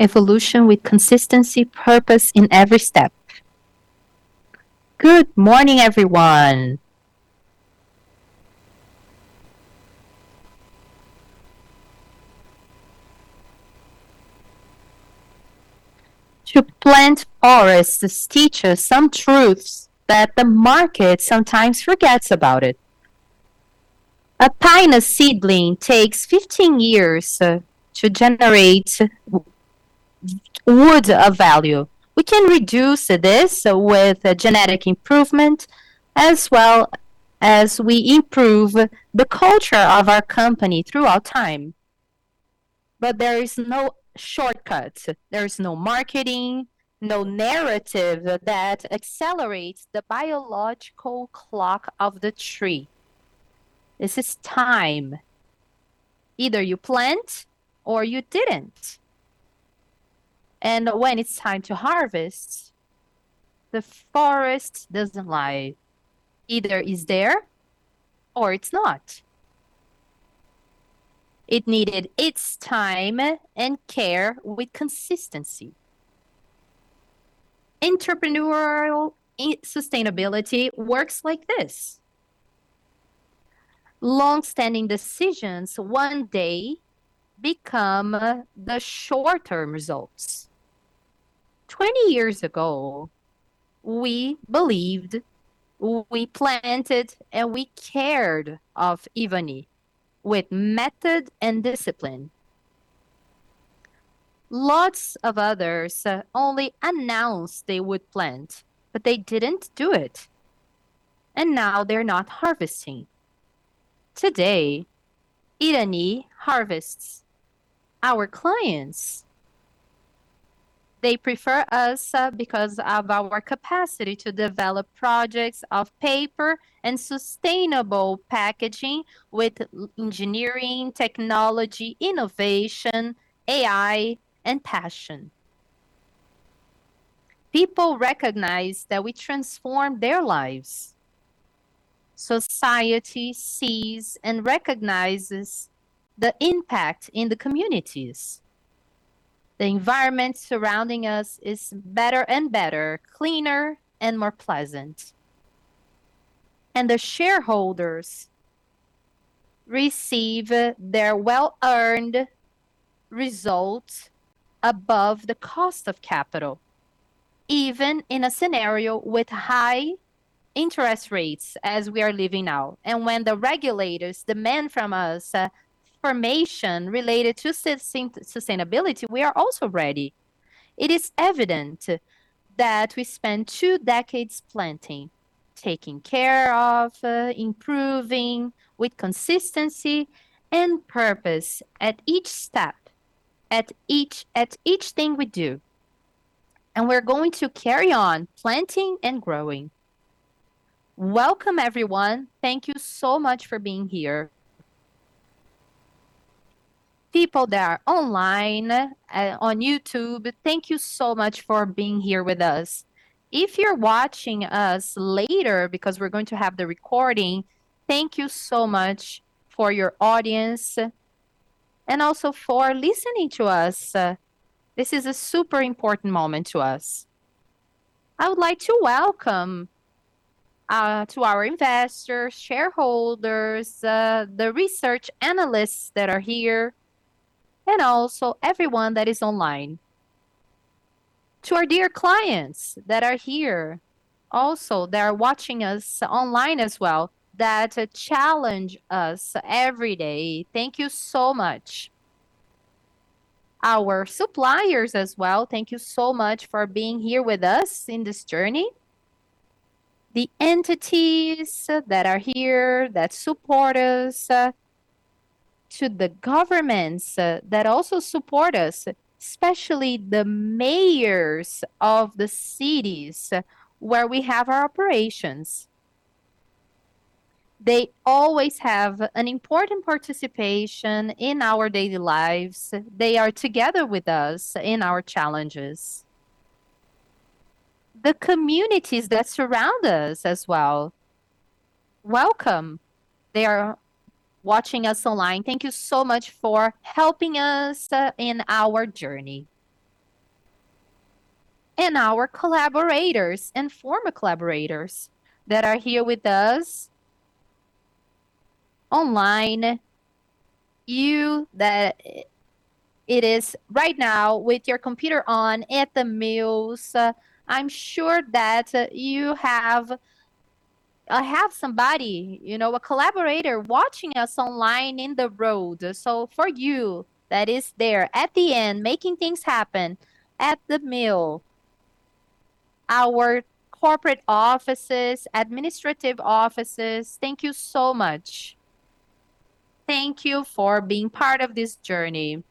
Evolution with consistency, purpose in every step. Good morning, everyone. To plant forests teaches some truths that the market sometimes forgets about it. A pine seedling takes 15 years to generate wood of value. We can reduce this with genetic improvement as well as we improve the culture of our company throughout time, but there is no shortcut. There is no marketing, no narrative that accelerates the biological clock of the tree. This is time. Either you plant or you didn't. When it's time to harvest, the forest doesn't lie. Either it's there or it's not. It needed its time and care with consistency. Entrepreneurial sustainability works like this. Long-standing decisions one day become the short-term results. 20 years ago, we believed, we planted, and we cared of Irani with method and discipline. Lots of others only announced they would plant, they didn't do it, now they're not harvesting. Today, Irani harvests. Our clients, they prefer us because of our capacity to develop projects of paper and sustainable packaging with engineering, technology, innovation, AI, and passion. People recognize that we transform their lives. Society sees and recognizes the impact in the communities. The environment surrounding us is better and better, cleaner and more pleasant. The shareholders receive their well-earned results above the cost of capital, even in a scenario with high interest rates as we are living now. When the regulators demand from us information related to sustainability, we are also ready. It is evident that we spent two decades planting, taking care of, improving with consistency and purpose at each step, at each thing we do, and we're going to carry on planting and growing. Welcome, everyone. Thank you so much for being here. People that are online on YouTube, thank you so much for being here with us. If you're watching us later, because we're going to have the recording, thank you so much for your audience and also for listening to us. This is a super important moment to us. I would like to welcome to our investors, shareholders, the research analysts that are here, and also everyone that is online. To our dear clients that are here also, that are watching us online as well, that challenge us every day, thank you so much. Our suppliers as well, thank you so much for being here with us on this journey. The entities that are here that support us, to the governments that also support us, especially the mayors of the cities where we have our operations. They always have an important participation in our daily lives. They are together with us in our challenges. The communities that surround us as well, welcome. They are watching us online. Thank you so much for helping us on our journey. Our collaborators and former collaborators that are here with us online, you that it is right now with your computer on at the mills. I'm sure that you have somebody, a collaborator watching us online in the road. For you that is there at the end, making things happen at the mill, our corporate offices, administrative offices, thank you so much. Thank you for being part of this journey.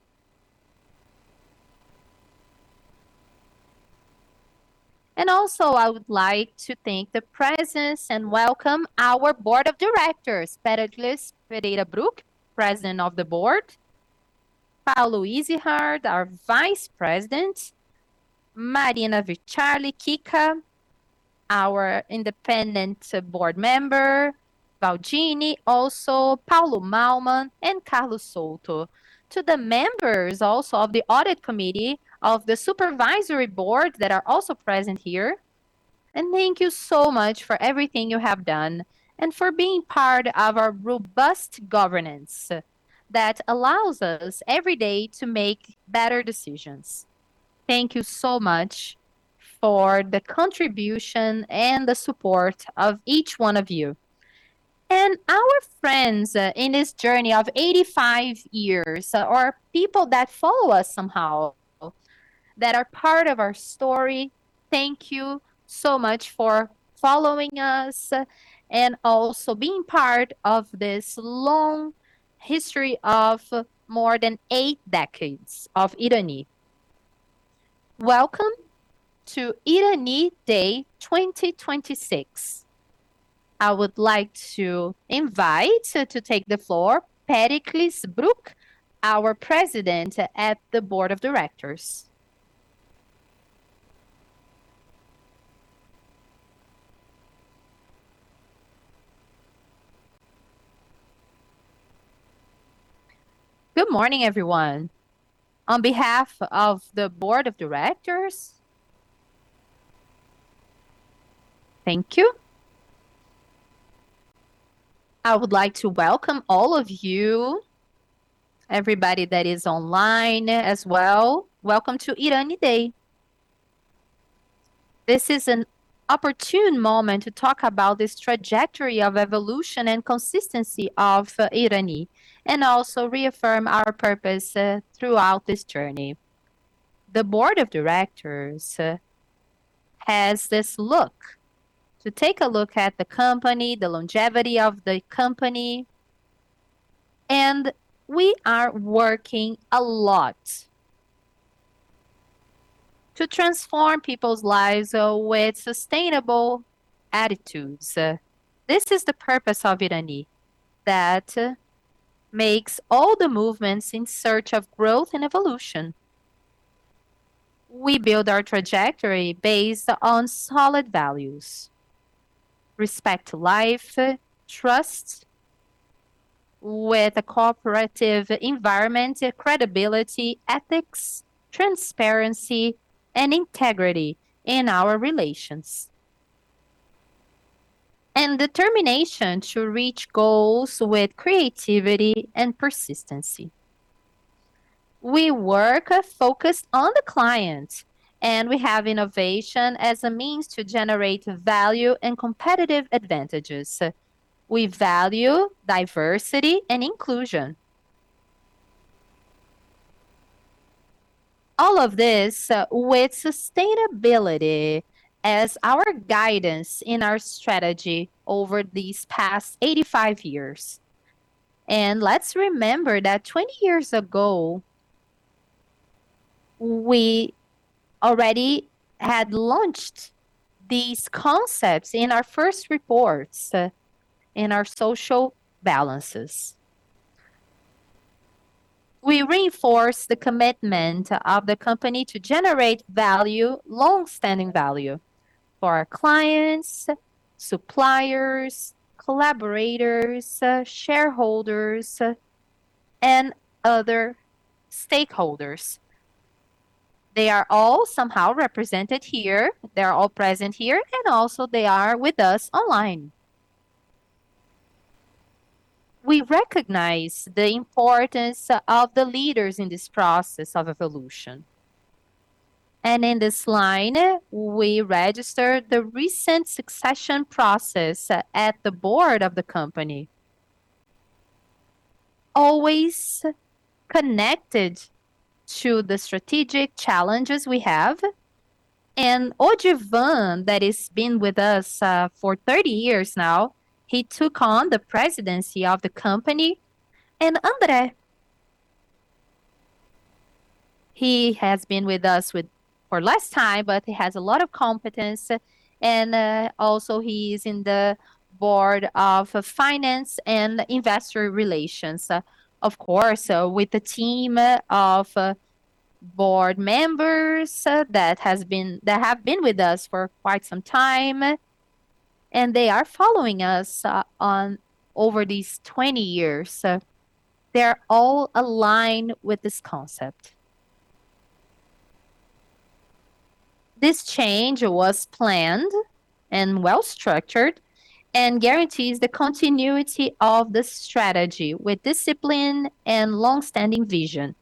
Also, I would like to thank the presence and welcome our board of directors, Péricles Pereira Druck, president of the board, Paulo Iserhard, our vice president, Maria Ricciardi Kika, our independent board member, Faldini also Paulo Mallmann, and Carlos Souto. To the members also of the audit committee of the supervisory board that are also present here. Thank you so much for everything you have done and for being part of our robust governance that allows us, every day, to make better decisions. Thank you so much for the contribution and the support of each one of you. Our friends in this journey of 85 years, or people that follow us somehow, that are part of our story, thank you so much for following us and also being part of this long history of more than eight decades of Irani. Welcome to Irani Day 2026. I would like to invite to take the floor, Péricles Druck, our president at the board of directors. Good morning, everyone. On behalf of the board of directors, thank you. I would like to welcome all of you, everybody that is online as well. Welcome to Irani Day. This is an opportune moment to talk about this trajectory of evolution and consistency of Irani, also reaffirm our purpose throughout this journey. The board of directors has this look, to take a look at the company, the longevity of the company. We are working a lot to transform people's lives with sustainable attitudes. This is the purpose of Irani, that makes all the movements in search of growth and evolution. We build our trajectory based on solid values. Respect life, trust with a cooperative environment, credibility, ethics, transparency, and integrity in our relations. Determination to reach goals with creativity and persistency. We work focused on the client. We have innovation as a means to generate value and competitive advantages. We value diversity and inclusion. All of this with sustainability as our guidance in our strategy over these past 85 years. Let's remember that 20 years ago, we already had launched these concepts in our first reports in our social balances. We reinforce the commitment of the company to generate value, longstanding value for our clients, suppliers, collaborators, shareholders, and other stakeholders. They are all somehow represented here. They are all present here, also they are with us online. We recognize the importance of the leaders in this process of evolution. In this line, we register the recent succession process at the board of the company, always connected to the strategic challenges we have. Odivan, that has been with us for 30 years now, he took on the presidency of the company. André, he has been with us for less time, but he has a lot of competence and also he is in the Board of Finance and Investor Relations. Of course, with the team of board members that have been with us for quite some time. They are following us over these 20 years. They all align with this concept. This change was planned and well-structured and guarantees the continuity of the strategy with discipline and longstanding vision.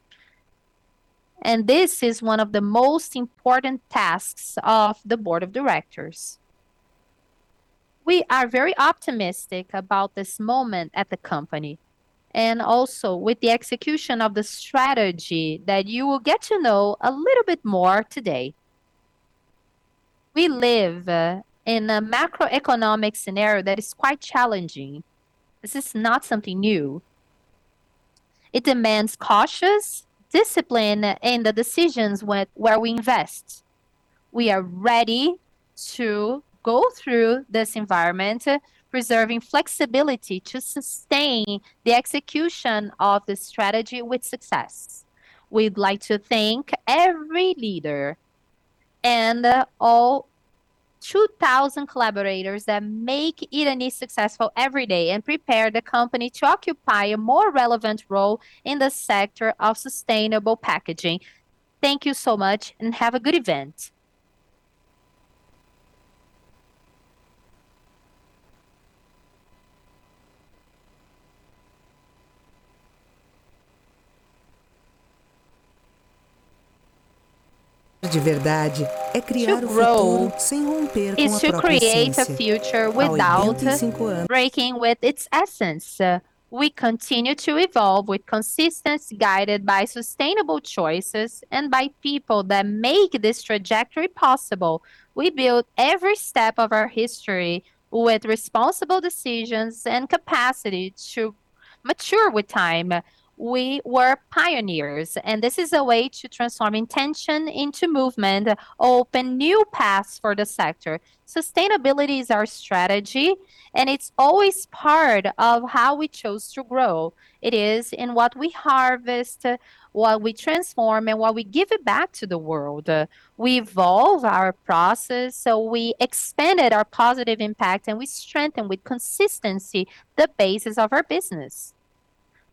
This is one of the most important tasks of the board of directors. We are very optimistic about this moment at the company, also with the execution of the strategy that you will get to know a little bit more today. We live in a macroeconomic scenario that is quite challenging. This is not something new. It demands cautious discipline in the decisions where we invest. We are ready to go through this environment, preserving flexibility to sustain the execution of the strategy with success. We'd like to thank every leader and all 2,000 collaborators that make Irani successful every day and prepare the company to occupy a more relevant role in the sector of sustainable packaging. Thank you so much and have a good event. To grow is to create a future without breaking with its essence. We continue to evolve with consistency, guided by sustainable choices and by people that make this trajectory possible. We build every step of our history with responsible decisions and capacity to mature with time. This is a way to transform intention into movement, open new paths for the sector. Sustainability is our strategy, it's always part of how we chose to grow. It is in what we harvest, what we transform, and what we give it back to the world. We evolve our process, we expanded our positive impact, and we strengthen, with consistency, the basis of our business.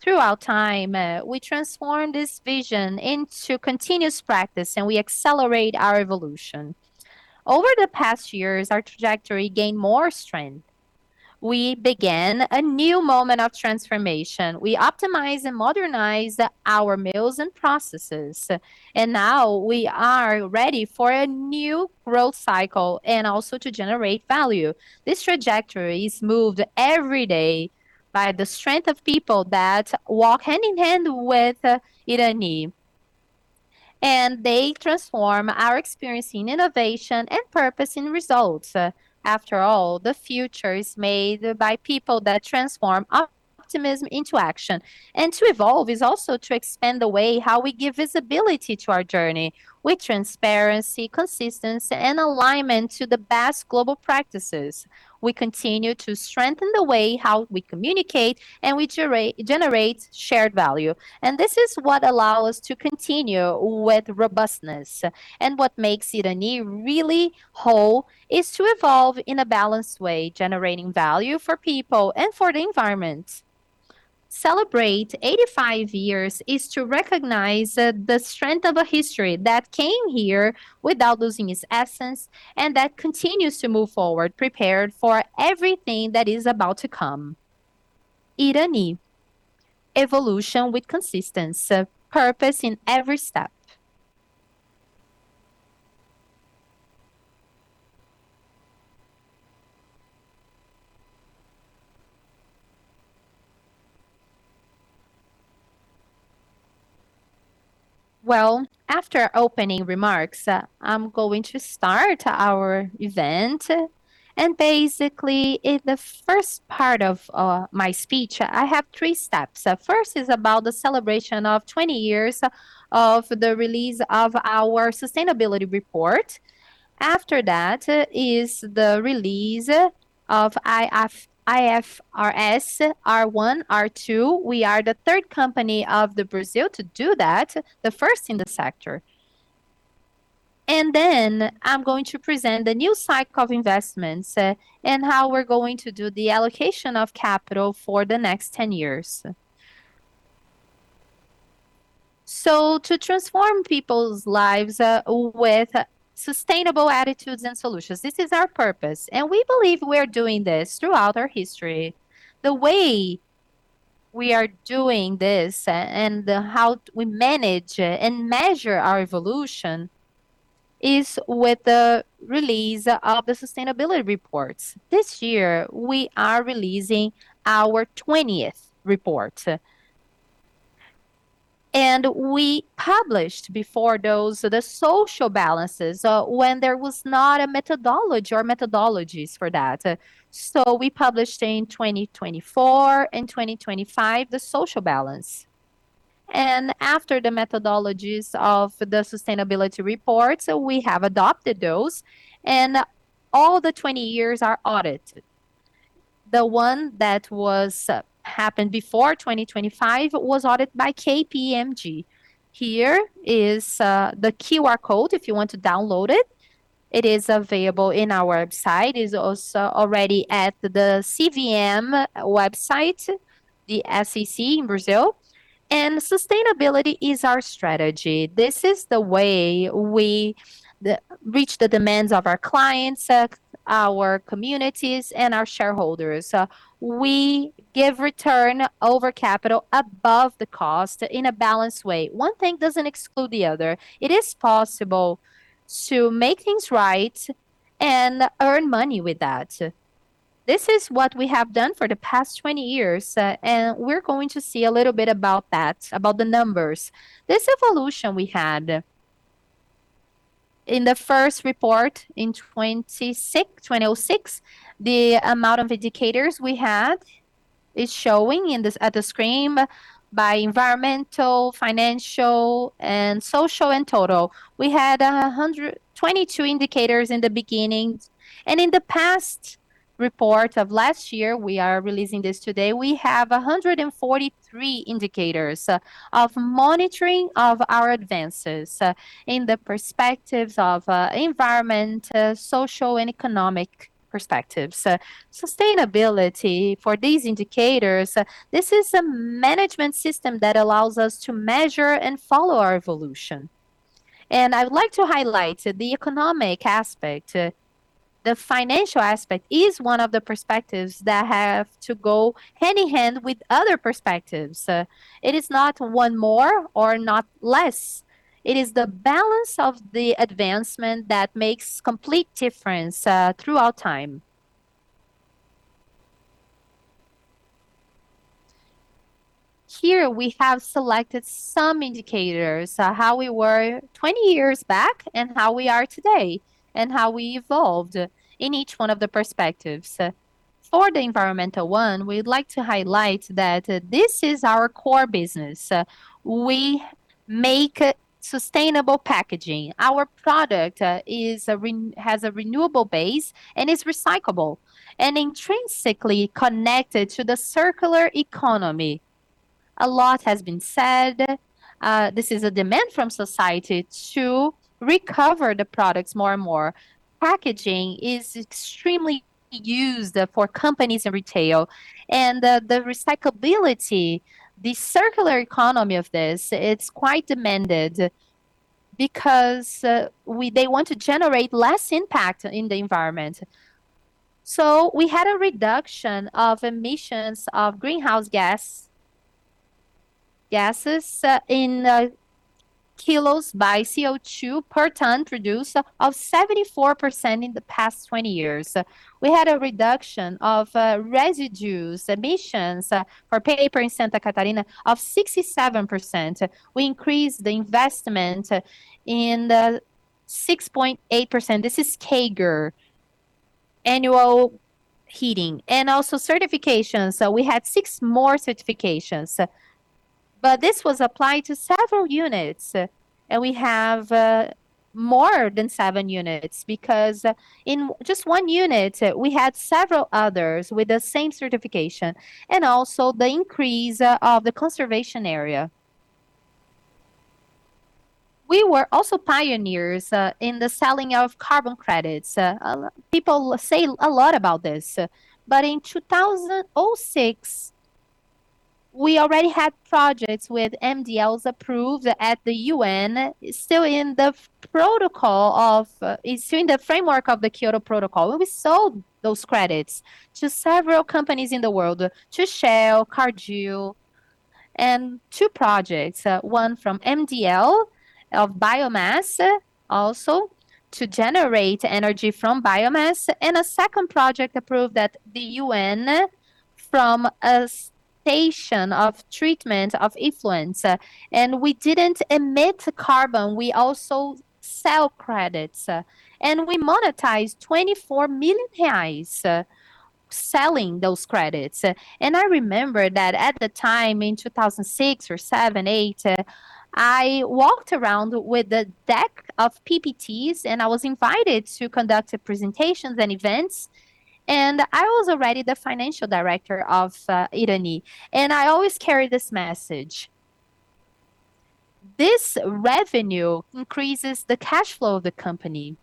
Throughout time, we transform this vision into continuous practice, and we accelerate our evolution. Over the past years, our trajectory gained more strength. We began a new moment of transformation. We optimized and modernized our mills and processes. Now we are ready for a new growth cycle, and also to generate value. This trajectory is moved every day by the strength of people that walk hand-in-hand with Irani. They transform our experience in innovation and purpose in results. After all, the future is made by people that transform optimism into action. To evolve is also to expand the way how we give visibility to our journey, with transparency, consistency, and alignment to the best global practices. We continue to strengthen the way how we communicate and we generate shared value, and this is what allow us to continue with robustness. What makes Irani really whole is to evolve in a balanced way, generating value for people and for the environment. Celebrate 85 years is to recognize the strength of a history that came here without losing its essence, and that continues to move forward, prepared for everything that is about to come. Irani, evolution with consistency, purpose in every step. Well, after opening remarks, I'm going to start our event. Basically, in the first part of my speech, I have three steps. First is about the celebration of 20 years of the release of our sustainability report. After that is the release of IFRS S1, S2. We are the third company of the Brazil to do that, the first in the sector. I'm going to present the new cycle of investments and how we're going to do the allocation of capital for the next 10 years. To transform people's lives with sustainable attitudes and solutions, this is our purpose, and we believe we are doing this throughout our history. The way we are doing this and how we manage and measure our evolution is with the release of the sustainability reports. This year, we are releasing our 20th report. We published before those, the social balances, when there was not a methodology or methodologies for that. We published in 2024 and 2025, the social balance. After the methodologies of the sustainability reports, we have adopted those, and all the 20 years are audited. The one that happened before 2025 was audited by KPMG. Here is the QR code if you want to download it. It is available in our website. It is also already at the CVM website, the SEC in Brazil. Sustainability is our strategy. This is the way we reach the demands of our clients, our communities, and our shareholders. We give return over capital above the cost in a balanced way. One thing doesn't exclude the other. It is possible to make things right and earn money with that. This is what we have done for the past 20 years. We are going to see a little bit about that, about the numbers. This evolution we had. In the first report in 2006, the amount of indicators we had is showing at the screen by environmental, financial, and social, and total. We had 122 indicators in the beginning. In the past report of last year, we are releasing this today, we have 143 indicators of monitoring of our advances in the perspectives of environment, social, and economic perspectives. Sustainability for these indicators, this is a management system that allows us to measure and follow our evolution. I would like to highlight the economic aspect. The financial aspect is one of the perspectives that have to go hand-in-hand with other perspectives. It is not one more or not less. It is the balance of the advancement that makes complete difference throughout time. Here we have selected some indicators how we were 20 years back and how we are today, and how we evolved in each one of the perspectives. For the environmental one, we would like to highlight that this is our core business. We make sustainable packaging. Our product has a renewable base and is recyclable and intrinsically connected to the circular economy. A lot has been said. This is a demand from society to recover the products more and more. Packaging is extremely used for companies and retail, and the recyclability, the circular economy of this, it is quite demanded because they want to generate less impact in the environment. We had a reduction of emissions of greenhouse gases in kilos by CO2 per ton produced of 74% in the past 20 years. We had a reduction of residues emissions for paper in Santa Catarina of 67%. We increased the investment in 6.8%. This is CAGR annual heating. Also certifications, so we had six more certifications. But this was applied to several units, and we have more than seven units because in just one unit, we had several others with the same certification, and also the increase of the conservation area. We were also pioneers in the selling of carbon credits. People say a lot about this, but in 2006, we already had projects with MDLs approved at the UN, still in the framework of the Kyoto Protocol. We sold those credits to several companies in the world, to Shell, Cargill. Two projects, one from MDL, of biomass, also to generate energy from biomass. A second project approved at the UN from a station of treatment of effluents. We didn't emit carbon, we also sell credits. We monetized 24 million reais selling those credits. I remember that at the time, in 2006 or 2007, 2008, I walked around with a deck of PPTs, and I was invited to conduct presentations and events. I was already the financial director of Irani, and I always carry this message. This revenue increases the cash flow of the company,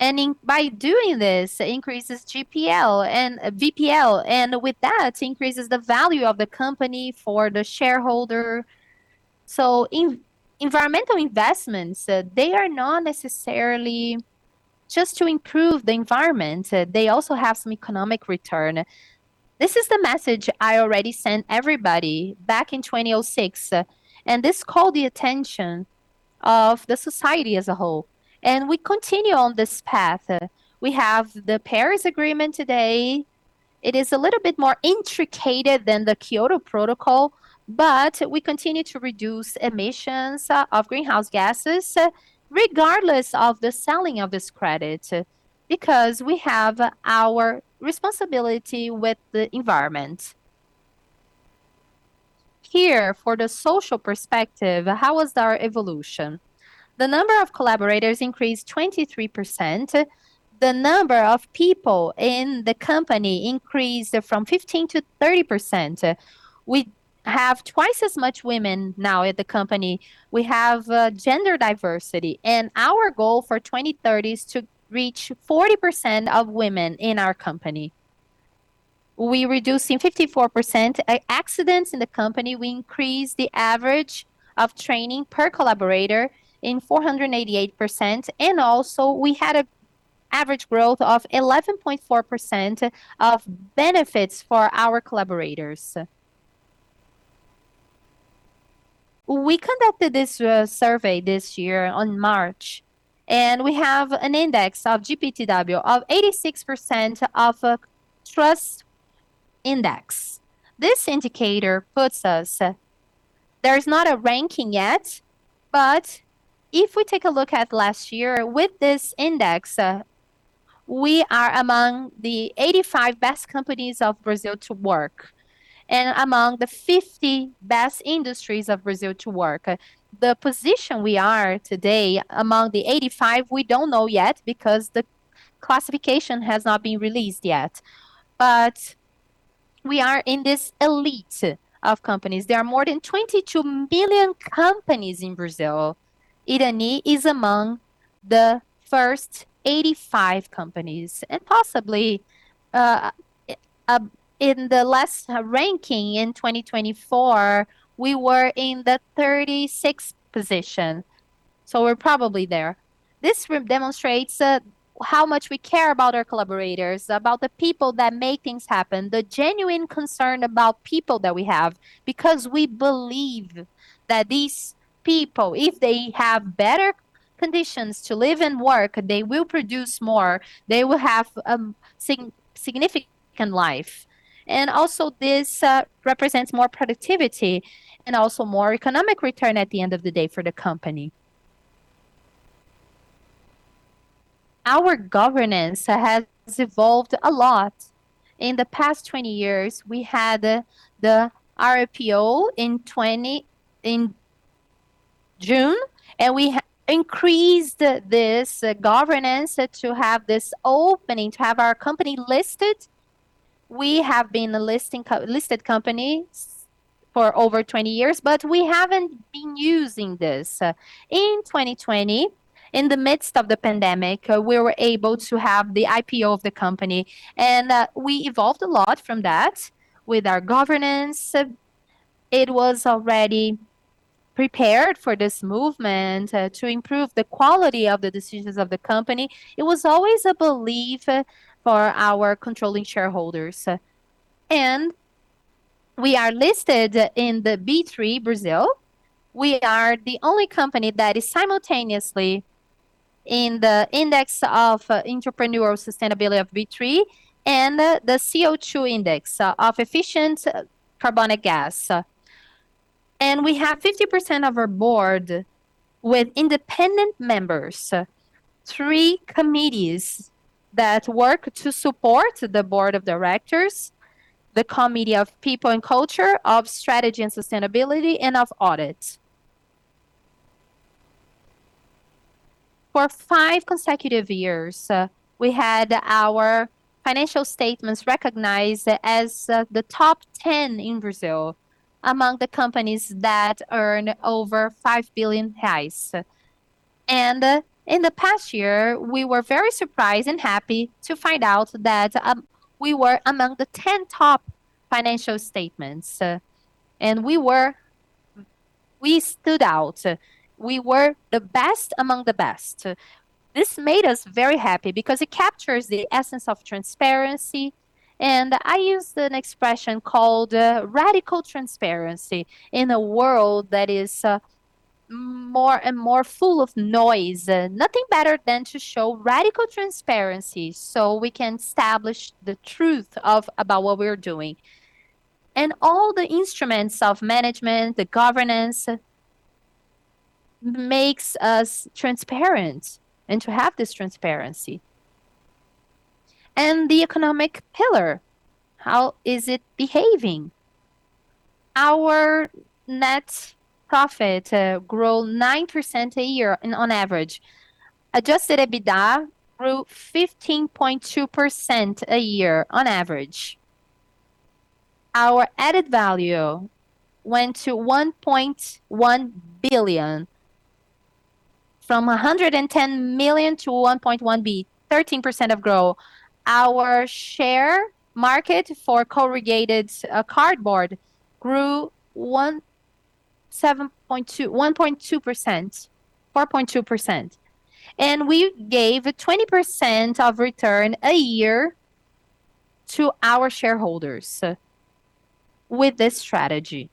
and by doing this, increases GPL and VPL, and with that, increases the value of the company for the shareholder. Environmental investments, they are not necessarily just to improve the environment. They also have some economic return. This is the message I already sent everybody back in 2006, and this called the attention of the society as a whole. We continue on this path. We have the Paris Agreement today. It is a little bit more intricate than the Kyoto Protocol, we continue to reduce emissions of greenhouse gases, regardless of the selling of this credit, because we have our responsibility with the environment. Here, for the social perspective, how was our evolution? The number of collaborators increased 23%. The number of people in the company increased from 15%-30%. We have twice as much women now at the company. We have gender diversity, and our goal for 2030 is to reach 40% of women in our company. We're reducing 54% accidents in the company. We increased the average of training per collaborator in 488%, and also we had an average growth of 11.4% of benefits for our collaborators. We conducted this survey this year in March, and we have an index of GPTW of 86% of trust index. This indicator puts us, there's not a ranking yet, if we take a look at last year with this index, we are among the 85 best companies of Brazil to work and among the 50 best industries of Brazil to work. The position we are today among the 85, we don't know yet because the classification has not been released yet. We are in this elite of companies. There are more than 22 million companies in Brazil. Irani is among the first 85 companies, and possibly, in the last ranking in 2024, we were in the 36th position. We're probably there. This demonstrates how much we care about our collaborators, about the people that make things happen, the genuine concern about people that we have, because we believe that these people, if they have better conditions to live and work, they will produce more, they will have a significant life. Also, this represents more productivity and also more economic return at the end of the day for the company. Our governance has evolved a lot. In the past 20 years, we had the re-IPO in June, we increased this governance to have this opening to have our company listed. We have been a listed company for over 20 years, we haven't been using this. In 2020, in the midst of the pandemic, we were able to have the IPO of the company, we evolved a lot from that with our governance. It was already prepared for this movement to improve the quality of the decisions of the company. It was always a belief for our controlling shareholders. We are listed in the B3 Brazil. We are the only company that is simultaneously in the Index of Entrepreneurial Sustainability of B3 and the CO2 Index of Efficient Carbonic Gas. We have 50% of our board with independent members, three committees that work to support the board of directors, the committee of people and culture, of strategy and sustainability, and of audit. For five consecutive years, we had our financial statements recognized as the top 10 in Brazil among the companies that earn over 5 billion reais. In the past year, we were very surprised and happy to find out that we were among the 10 top financial statements. We stood out. We were the best among the best. This made us very happy because it captures the essence of transparency, I use an expression called radical transparency in a world that is more and more full of noise. Nothing better than to show radical transparency so we can establish the truth about what we're doing. All the instruments of management, the governance, makes us transparent, and to have this transparency. The economic pillar, how is it behaving? Our net profit grew 9% a year on average. Adjusted EBITDA grew 15.2% a year on average. Our added value went to 1.1 billion, from 110 million to 1.1 billion, 13% of growth. Our share market for corrugated cardboard grew 4.2%. We gave 20% of return a year to our shareholders with this strategy.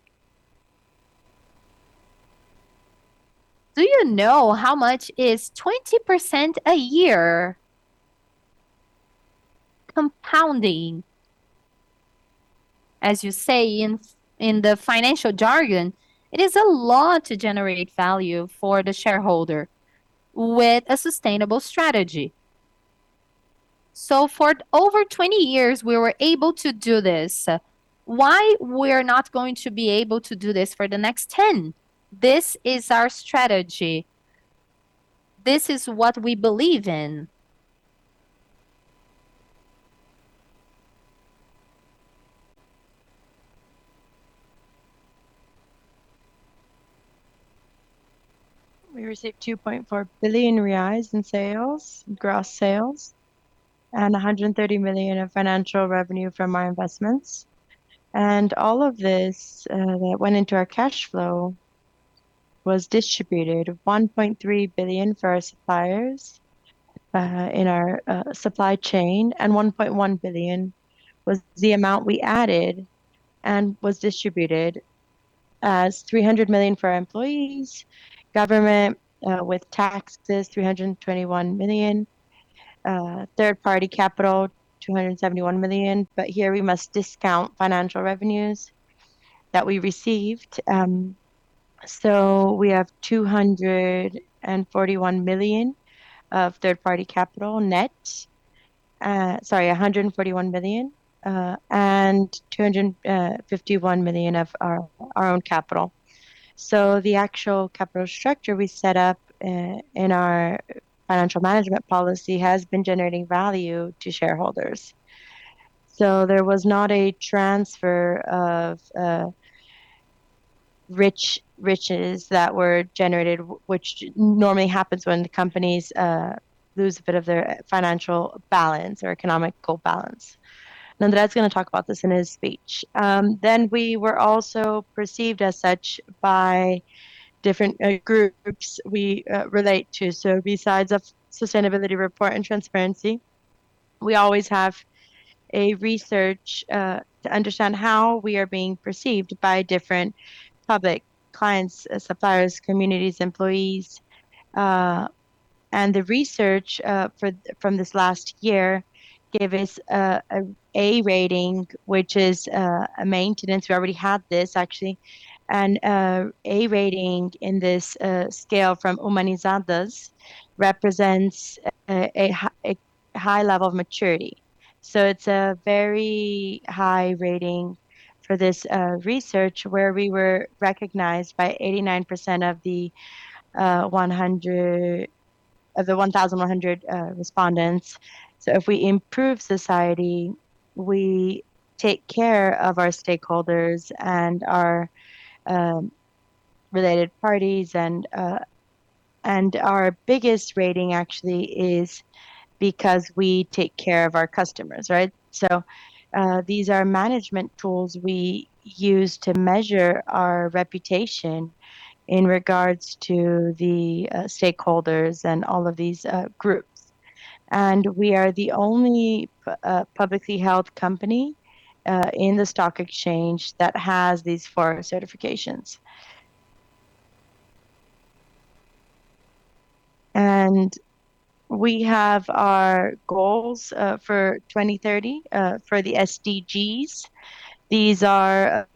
Do you know how much is 20% a year compounding, as you say in the financial jargon? It is a lot to generate value for the shareholder with a sustainable strategy. For over 20 years, we were able to do this. Why we're not going to be able to do this for the next 10? This is our strategy. This is what we believe in. We received 2.4 billion reais in sales, gross sales, and 130 million of financial revenue from our investments. All of this that went into our cash flow was distributed, 1.3 billion for our suppliers in our supply chain, and 1.1 billion was the amount we added and was distributed as 300 million for our employees, government with taxes, 321 million, third-party capital, 271 million, but here we must discount financial revenues that we received. So we have 241 million of third-party capital net. Sorry, 141 million, and 251 million of our own capital. So the actual capital structure we set up in our financial management policy has been generating value to shareholders. So there was not a transfer of riches that were generated, which normally happens when the companies lose a bit of their financial balance or economical balance. André is going to talk about this in his speech. We were also perceived as such by different groups we relate to. Besides a sustainability report and transparency, we always have a research to understand how we are being perceived by different public clients, suppliers, communities, employees. The research from this last year gave us an A rating, which is a maintenance. We already had this, actually. An A rating in this scale from Humanizadas represents a high level of maturity. It's a very high rating for this research, where we were recognized by 89% of the 1,100 respondents. If we improve society, we take care of our stakeholders and our related parties. Our biggest rating actually is because we take care of our customers, right? These are management tools we use to measure our reputation in regards to the stakeholders and all of these groups. We are the only publicly-held company in the stock exchange that has these four certifications. We have our goals for 2030 for the SDGs. These are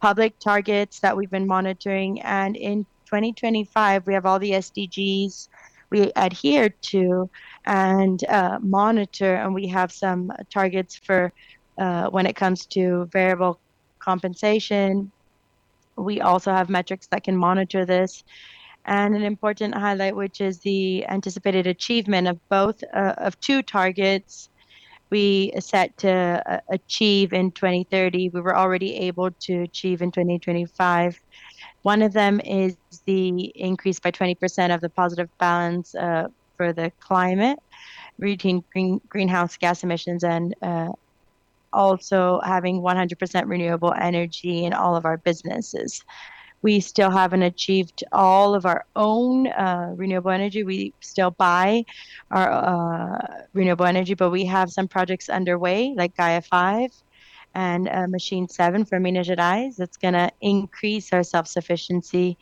public targets that we've been monitoring, and in 2025, we have all the SDGs we adhere to and monitor, and we have some targets for when it comes to variable compensation. We also have metrics that can monitor this. An important highlight, which is the anticipated achievement of two targets we set to achieve in 2030, we were already able to achieve in 2025. One of them is the increase by 20% of the positive balance for the climate, reducing greenhouse gas emissions, and also having 100% renewable energy in all of our businesses. We still haven't achieved all of our own renewable energy. We still buy our renewable energy, but we have some projects underway, like Gaia V and Machine 7 for Minas Gerais, that's going to increase our self-sufficiency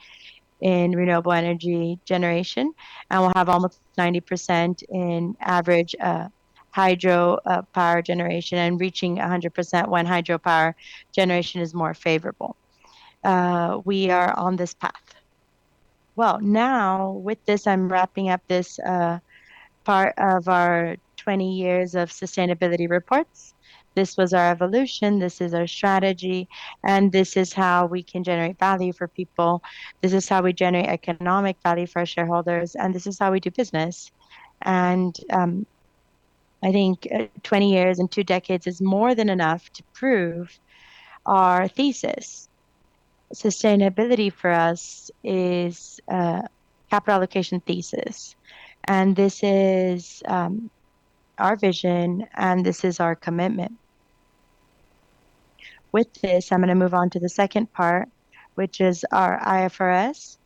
in renewable energy generation, and we'll have almost 90% in average hydro power generation and reaching 100% when hydro power generation is more favorable. We are on this path. Now with this, I'm wrapping up this part of our 20 years of sustainability reports. This was our evolution, this is our strategy, and this is how we can generate value for people. This is how we generate economic value for our shareholders, and this is how we do business. I think 20 years and two decades is more than enough to prove our thesis. Sustainability for us is a capital allocation thesis, this is our vision, this is our commitment. With this, I'm going to move on to the second part, which is our IFRS.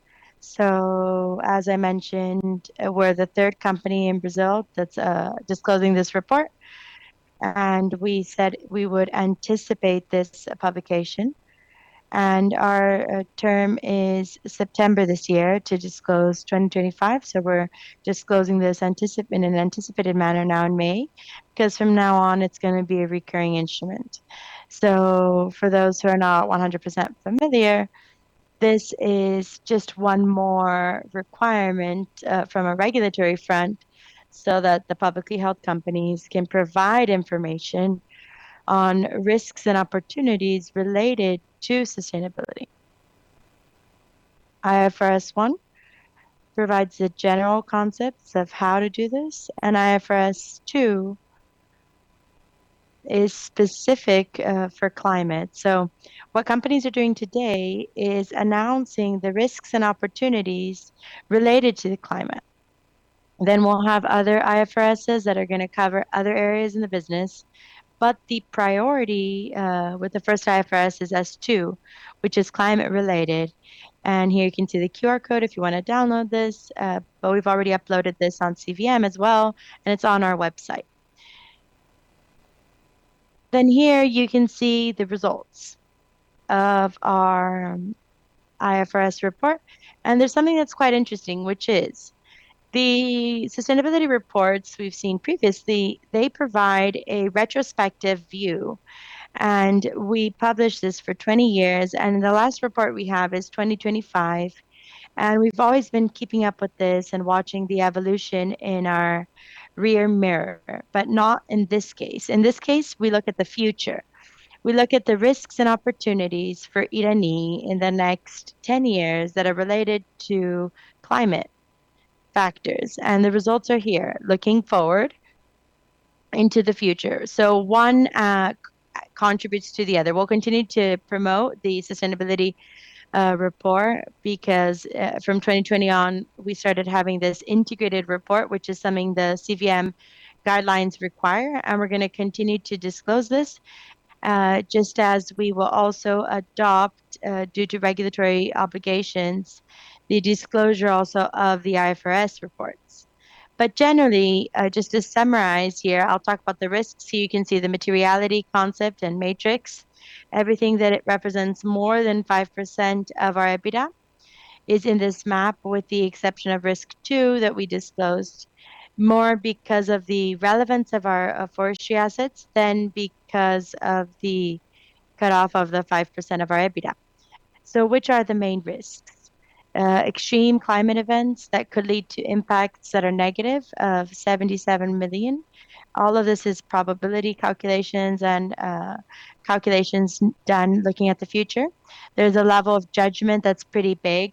As I mentioned, we're the third company in Brazil that's disclosing this report, we said we would anticipate this publication, our term is September this year to disclose 2025. We're disclosing this in an anticipated manner now in May, because from now on, it's going to be a recurring instrument. For those who are not 100% familiar, this is just one more requirement from a regulatory front so that the publicly-held companies can provide information on risks and opportunities related to sustainability. IFRS S1 provides the general concepts of how to do this, IFRS S2 is specific for climate. What companies are doing today is announcing the risks and opportunities related to the climate. We'll have other IFRSs that are going to cover other areas in the business. The priority with the first IFRS is IFRS S2, which is climate-related. Here you can see the QR code if you want to download this. We've already uploaded this on CVM as well, and it's on our website. Here you can see the results of our IFRS report, and there's something that's quite interesting, which is the sustainability reports we've seen previously, they provide a retrospective view, and we published this for 20 years, and the last report we have is 2025. We've always been keeping up with this and watching the evolution in our rear mirror, not in this case. In this case, we look at the future. We look at the risks and opportunities for Irani in the next 10 years that are related to climate factors, the results are here. Looking forward into the future. One contributes to the other. We'll continue to promote the sustainability report because from 2020 on, we started having this integrated report, which is something the CVM guidelines require, and we're going to continue to disclose this, just as we will also adopt, due to regulatory obligations, the disclosure also of the IFRS reports. Generally, just to summarize here, I'll talk about the risks, you can see the materiality concept and matrix. Everything that it represents more than 5% of our EBITDA is in this map, with the exception of risk 2 that we disclosed more because of the relevance of our forestry assets than because of the cutoff of the 5% of our EBITDA. Which are the main risks? Extreme climate events that could lead to impacts that are negative of 77 million. All of this is probability calculations and calculations done looking at the future. There's a level of judgment that's pretty big.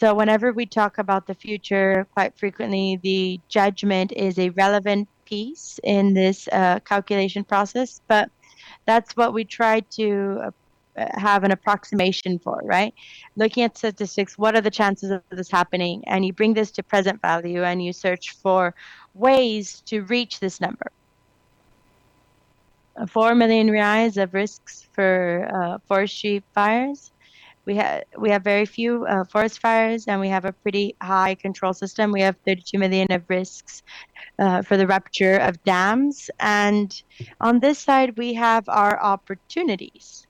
Whenever we talk about the future, quite frequently the judgment is a relevant piece in this calculation process, that's what we try to have an approximation for, right? Looking at statistics, what are the chances of this happening? You bring this to present value, you search for ways to reach this number. 4 million reais of risks for forestry fires. We have very few forest fires, we have a pretty high control system. We have 32 million of risks for the rupture of dams. On this side, we have our opportunities.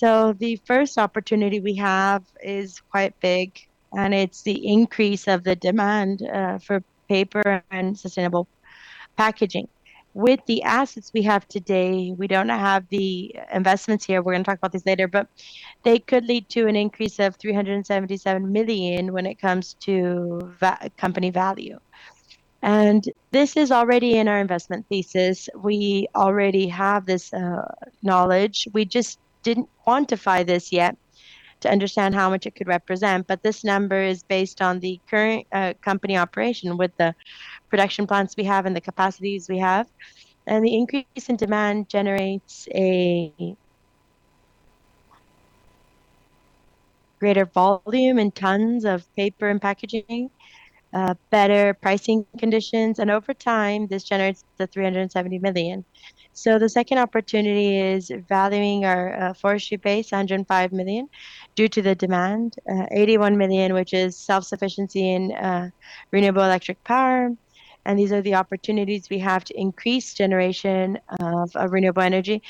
The first opportunity we have is quite big, it's the increase of the demand for paper and sustainable packaging. With the assets we have today, we don't have the investments here, we're going to talk about this later, they could lead to an increase of 377 million when it comes to company value. This is already in our investment thesis. We already have this knowledge. We just didn't quantify this yet to understand how much it could represent, this number is based on the current company operation with the production plants we have and the capacities we have. The increase in demand generates a greater volume in tons of paper and packaging, better pricing conditions, and over time, this generates the 370 million. The second opportunity is valuing our forestry base, 105 million, due to the demand. 81 million, which is self-sufficiency in renewable electric power, and these are the opportunities we have to increase generation of renewable energy.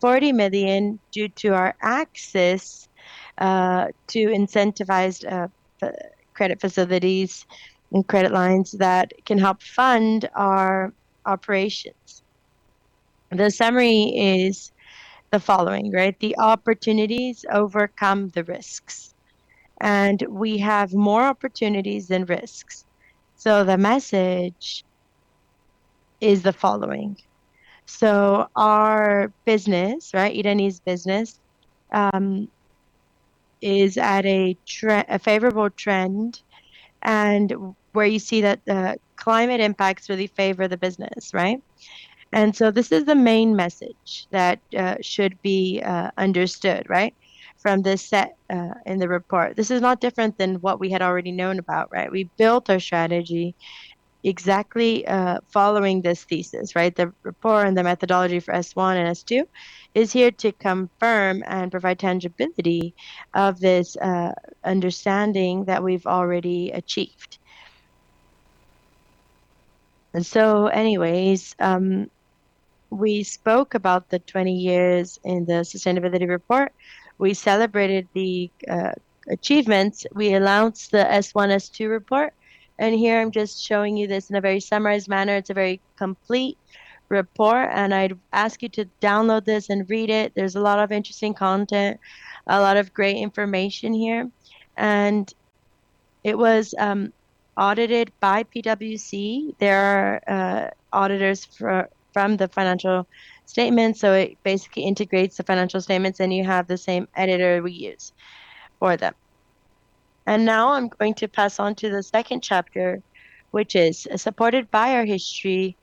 40 million due to our access to incentivized credit facilities and credit lines that can help fund our operations. The summary is the following, right? The opportunities overcome the risks, and we have more opportunities than risks. The message is the following. Our business, right, Irani's business, is at a favorable trend and where you see that the climate impacts really favor the business, right? This is the main message that should be understood, right, from this set in the report. This is not different than what we had already known about, right? We built our strategy exactly following this thesis, right? The report and the methodology for S1 and S2 is here to confirm and provide tangibility of this understanding that we've already achieved. Anyways, we spoke about the 20 years in the sustainability report. We celebrated the achievements. We announced the S1, S2 report, and here I'm just showing you this in a very summarized manner. It's a very complete report, and I'd ask you to download this and read it. There's a lot of interesting content, a lot of great information here. It was audited by PwC. They're our auditors from the financial statements, so it basically integrates the financial statements, and you have the same editor we use for them. Now I'm going to pass on to the second chapter, which is supported by our history,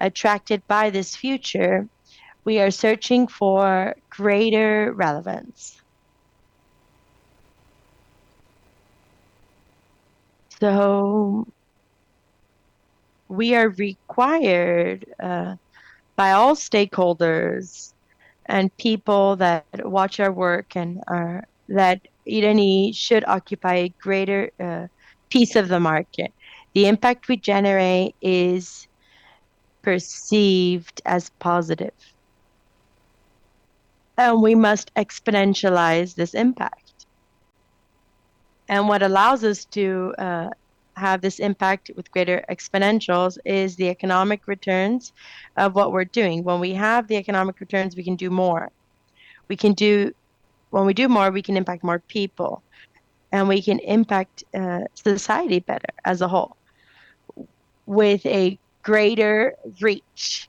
attracted by this future, we are searching for greater relevance. We are required by all stakeholders and people that watch our work and that Irani should occupy a greater piece of the market. The impact we generate is perceived as positive, and we must exponentialize this impact. What allows us to have this impact with greater exponentials is the economic returns of what we're doing. When we have the economic returns, we can do more. When we do more, we can impact more people, and we can impact society better as a whole with a greater reach.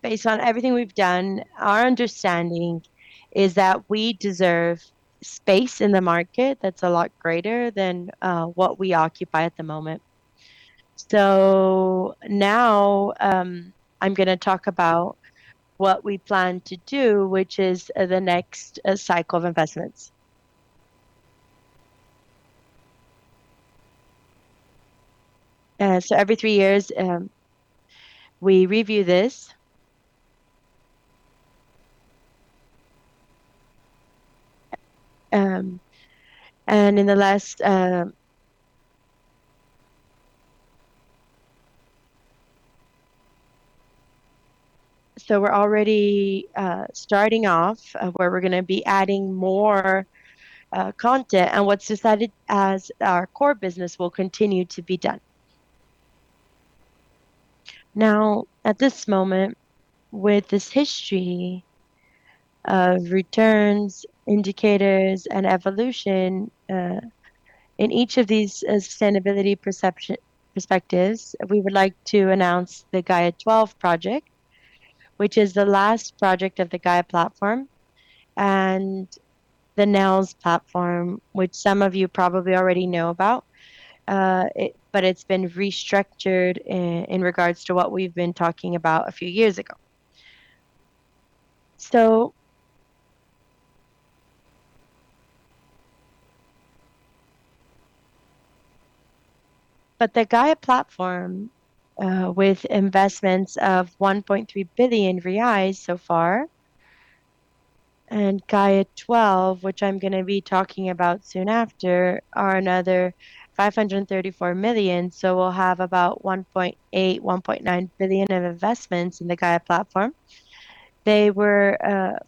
Based on everything we've done, our understanding is that we deserve space in the market that's a lot greater than what we occupy at the moment. Now, I'm going to talk about what we plan to do, which is the next cycle of investments. Every three years, we review this. We're already starting off where we're going to be adding more content and what's decided as our core business will continue to be done. Now, at this moment, with this history of returns, indicators, and evolution in each of these sustainability perspectives, we would like to announce the Gaia XII Project, which is the last project of the Gaia Platform, and the Neos Platform, which some of you probably already know about, but it's been restructured in regards to what we've been talking about a few years ago. The Gaia Platform, with investments of 1.3 billion reais so far, and Gaia XII, which I'm going to be talking about soon after, are another 534 million. We'll have about 1.8 billion-1.9 billion of investments in the Gaia Platform. They were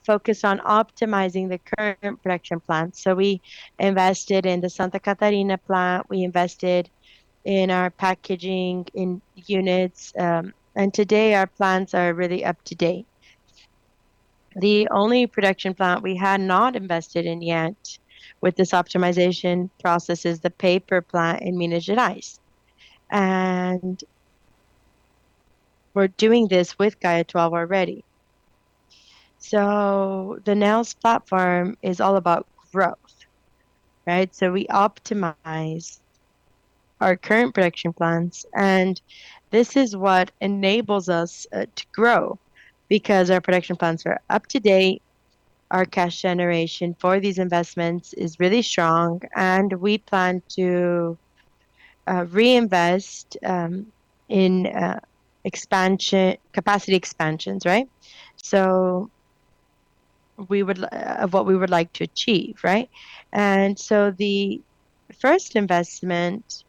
focused on optimizing the current production plants. We invested in the Santa Catarina plant, we invested in our packaging units, and today our plants are really up to date. The only production plant we had not invested in yet with this optimization process is the paper plant in Minas Gerais, and we're doing this with Gaia XII already. The Neos Platform is all about growth, right? We optimize our current production plants, and this is what enables us to grow, because our production plants are up to date, our cash generation for these investments is really strong, and we plan to reinvest in capacity expansions, right? Of what we would like to achieve, right? The first investment,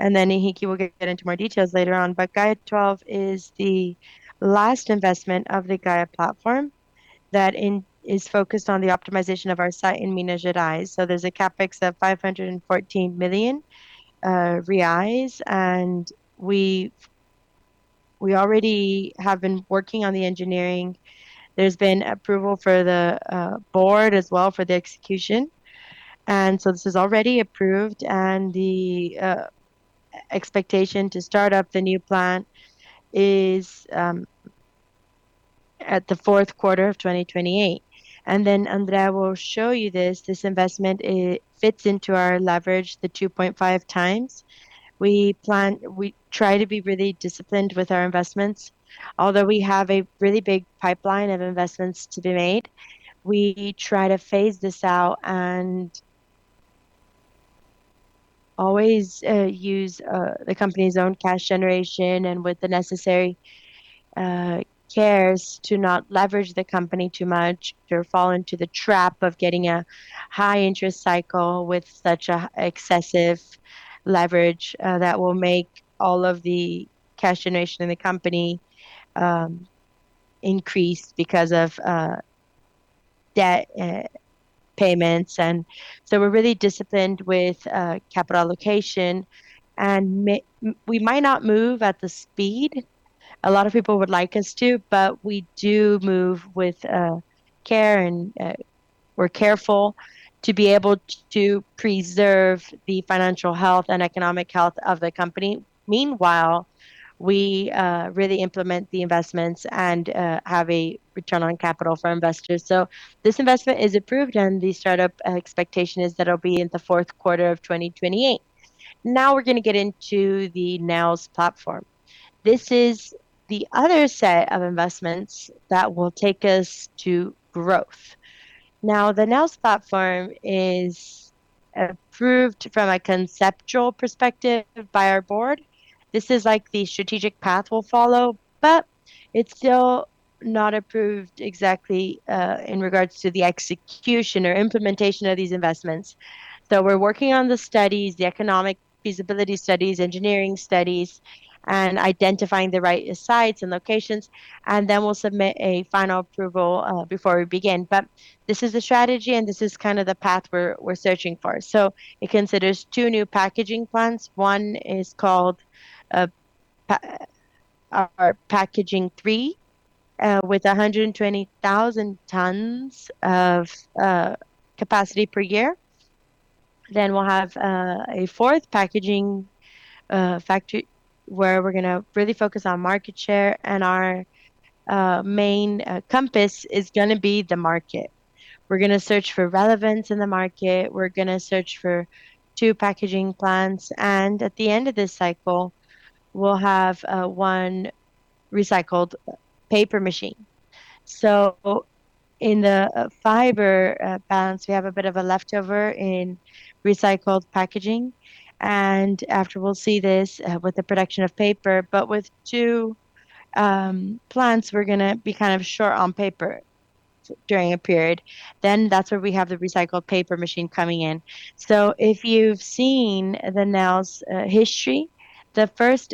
and then Henrique will get into more details later on, but Gaia XII is the last investment of the Gaia platform that is focused on the optimization of our site in Minas Gerais. There's a CapEx of 514 million reais, and we already have been working on the engineering. There's been approval for the board as well for the execution, and this is already approved, and the expectation to start up the new plant is at the fourth quarter of 2028. André will show you this. This investment fits into our leverage, the 2.5 times. We try to be really disciplined with our investments. Although we have a really big pipeline of investments to be made, we try to phase this out and always use the company's own cash generation and with the necessary cares to not leverage the company too much or fall into the trap of getting a high interest cycle with such an excessive leverage that will make all of the cash generation in the company increase because of debt payments. We're really disciplined with capital allocation. We might not move at the speed a lot of people would like us to, but we do move with care, and we're careful to be able to preserve the financial health and economic health of the company. Meanwhile, we really implement the investments and have a return on capital for investors. This investment is approved and the startup expectation is that it'll be in the fourth quarter of 2028. We're going to get into the Neos Platform. This is the other set of investments that will take us to growth. The Neos Platform is approved from a conceptual perspective by our board. This is the strategic path we'll follow, but it's still not approved exactly in regards to the execution or implementation of these investments. We're working on the studies, the economic feasibility studies, engineering studies, and identifying the right sites and locations, and we'll submit a final approval before we begin. This is the strategy, and this is kind of the path we're searching for. It considers two new packaging plants. One is called our Packaging 3, with 120,000 tons of capacity per year. We'll have a fourth packaging factory where we're going to really focus on market share, and our main compass is going to be the market. We're going to search for relevance in the market, we're going to search for two packaging plants, and at the end of this cycle, we'll have one recycled paper machine. In the fiber balance, we have a bit of a leftover in recycled packaging. After we'll see this with the production of paper, with two plants, we're going to be kind of short on paper during a period. That's where we have the recycled paper machine coming in. If you've seen the Neos history, the first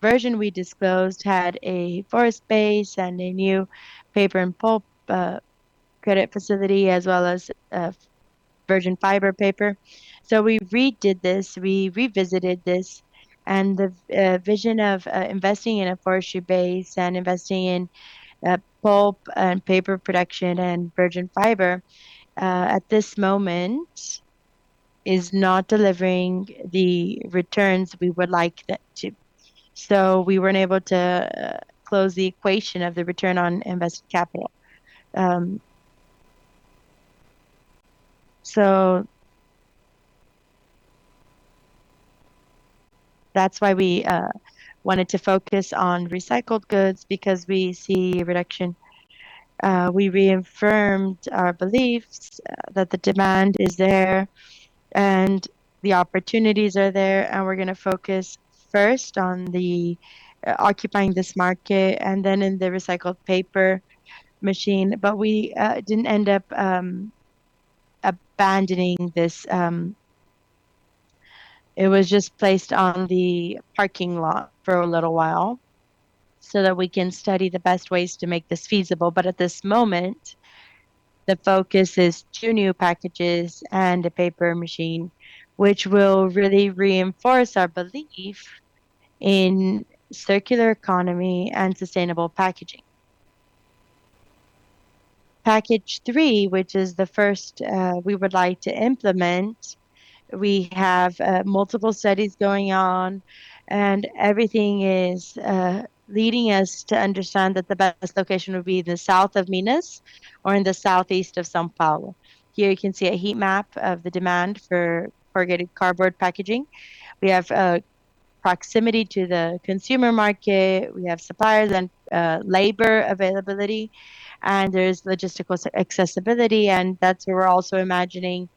version we disclosed had a forest base and a new paper and pulp credit facility, as well as virgin fiber paper. We redid this, we revisited this, and the vision of investing in a forestry base and investing in pulp and paper production and virgin fiber at this moment is not delivering the returns we would like that to. We weren't able to close the equation of the return on invested capital. That's why we wanted to focus on recycled goods because we see reduction. We reaffirmed our beliefs that the demand is there and the opportunities are there. We're going to focus first on the occupying this market and then in the recycled paper machine. We didn't end up abandoning this. It was just placed on the parking lot for a little while so that we can study the best ways to make this feasible. At this moment, the focus is two new packages and a paper machine, which will really reinforce our belief in circular economy and sustainable packaging. Packaging 3, which is the first we would like to implement, we have multiple studies going on and everything is leading us to understand that the best location would be the south of Minas or in the southeast of São Paulo. Here you can see a heat map of the demand for corrugated cardboard packaging. We have proximity to the consumer market, we have suppliers and labor availability. There's logistical accessibility, and that's where we're also imagining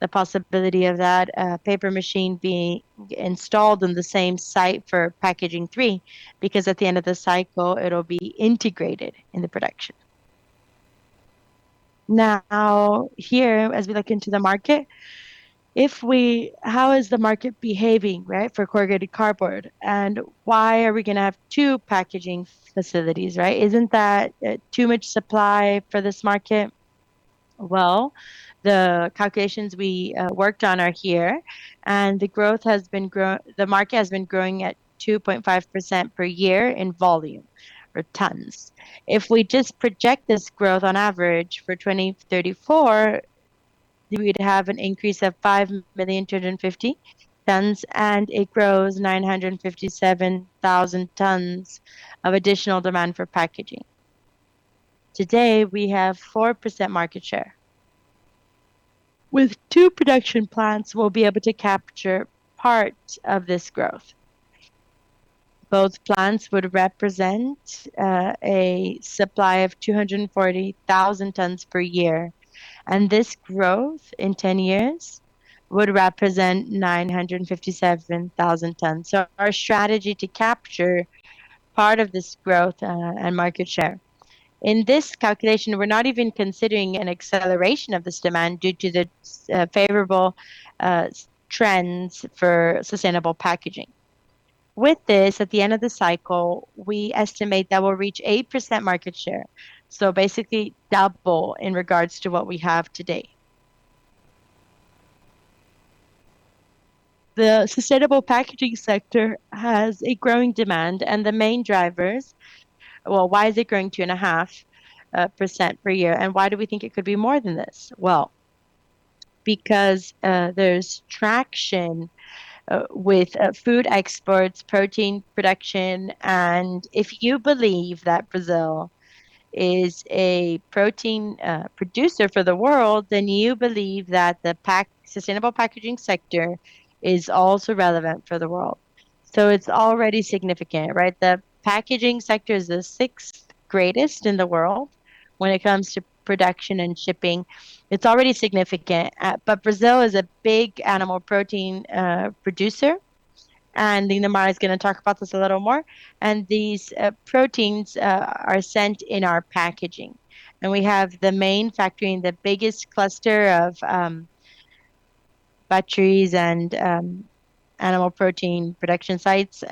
the possibility of that paper machine being installed on the same site for Packaging 3 because at the end of the cycle, it'll be integrated in the production. Here, as we look into the market, how is the market behaving for corrugated cardboard? Why are we going to have two packaging facilities, right? Isn't that too much supply for this market? The calculations we worked on are here, and the market has been growing at 2.5% per year in volume or tons. If we just project this growth on average for 2034, we'd have an increase of 5,000,250 tons, and it grows 957,000 tons of additional demand for packaging. Today, we have 4% market share. With two production plants, we'll be able to capture part of this growth. Both plants would represent a supply of 240,000 tons per year, and this growth in 10 years would represent 957,000 tons. Our strategy to capture part of this growth and market share. In this calculation, we're not even considering an acceleration of this demand due to the favorable trends for sustainable packaging. With this, at the end of the cycle, we estimate that we'll reach 8% market share, basically double in regards to what we have today. The sustainable packaging sector has a growing demand and the main drivers, why is it growing 2.5% per year, and why do we think it could be more than this? Because there's traction with food exports, protein production, and if you believe that Brazil is a protein producer for the world, then you believe that the sustainable packaging sector is also relevant for the world. It's already significant, right? The packaging sector is the sixth greatest in the world when it comes to production and shipping. It's already significant. Brazil is a big animal protein producer, and Lindomar is going to talk about this a little more. These proteins are sent in our packaging. We have the main factory in the biggest cluster of packers and animal protein production sites.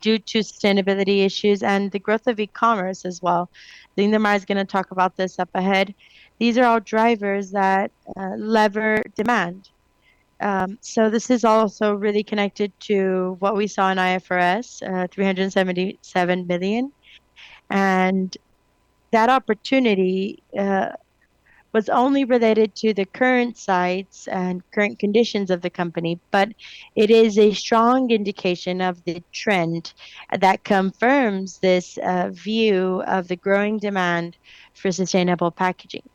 due to sustainability issues and the growth of e-commerce as well. Lindomar is going to talk about this up ahead. These are all drivers that lever demand. This is also really connected to what we saw in IFRS, 377 million. That opportunity was only related to the current sites and current conditions of the company, but it is a strong indication of the trend that confirms this view of the growing demand for sustainable packaging.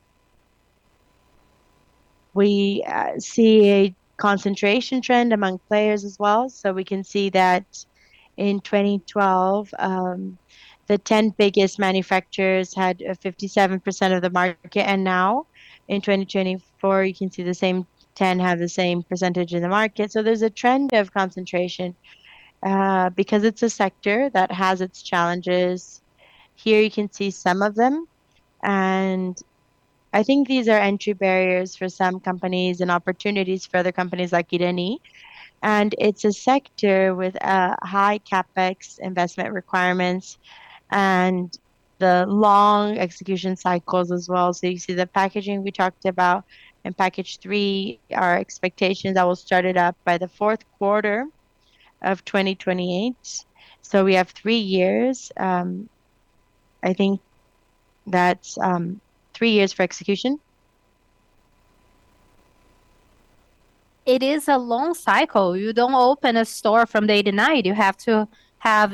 We see a concentration trend among players as well. We can see that in 2012, the 10 biggest manufacturers had 57% of the market. We have to be together with you so we can grow together. The tax reform is a new piece in this environment. From what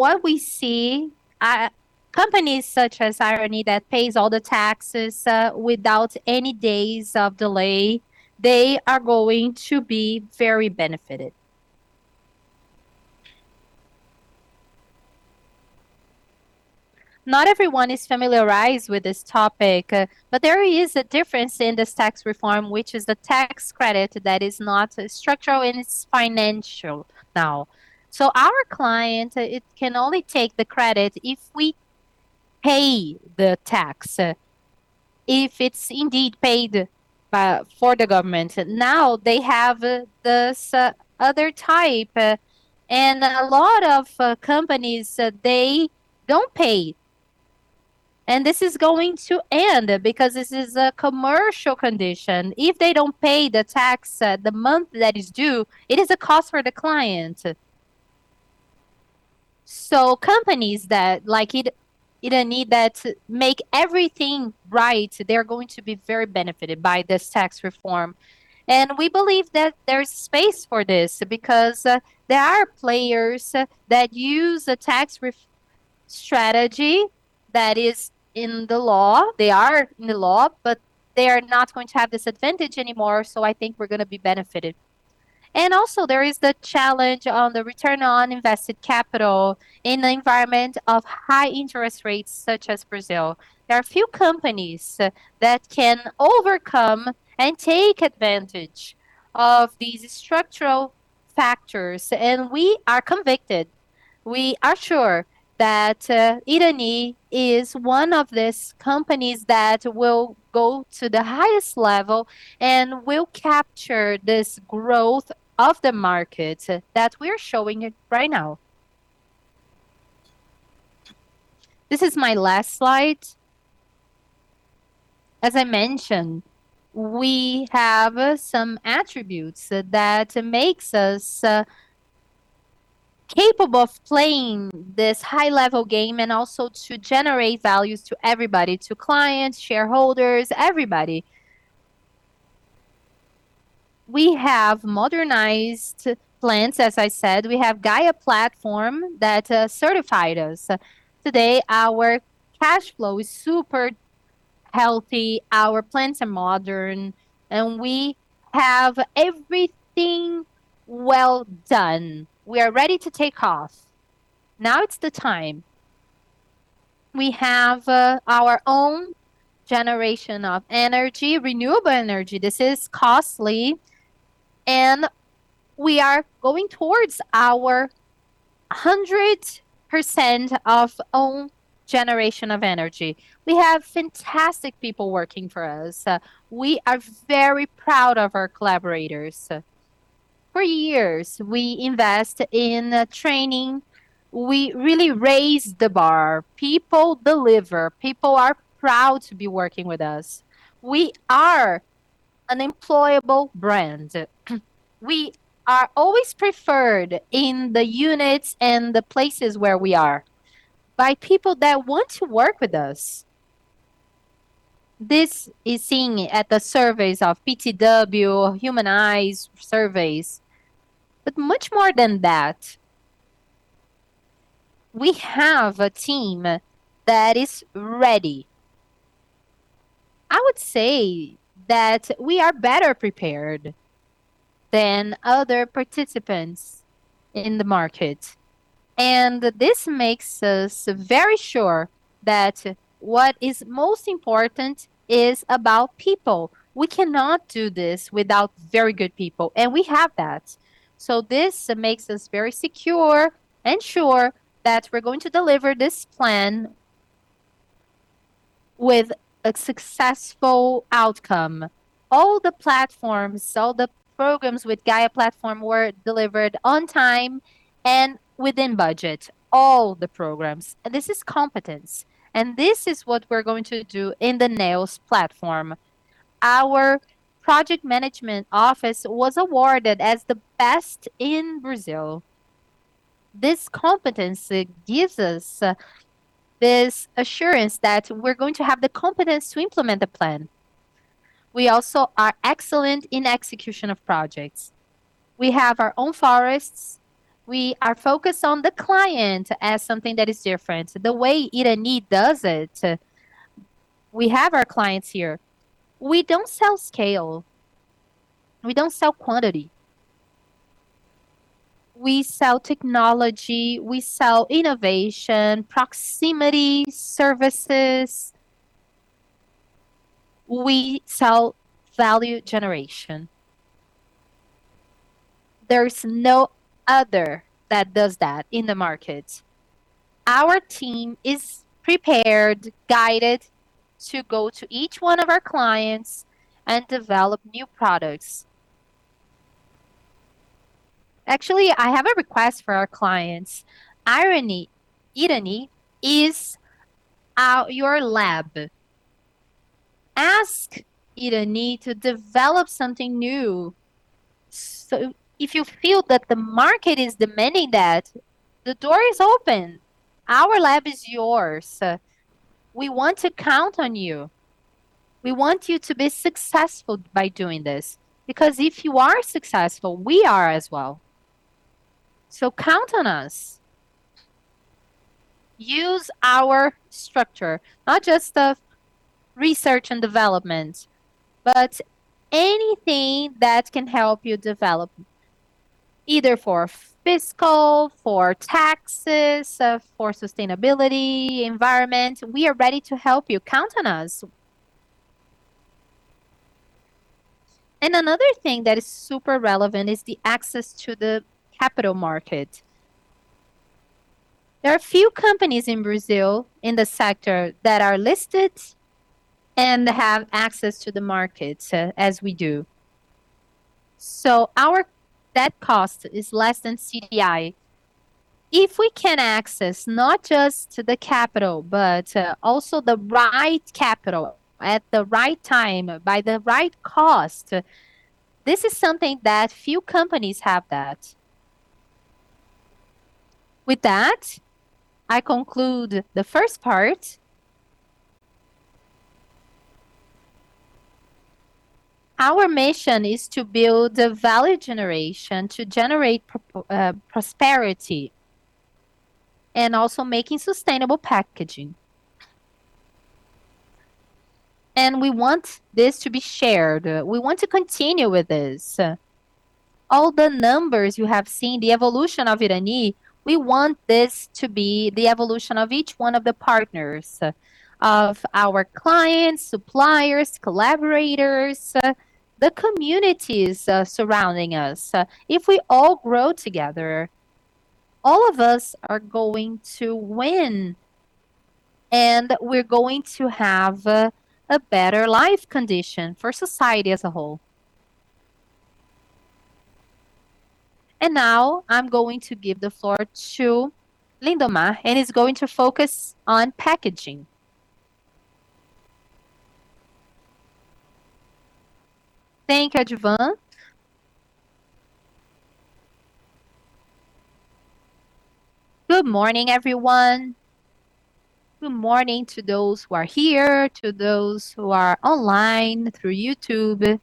we see, companies such as Irani that pays all the taxes without any days of delay, they are going to be very benefited. Not everyone is familiarized with this topic. There is a difference in this tax reform, which is the tax credit that is not structural, and it's financial now. Our client, it can only take the credit if we pay the tax, if it's indeed paid for the government. Now they have this other type, and a lot of companies, they don't pay. This is going to end because this is a commercial condition. If they don't pay the tax the month that is due, it is a cost for the client. Companies like Irani that make everything right, they're going to be very benefited by this tax reform. We believe that there's space for this because there are players that use a tax strategy that is in the law. They are in the law, but they are not going to have this advantage anymore, so I think we're going to be benefited. Also there is the challenge on the return on invested capital in an environment of high interest rates such as Brazil. There are few companies that can overcome and take advantage of these structural factors, and we are convicted. We are sure that Irani is one of these companies that will go to the highest level and will capture this growth of the market that we're showing right now. This is my last slide. As I mentioned, we have some attributes that makes us capable of playing this high-level game and also to generate values to everybody, to clients, shareholders, everybody. We have modernized plants, as I said. We have Gaia Platform that certified us. Today, our cash flow is super healthy. Our plants are modern, and we have everything well done. We are ready to take off. Now it's the time. We have our own generation of energy, renewable energy. This is costly, and we are going towards our 100% of own generation of energy. We have fantastic people working for us. We are very proud of our collaborators. For years, we invest in training. We really raised the bar. People deliver. People are proud to be working with us. We are an employable brand. We are always preferred in the units and the places where we are by people that want to work with us. This is seen at the surveys of GPTW, Humanizadas surveys. We have a team that is ready. I would say that we are better prepared than other participants in the market, and this makes us very sure that what is most important is about people. We cannot do this without very good people, and we have that. This makes us very secure and sure that we're going to deliver this plan with a successful outcome. All the platforms, all the programs with Gaia Platform were delivered on time and within budget. All the programs. This is competence, and this is what we're going to do in the Neos Platform. Our project management office was awarded as the best in Brazil. This competency gives us this assurance that we're going to have the competence to implement the plan. We also are excellent in execution of projects. We have our own forests. We are focused on the client as something that is different, the way Irani does it. We have our clients here. We don't sell scale. We don't sell quantity. We sell technology, we sell innovation, proximity, services. We sell value generation. There's no other that does that in the market. Our team is prepared, guided to go to each one of our clients and develop new products. Actually, I have a request for our clients. Irani is your lab. Ask Irani to develop something new. If you feel that the market is demanding that, the door is open. Our lab is yours. We want to count on you. We want you to be successful by doing this, because if you are successful, we are as well. Count on us. Use our structure, not just of research and development, but anything that can help you develop, either for fiscal, for taxes, for sustainability, environment. We are ready to help you. Count on us. Another thing that is super relevant is the access to the capital market. There are few companies in Brazil in the sector that are listed and have access to the market, as we do. Our debt cost is less than CDI. If we can access not just the capital, but also the right capital at the right time, by the right cost, this is something that few companies have that. With that, I conclude the first part. Our mission is to build a value generation to generate prosperity and also making sustainable packaging. We want this to be shared. We want to continue with this. All the numbers you have seen, the evolution of Irani, we want this to be the evolution of each one of the partners, of our clients, suppliers, collaborators, the communities surrounding us. If we all grow together, all of us are going to win, and we're going to have a better life condition for society as a whole. Now I'm going to give the floor to Lindomar, and he's going to focus on packaging. Thank you, Odivan. Good morning, everyone. Good morning to those who are here, to those who are online through YouTube.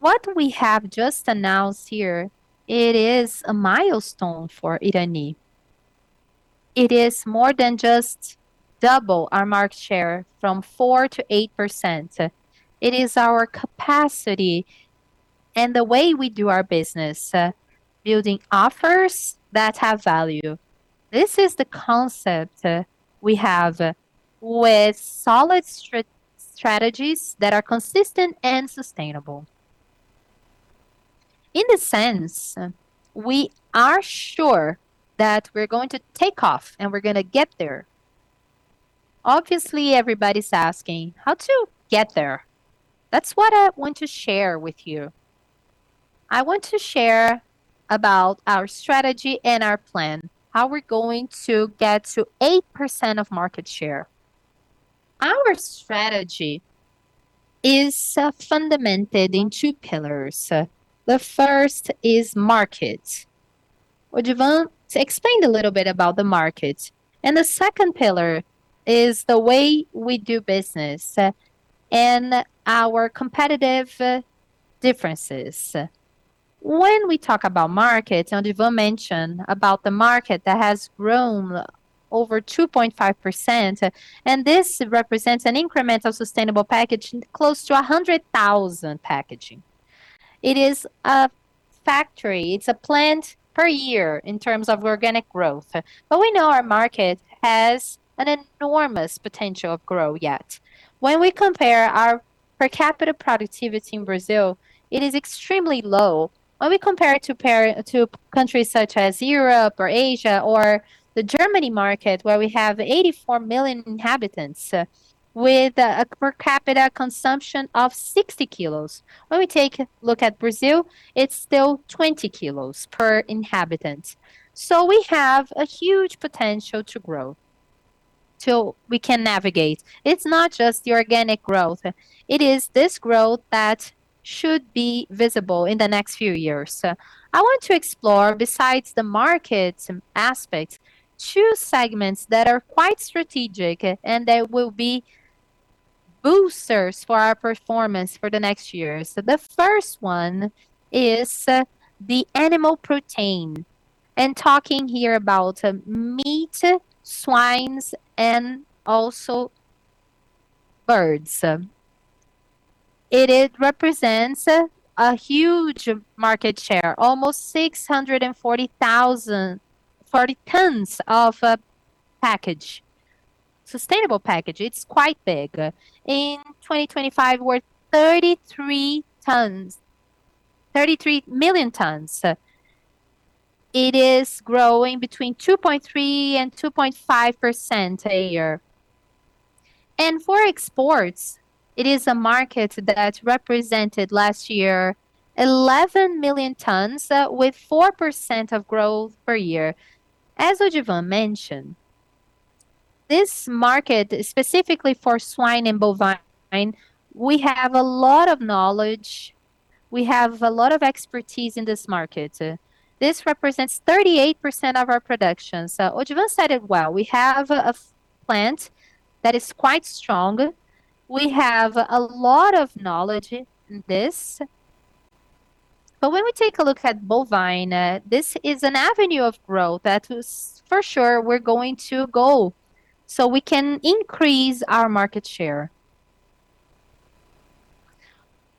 What we have just announced here, it is a milestone for Irani. It is more than just double our market share from 4% to 8%. It is our capacity and the way we do our business, building offers that have value. This is the concept we have with solid strategies that are consistent and sustainable. In a sense, we are sure that we're going to take off and we're going to get there. Obviously, everybody's asking how to get there. That's what I want to share with you. I want to share about our strategy and our plan, how we're going to get to 8% of market share. Our strategy is fundamented in two pillars. The first is market. Odivan explained a little bit about the market. The second pillar is the way we do business and our competitive differences. When we talk about market, Odivan mentioned about the market that has grown over 2.5%, and this represents an incremental sustainable packaging close to 100,000 packaging. It is a factory, it's a plant per year in terms of organic growth. We know our market has an enormous potential of growth yet. We compare our per capita productivity in Brazil, it is extremely low. We compare it to countries such as Europe or Asia or the Germany market, where we have 84 million inhabitants with a per capita consumption of 60 kilos. We take a look at Brazil, it's still 20 kilos per inhabitant. We have a huge potential to grow, till we can navigate. It's not just the organic growth. It is this growth that should be visible in the next few years. I want to explore, besides the market aspects, two segments that are quite strategic and that will be boosters for our performance for the next years. The first one is the animal protein, talking here about meat, swines, and also birds. It represents a huge market share, almost 640 tons of sustainable packaging. It's quite big. In 2025, we're 33 million tons. It is growing between 2.3% and 2.5% a year. For exports, it is a market that represented last year 11 million tons with 4% of growth per year. As Odivan mentioned, this market, specifically for swine and bovine, we have a lot of knowledge, we have a lot of expertise in this market. This represents 38% of our production. Odivan said it well. We have a plant that is quite strong. We have a lot of knowledge in this. When we take a look at bovine, this is an avenue of growth that is for sure we're going to go, so we can increase our market share.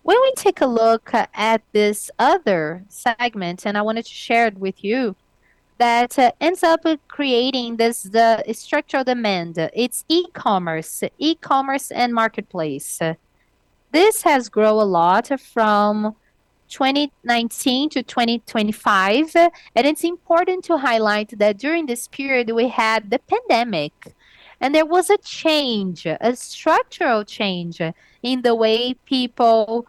We take a look at this other segment, and I wanted to share it with you, that ends up creating this structural demand. It's e-commerce, e-commerce and marketplace. This has grown a lot from 2019 to 2025, it's important to highlight that during this period, we had the pandemic, there was a change, a structural change in the way people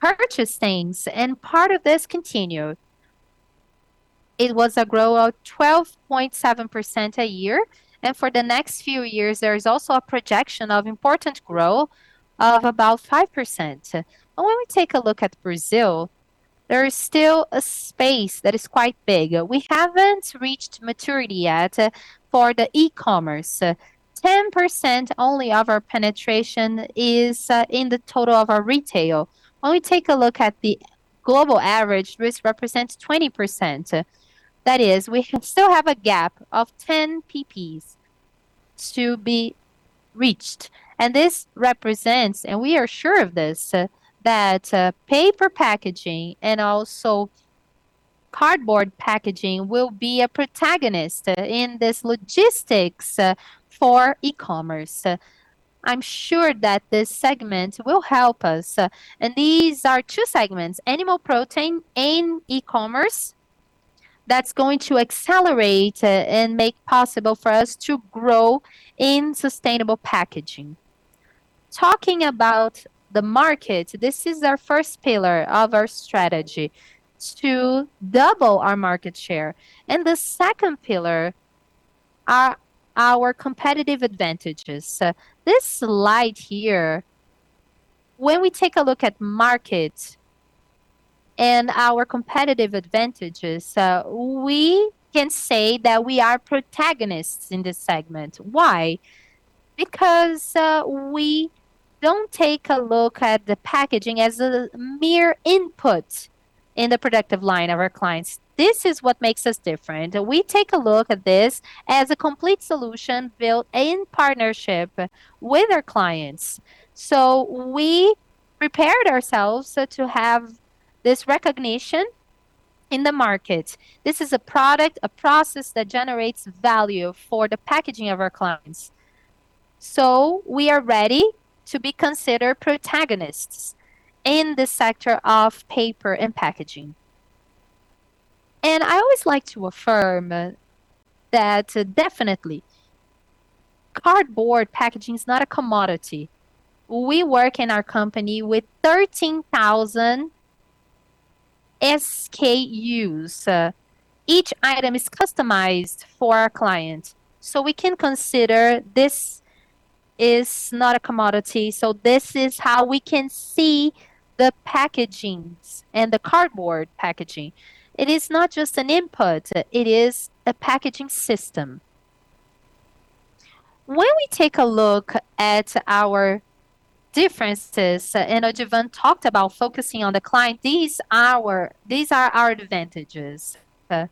purchase things. Part of this continued. It was a growth of 12.7% a year, for the next few years, there is also a projection of important growth of about 5%. When we take a look at Brazil, there is still a space that is quite big. We haven't reached maturity yet for the e-commerce. 10% only of our penetration is in the total of our retail. We take a look at the global average, this represents 20%. That is, we still have a gap of 10 PPs to be reached. This represents, we are sure of this, that paper packaging and also cardboard packaging will be a protagonist in this logistics for e-commerce. I'm sure that this segment will help us. These are two segments, animal protein and e-commerce, that's going to accelerate and make possible for us to grow in sustainable packaging. Talking about the market, this is our first pillar of our strategy, to double our market share. The second pillar are our competitive advantages. This slide here, we take a look at market and our competitive advantages, we can say that we are protagonists in this segment. Why? Because we don't take a look at the packaging as a mere input in the productive line of our clients. This is what makes us different. We take a look at this as a complete solution built in partnership with our clients. We prepared ourselves to have this recognition in the market. This is a product, a process that generates value for the packaging of our clients. We are ready to be considered protagonists in the sector of paper and packaging. I always like to affirm that definitely cardboard packaging is not a commodity. We work in our company with 13,000 SKUs. Each item is customized for our client. We can consider this is not a commodity. This is how we can see the packagings and the cardboard packaging. It is not just an input, it is a packaging system. When we take a look at our differences, and Odivan talked about focusing on the client, these are our advantages. We're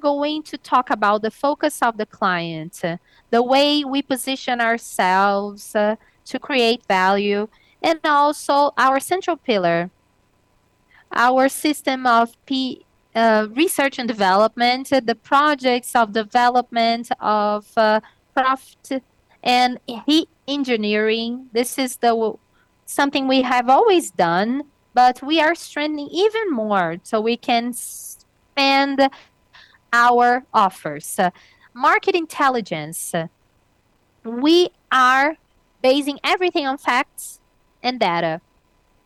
going to talk about the focus of the client, the way we position ourselves to create value, and also our central pillar. Our system of research and development, the projects of development of Kraft and engineering. This is something we have always done, but we are strengthening even more so we can expand our offers. Market intelligence. We are basing everything on facts and data.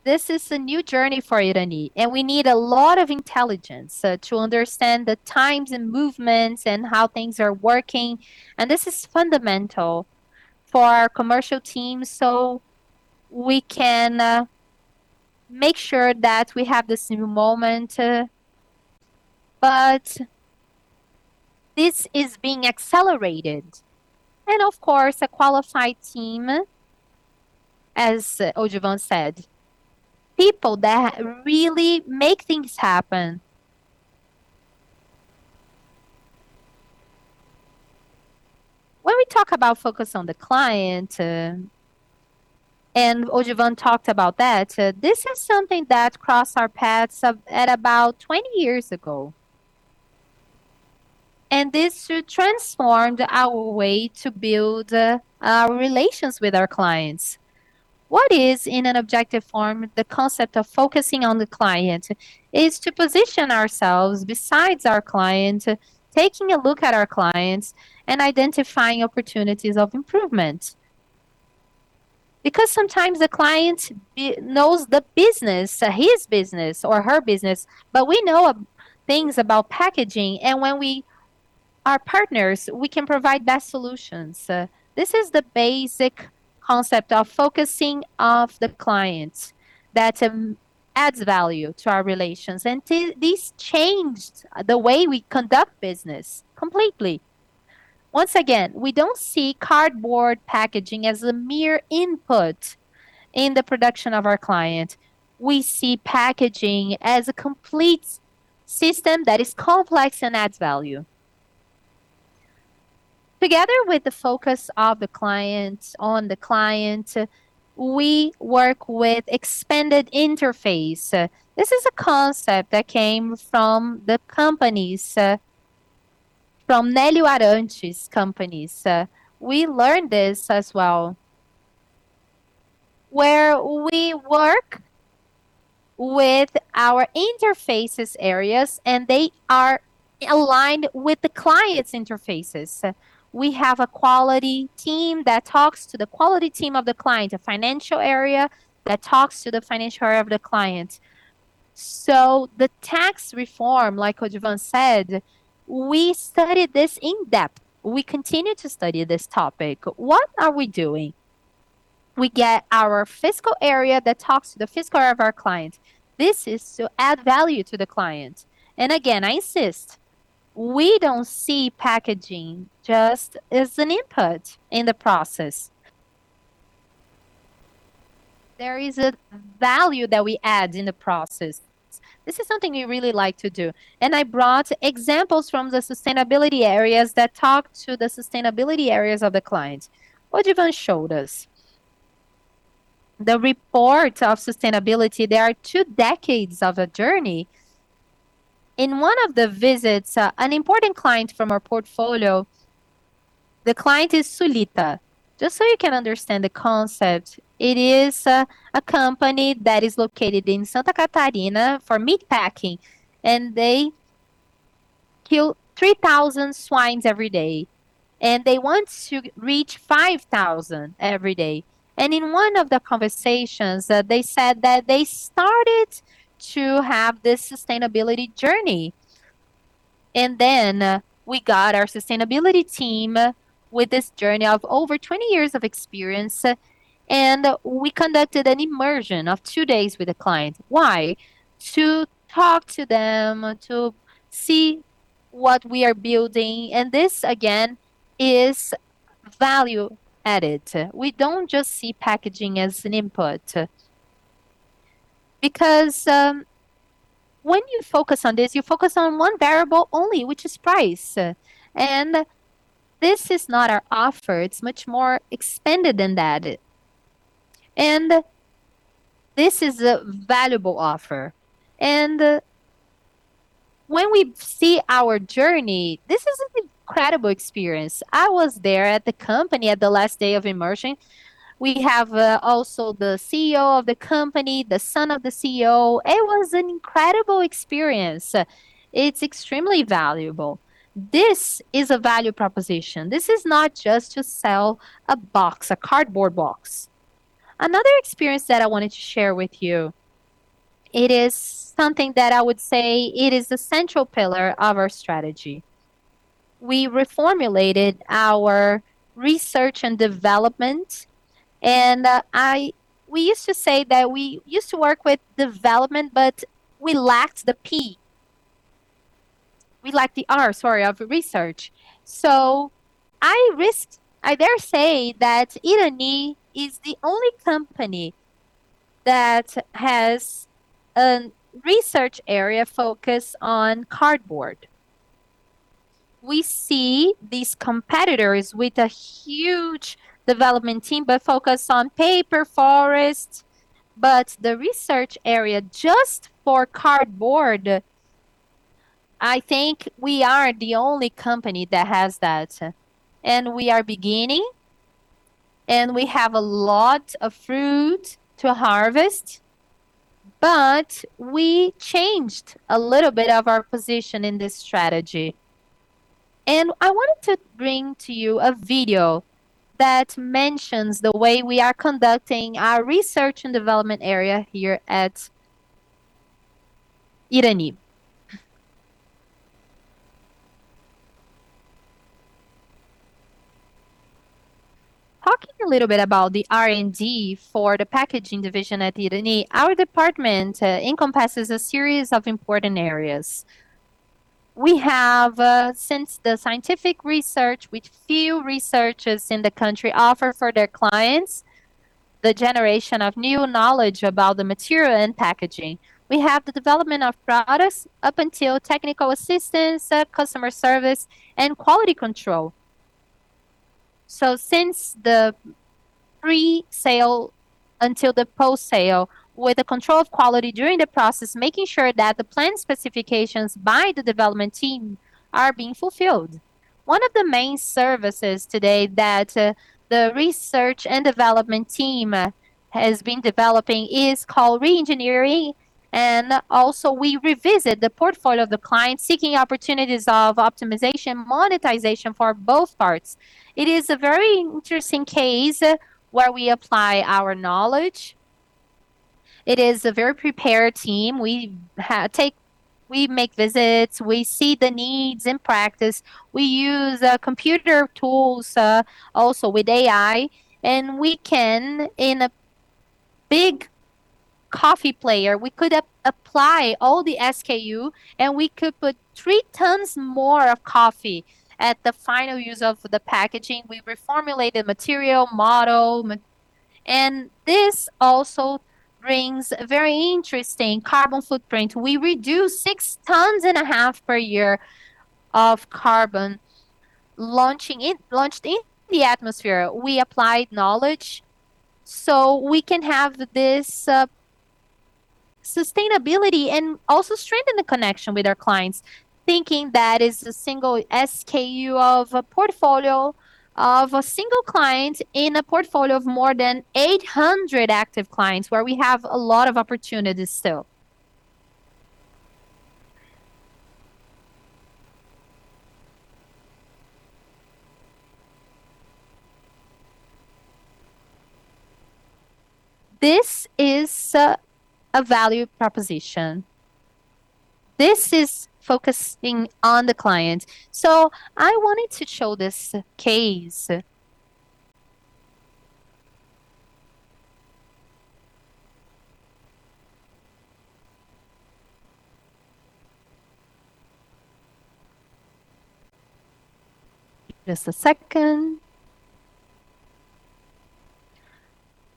This is a new journey for Irani, we need a lot of intelligence to understand the times and movements and how things are working, this is fundamental for our commercial team, so we can make sure that we have this new moment. This is being accelerated. Of course, a qualified team, as Odivan said. People that really make things happen. When we talk about focus on the client, and Odivan talked about that, this is something that crossed our paths at about 20 years ago. This transformed our way to build our relations with our clients. What is, in an objective form, the concept of focusing on the client? It is to position ourselves besides our client, taking a look at our clients, identifying opportunities of improvement. Sometimes the client knows the business, his business or her business, but we know things about packaging, when we are partners, we can provide best solutions. This is the basic concept of focusing of the client that adds value to our relations, this changed the way we conduct business completely. Once again, we don't see cardboard packaging as a mere input in the production of our client. We see packaging as a complete system that is complex and adds value. Together with the focus on the client, we work with expanded interface. This is a concept that came from the companies, from Nélio Arantes' companies. We learned this as well, where we work with our interfaces areas, they are aligned with the client's interfaces. We have a quality team that talks to the quality team of the client, a financial area that talks to the financial area of the client. The tax reform, like Odivan said, we studied this in depth. We continue to study this topic. What are we doing? We get our fiscal area that talks to the fiscal area of our client. This is to add value to the client. Again, I insist, we don't see packaging just as an input in the process. There is a value that we add in the process. This is something we really like to do, I brought examples from the sustainability areas that talk to the sustainability areas of the client. Odivan showed us. The report of sustainability, there are 2 decades of a journey. In one of the visits, an important client from our portfolio, the client is Sulita. Just so you can understand the concept, it is a company that is located in Santa Catarina for meat packing, and they kill 3,000 swines every day, and they want to reach 5,000 every day. In one of the conversations, they said that they started to have this sustainability journey. We got our sustainability team with this journey of over 20 years of experience, and we conducted an immersion of two days with the client. Why? To talk to them, to see what we are building, and this, again, is value added. We don't just see packaging as an input. When you focus on this, you focus on one variable only, which is price. This is not our offer. It's much more expanded than that. This is a valuable offer. When we see our journey, this is an incredible experience. I was there at the company at the last day of immersion. We have also the CEO of the company, the son of the CEO. It was an incredible experience. It's extremely valuable. This is a value proposition. This is not just to sell a box, a cardboard box. Another experience that I wanted to share with you. It is something that I would say it is the central pillar of our strategy. We reformulated our research and development. We used to say that we used to work with development, but we lacked the P. We lacked the R, sorry, of research. I dare say that Irani is the only company that has a research area focused on cardboard. We see these competitors with a huge development team, but focused on paper, forest, but the research area just for cardboard, I think we are the only company that has that. We are beginning, and we have a lot of fruit to harvest, but we changed a little bit of our position in this strategy. I wanted to bring to you a video that mentions the way we are conducting our R&D area here at Irani. Talking a little bit about the R&D for the packaging division at Irani, our department encompasses a series of important areas. We have, since the scientific research, which few researchers in the country offer for their clients, the generation of new knowledge about the material and packaging. We have the development of products up until technical assistance, customer service, and quality control. Since the pre-sale until the post-sale, with the control of quality during the process, making sure that the planned specifications by the development team are being fulfilled. One of the main services today that the research and development team has been developing is called re-engineering, and also we revisit the portfolio of the client, seeking opportunities of optimization, monetization for both parts. It is a very interesting case where we apply our knowledge. It is a very prepared team. We make visits. We see the needs in practice. We use computer tools, also with AI. We can, in a big coffee player, we could apply all the SKU, and we could put three tons more of coffee at the final use of the packaging. We reformulated material, model, and this also brings very interesting carbon footprint. We reduce six tons and a half per year of carbon launched in the atmosphere. We applied knowledge so we can have this sustainability and also strengthen the connection with our clients, thinking that is a single SKU of a portfolio of a single client in a portfolio of more than 800 active clients, where we have a lot of opportunities still. This is a value proposition. This is focusing on the client. I wanted to show this case. Just a second.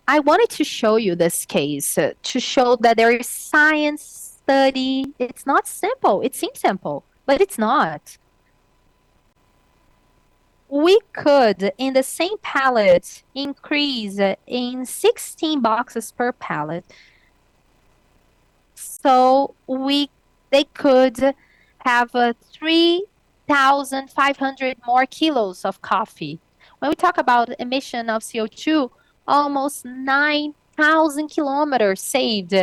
I wanted to show you this case to show that there is science, study. It's not simple. It seems simple, but it's not. We could, in the same pallet, increase in 16 boxes per pallet. They could have 3,500 more kilos of coffee. When we talk about emission of CO2, almost 9,000 kilometers saved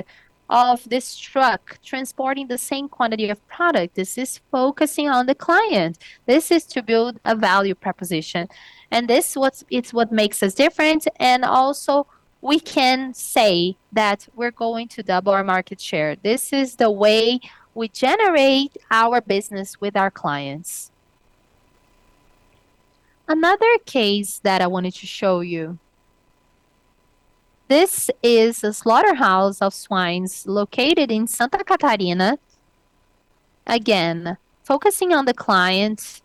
of this truck transporting the same quantity of product. This is focusing on the client. This is to build a value proposition. It's what makes us different, and also we can say that we're going to double our market share. This is the way we generate our business with our clients. Another case that I wanted to show you. This is a slaughterhouse of swine located in Santa Catarina. Again, focusing on the client,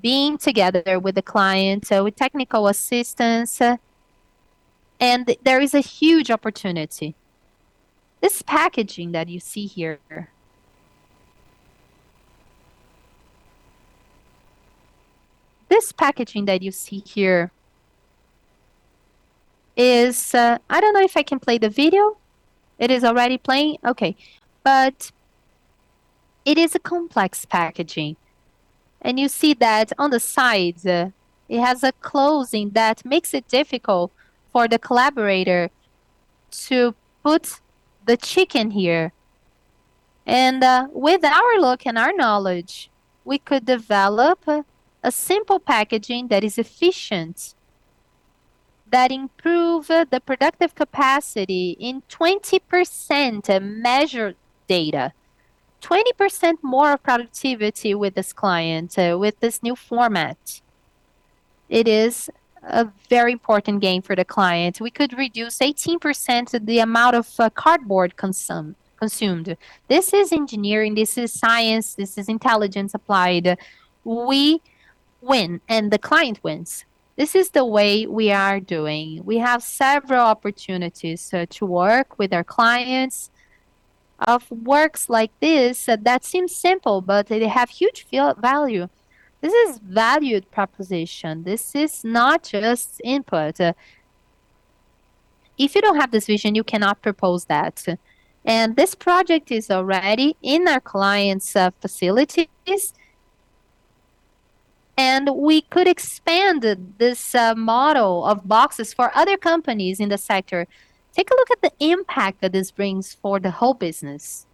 being together with the client, with technical assistance, and there is a huge opportunity. This packaging that you see here. This packaging that you see here is I don't know if I can play the video. It is already playing? Okay. It is a complex packaging. You see that on the sides, it has a closing that makes it difficult for the collaborator to put the chicken here. With our look and our knowledge, we could develop a simple packaging that is efficient, that improve the productive capacity in 20% measured data, 20% more productivity with this client, with this new format. It is a very important gain for the client. We could reduce 18% of the amount of cardboard consumed. This is engineering, this is science, this is intelligence applied. We win and the client wins. This is the way we are doing. We have several opportunities to work with our clients of works like this that seem simple, but they have huge value. This is value proposition. This is not just input. If you don't have this vision, you cannot propose that. This project is already in our client's facilities. We could expand this model of boxes for other companies in the sector. Take a look at the impact that this brings for the whole business.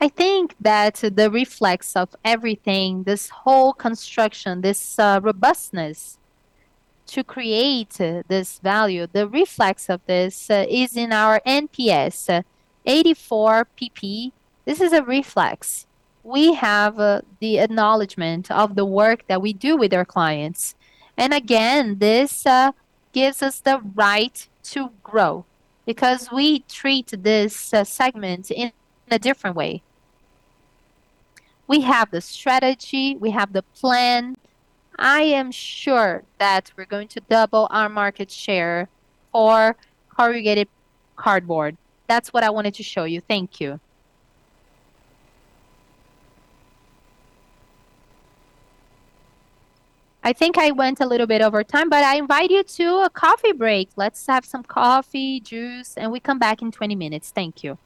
I think that the reflex of everything, this whole construction, this robustness to create this value, the reflex of this is in our NPS, 84 percentage points. This is a reflex. We have the acknowledgment of the work that we do with our clients. Again, this gives us the right to grow because we treat this segment in a different way. We have the strategy. We have the plan. I am sure that we're going to double our market share for corrugated cardboard. That's what I wanted to show you. Thank you. I think I went a little bit over time, but I invite you to a coffee break. Let's have some coffee, juice, and we come back in 20 minutes. Thank you.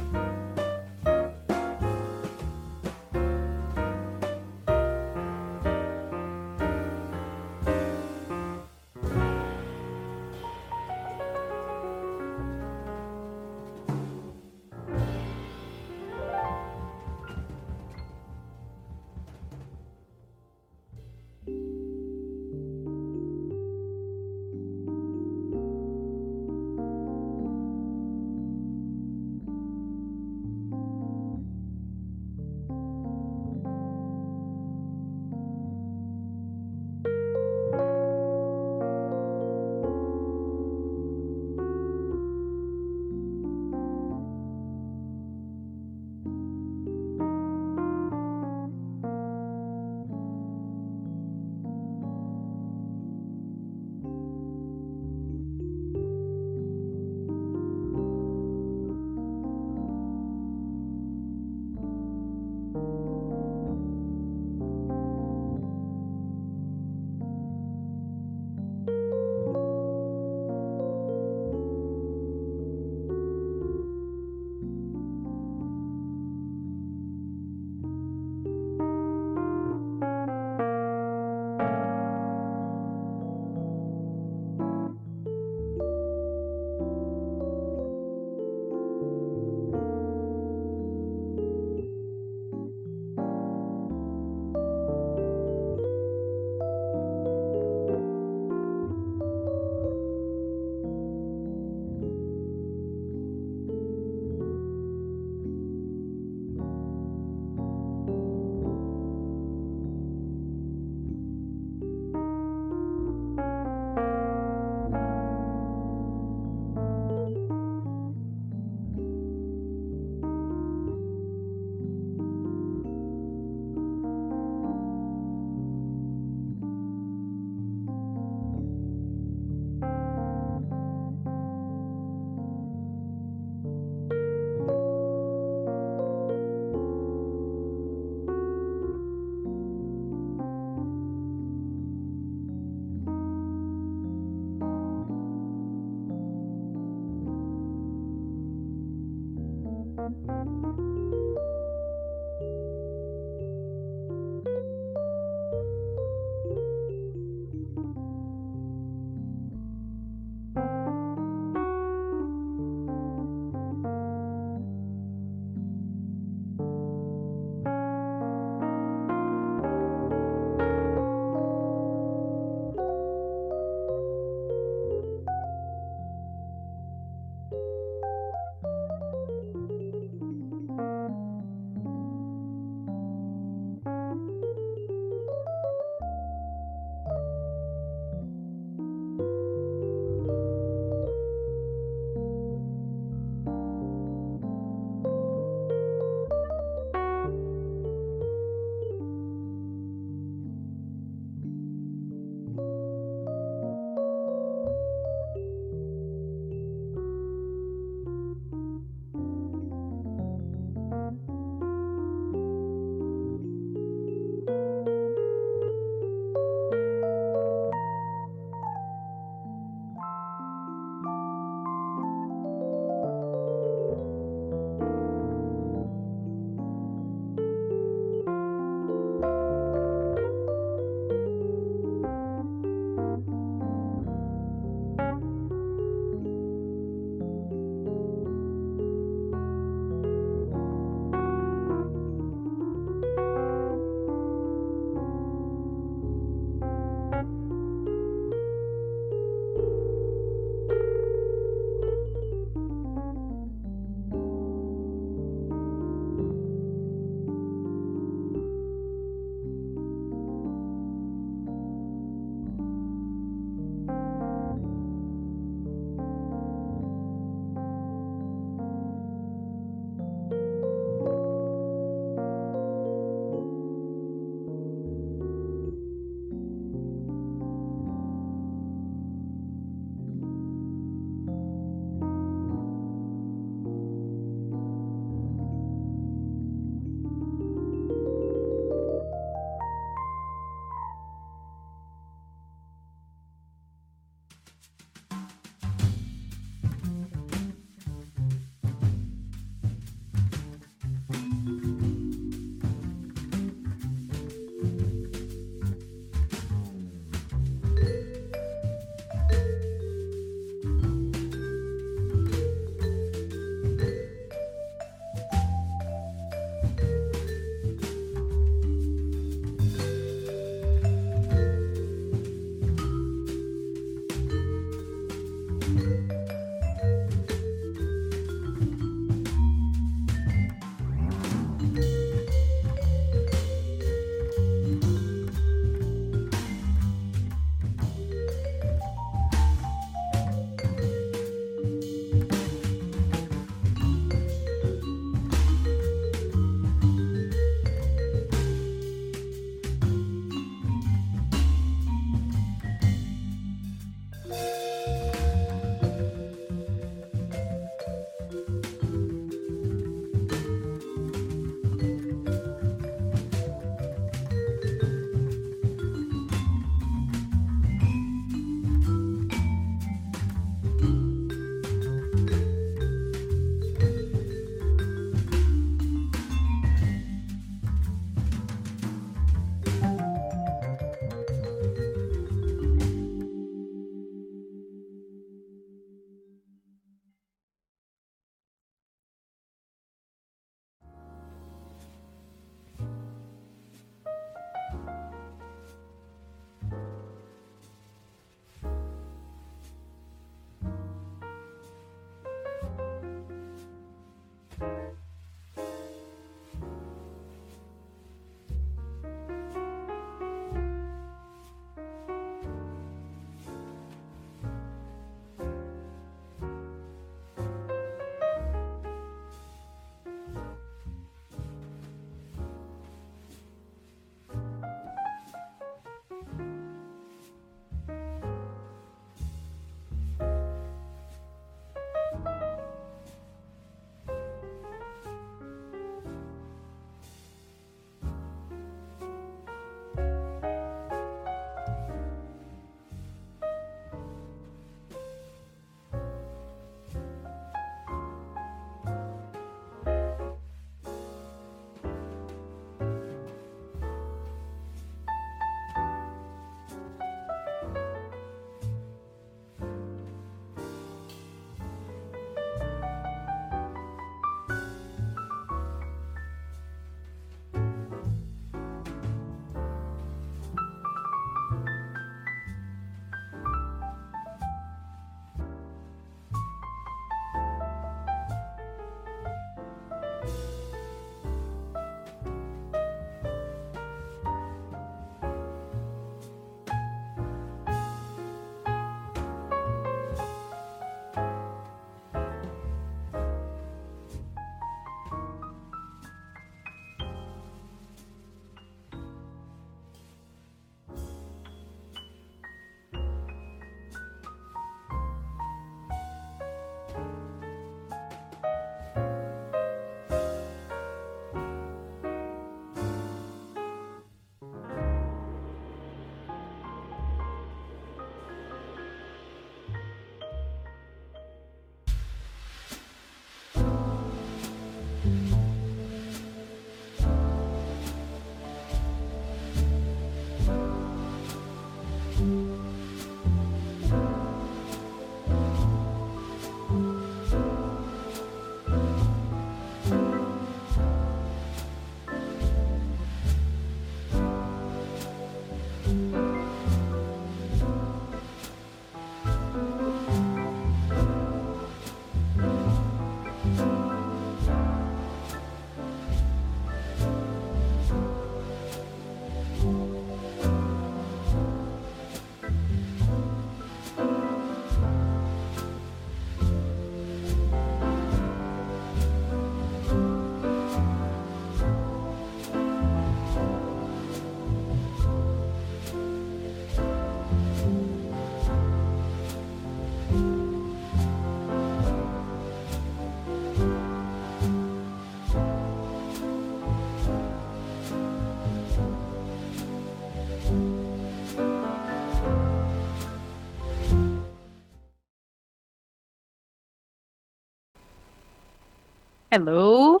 Hello.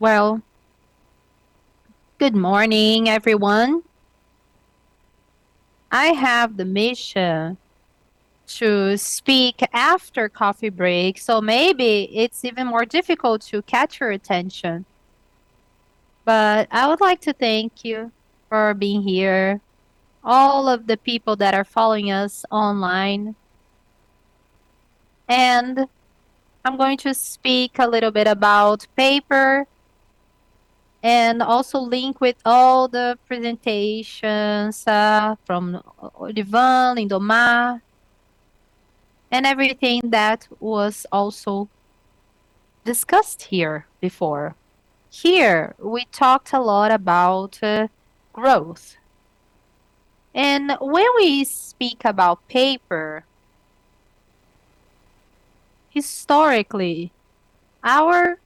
Well, good morning, everyone. I have the mission to speak after coffee break, so maybe it's even more difficult to catch your attention. I would like to thank you for being here, all of the people that are following us online. I'm going to speak a little bit about paper, and also link with all the presentations from Odivan, Lindomar, and everything that was also discussed here before. Here, we talked a lot about growth. When we speak about paper, historically, our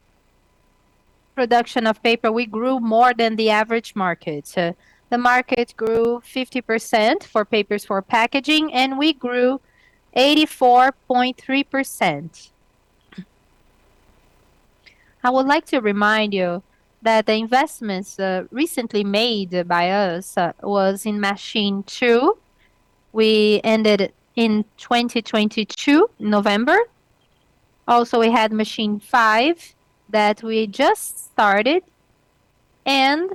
production of paper, we grew more than the average market. The market grew 50% for papers for packaging, and we grew 84.3%. I would like to remind you that the investments recently made by us was in Machine Two. We ended in 2022, November. We had Machine Five that we just started, and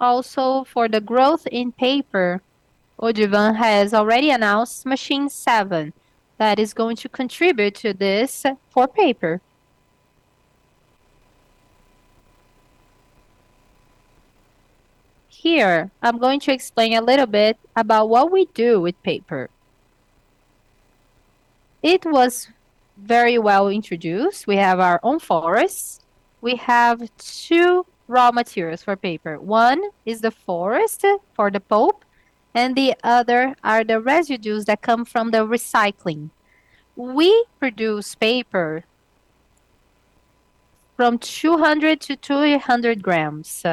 also for the growth in paper, Odivan has already announced Machine Seven, that is going to contribute to this for paper. I'm going to explain a little bit about what we do with paper. It was very well introduced. We have our own forests. We have two raw materials for paper. One is the forest for the pulp, and the other are the residues that come from the recycling. We produce paper from 200 to 300 grams.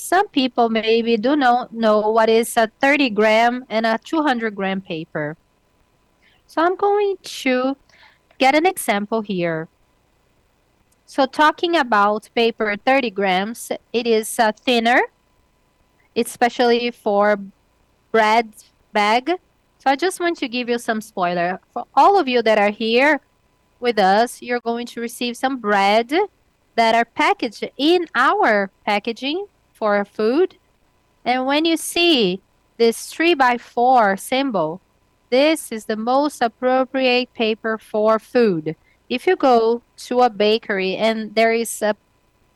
Some people maybe do not know what is a 30-gram and a 200-gram paper. I'm going to get an example here. Talking about paper 30 grams, it is thinner, especially for bread bag. I just want to give you some spoiler. For all of you that are here with us, you're going to receive some bread that are packaged in our packaging for food. When you see this 3x4 symbol, this is the most appropriate paper for food. If you go to a bakery and there is a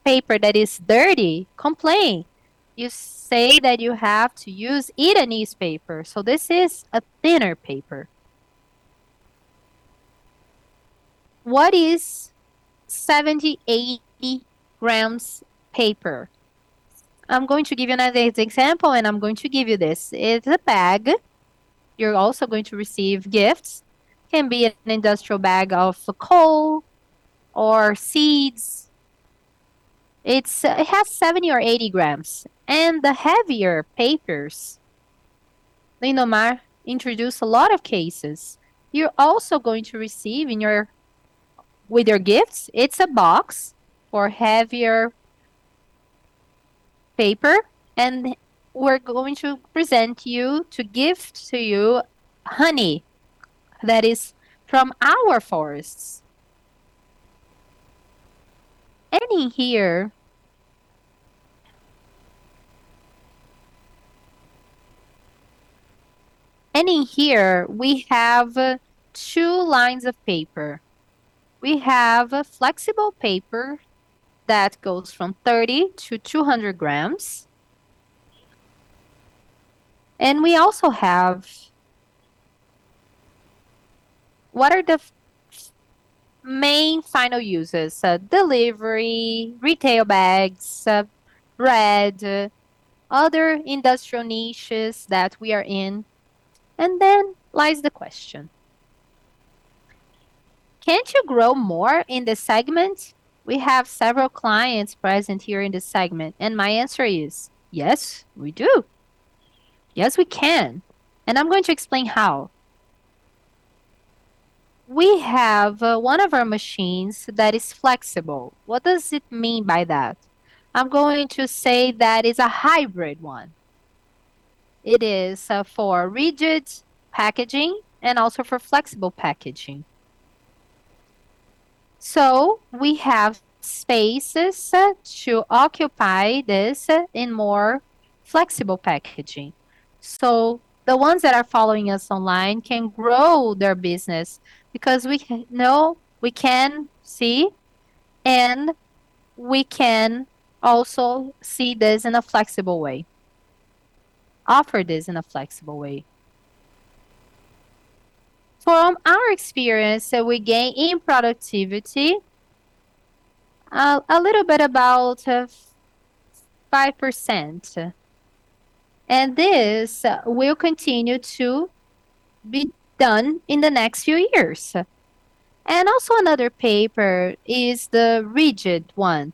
paper that is dirty, complain. You say that you have to use Irani's paper. This is a thinner paper. What is 70, 80 grams paper? I'm going to give you an example, and I'm going to give you this. It's a bag. You're also going to receive gifts. Can be an industrial bag of coal or seeds. It has 70 or 80 grams. The heavier papers, Lindomar introduced a lot of cases. You're also going to receive with your gifts, it's a box for heavier paper, and we're going to present you, to gift to you, honey that is from our forests. In here we have two lines of paper. We have a flexible paper that goes from 30 to 200 grams. We also have what are the main final uses? Delivery, retail bags, bread, other industrial niches that we are in. Then lies the question: can't you grow more in this segment? We have several clients present here in this segment. My answer is yes, we do. Yes, we can. I'm going to explain how. We have one of our machines that is flexible. What does it mean by that? I'm going to say that it's a hybrid one. It is for rigid packaging and also for flexible packaging. We have spaces to occupy this in more flexible packaging. The ones that are following us online can grow their business because we know we can see, and we can also see this in a flexible way, offer this in a flexible way. From our experience that we gain in productivity, a little bit about 5%. This will continue to be done in the next few years. Another paper is the rigid one,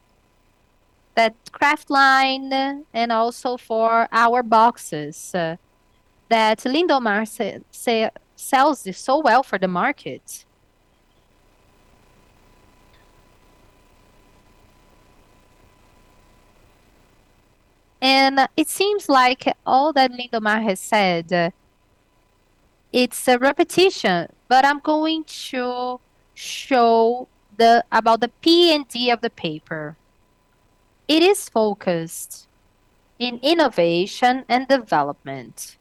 that Kraft line, and also for our boxes, that Lindomar sells this so well for the market. It seems like all that Lindomar has said, it's a repetition, but I'm going to show about the P&D of the paper. It is focused in innovation and development.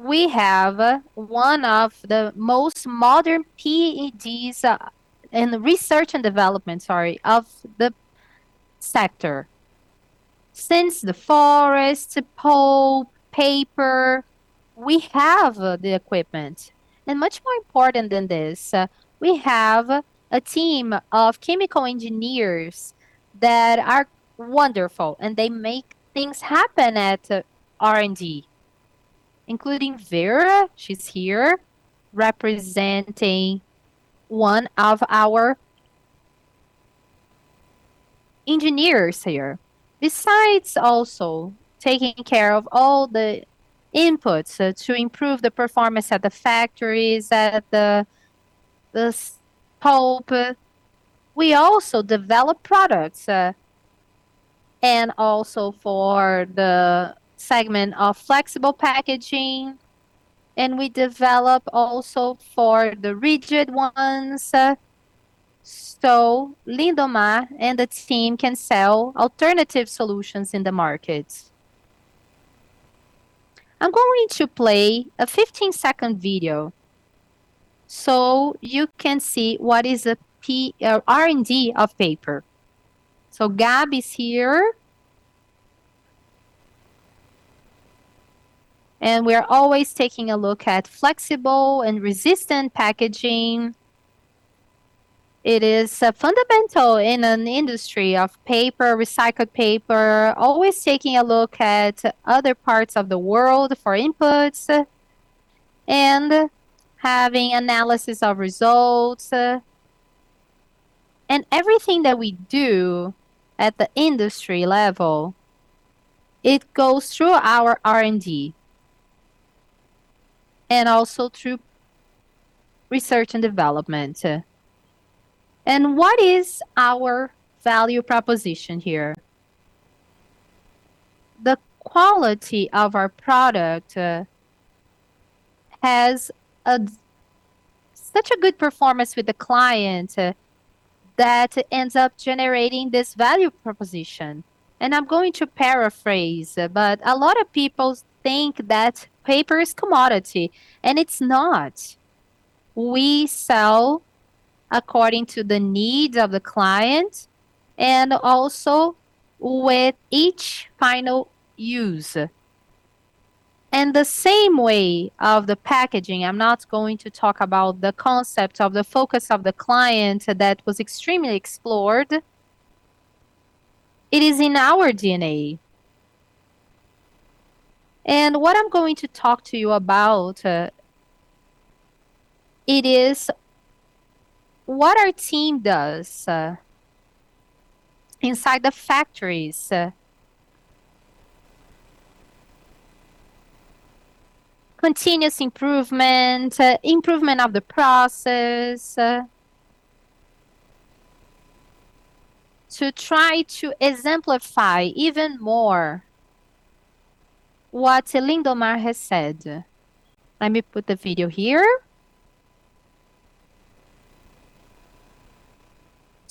We have one of the most modern P&Ds and research and development, sorry, of the sector. Since the forest, pulp, paper, we have the equipment. Much more important than this, we have a team of chemical engineers that are wonderful, and they make things happen at R&D, including Vera, she's here, representing one of our engineers here. Besides also taking care of all the inputs to improve the performance at the factories, at the pulp, we also develop products, and also for the segment of flexible packaging, and we develop also for the rigid ones. Lindomar and the team can sell alternative solutions in the market. I'm going to play a 15-second video so you can see what is the R&D of paper. Gab is here. We are always taking a look at flexible and resistant packaging. It is fundamental in an industry of paper, recycled paper, always taking a look at other parts of the world for inputs, and having analysis of results. Everything that we do at the industry level, it goes through our R&D, and also through research and development. What is our value proposition here? The quality of our product has such a good performance with the client that ends up generating this value proposition. I'm going to paraphrase, but a lot of people think that paper is commodity, and it's not. We sell according to the needs of the client, and also with each final use. The same way of the packaging, I'm not going to talk about the concept of the focus of the client that was extremely explored. It is in our DNA. What I'm going to talk to you about, it is what our team does inside the factories. Continuous improvement of the process, to try to exemplify even more what Lindomar has said. Let me put the video here.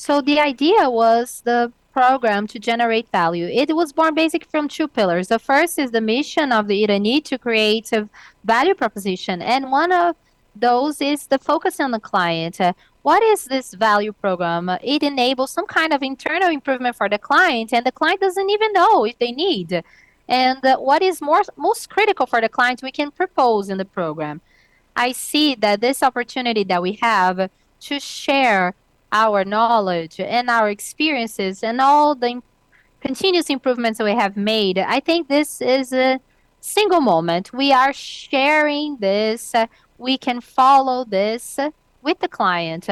The idea was the program to generate value. It was born basically from two pillars. The first is the mission of Irani to create a value proposition, and one of those is the focus on the client. What is this value program? It enables some kind of internal improvement for the client, and the client doesn't even know if they need. What is most critical for the client, we can propose in the program. I see that this opportunity that we have to share our knowledge and our experiences and all the continuous improvements that we have made, I think this is a single moment. We are sharing this. We can follow this with the client.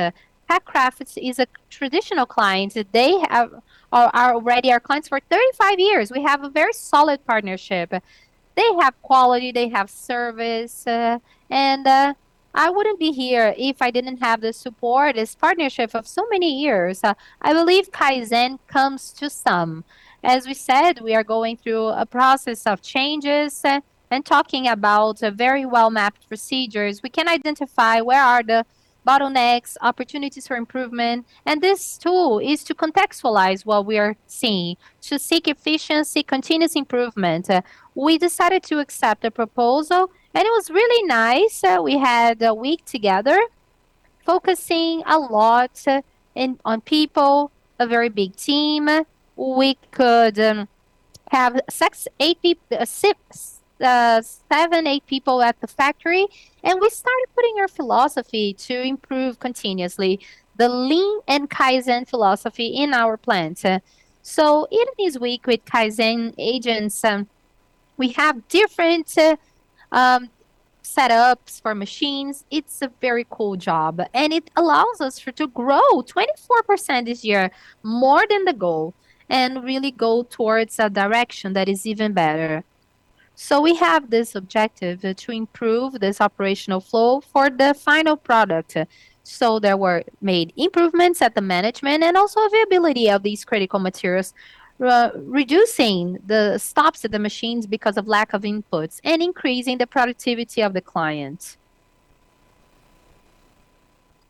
PACRAFT is a traditional client. They are already our clients for 35 years. We have a very solid partnership. They have quality, they have service, and I wouldn't be here if I didn't have the support, this partnership of so many years. I believe Kaizen comes to sum. As we said, we are going through a process of changes and talking about very well-mapped procedures. We can identify where are the bottlenecks, opportunities for improvement. This tool is to contextualize what we are seeing, to seek efficiency, continuous improvement. We decided to accept the proposal, and it was really nice. We had a week together focusing a lot on people, a very big team. We could have seven, eight people at the factory. We started putting our philosophy to improve continuously, the Lean and Kaizen philosophy in our plant. In this week with Kaizen agents, we have different setups for machines. It's a very cool job. It allows us to grow 24% this year, more than the goal, and really go towards a direction that is even better. We have this objective to improve this operational flow for the final product. There were made improvements at the management and also availability of these critical materials, reducing the stops at the machines because of lack of inputs and increasing the productivity of the client.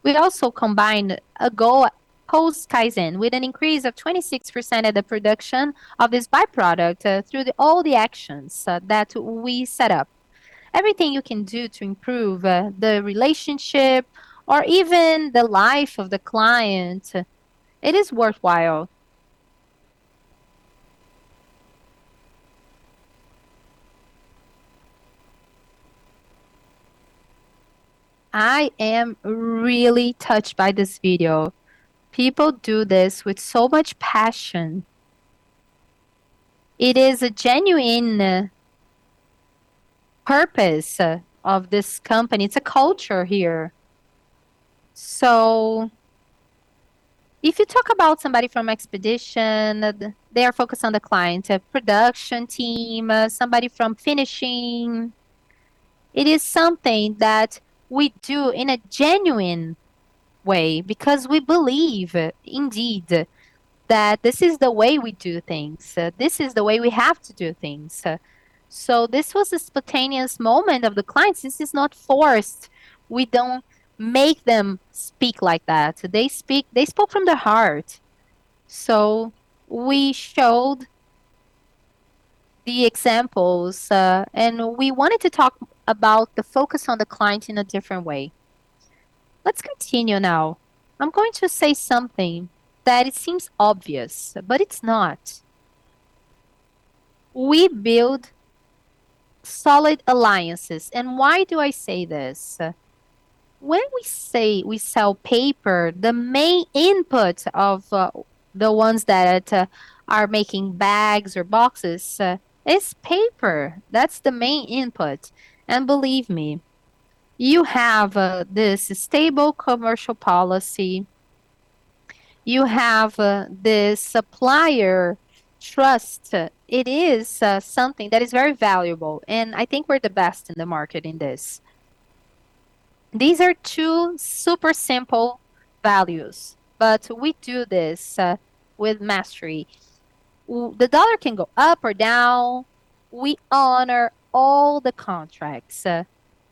We also combined a goal post Kaizen with an increase of 26% of the production of this by-product through all the actions that we set up. Everything you can do to improve the relationship or even the life of the client, it is worthwhile. I am really touched by this video. People do this with so much passion. It is a genuine purpose of this company. It's a culture here. If you talk about somebody from expedition, they are focused on the client, a production team, somebody from finishing. It is something that we do in a genuine way because we believe indeed that this is the way we do things. This is the way we have to do things. This was a spontaneous moment of the clients. This is not forced. We don't make them speak like that. They spoke from their heart. We showed the examples, and we wanted to talk about the focus on the client in a different way. Let's continue now. I'm going to say something that it seems obvious, but it's not. We build solid alliances. Why do I say this? When we say we sell paper, the main input of the ones that are making bags or boxes is paper. That's the main input. Believe me, you have this stable commercial policy. You have this supplier trust. It is something that is very valuable, and I think we're the best in the market in this. These are two super simple values. We do this with mastery. The dollar can go up or down. We honor all the contracts.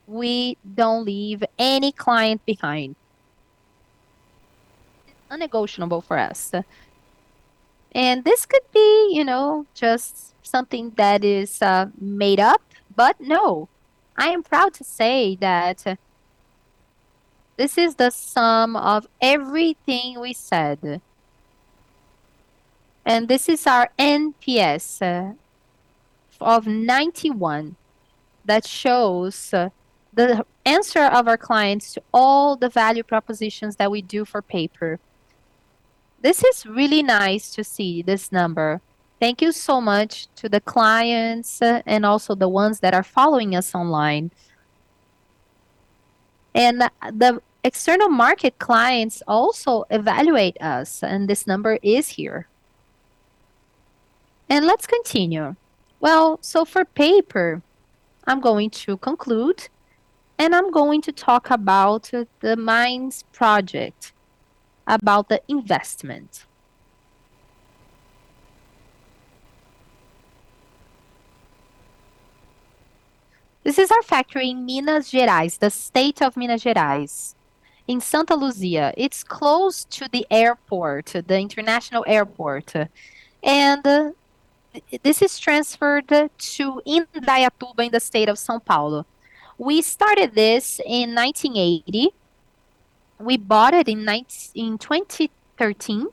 We don't leave any client behind. It's unnegotiable for us. This could be just something that is made up, but no, I am proud to say that this is the sum of everything we said. This is our NPS of 91. That shows the answer of our clients to all the value propositions that we do for paper. This is really nice to see this number. Thank you so much to the clients and also the ones that are following us online. The external market clients also evaluate us, and this number is here. For paper, I'm going to conclude, and I'm going to talk about the Minas project, about the investment. This is our factory in Minas Gerais, in Santa Luzia. It's close to the international airport. This is transferred to Indaiatuba in the state of São Paulo. We started this in 1980. We bought it in 2013.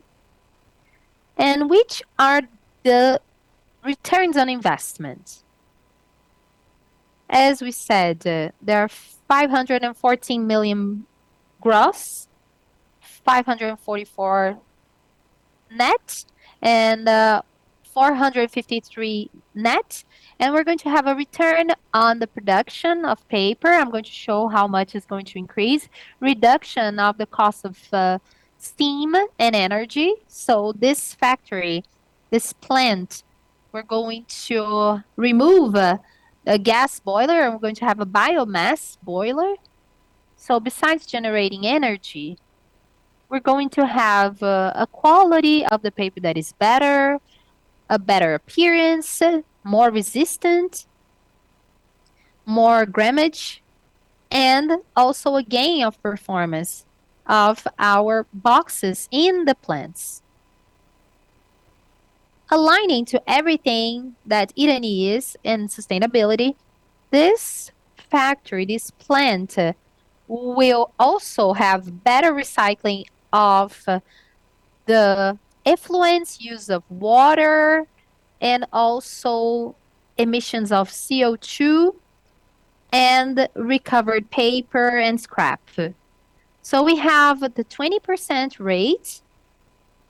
Which are the returns on investment? As we said, there are 514 million gross, 544 net, and 453 net, and we're going to have a return on the production of paper. I'm going to show how much it's going to increase. Reduction of the cost of steam and energy. This factory, this plant, we're going to remove a gas boiler and we're going to have a biomass boiler. Besides generating energy, we're going to have a quality of the paper that is better, a better appearance, more resistant, more grammage, and also a gain of performance of our boxes in the plants. Aligning to everything that Irani is in sustainability, this factory, this plant, will also have better recycling of the effluence, use of water, and also emissions of CO2, and recovered paper and scrap. We have the 20% rate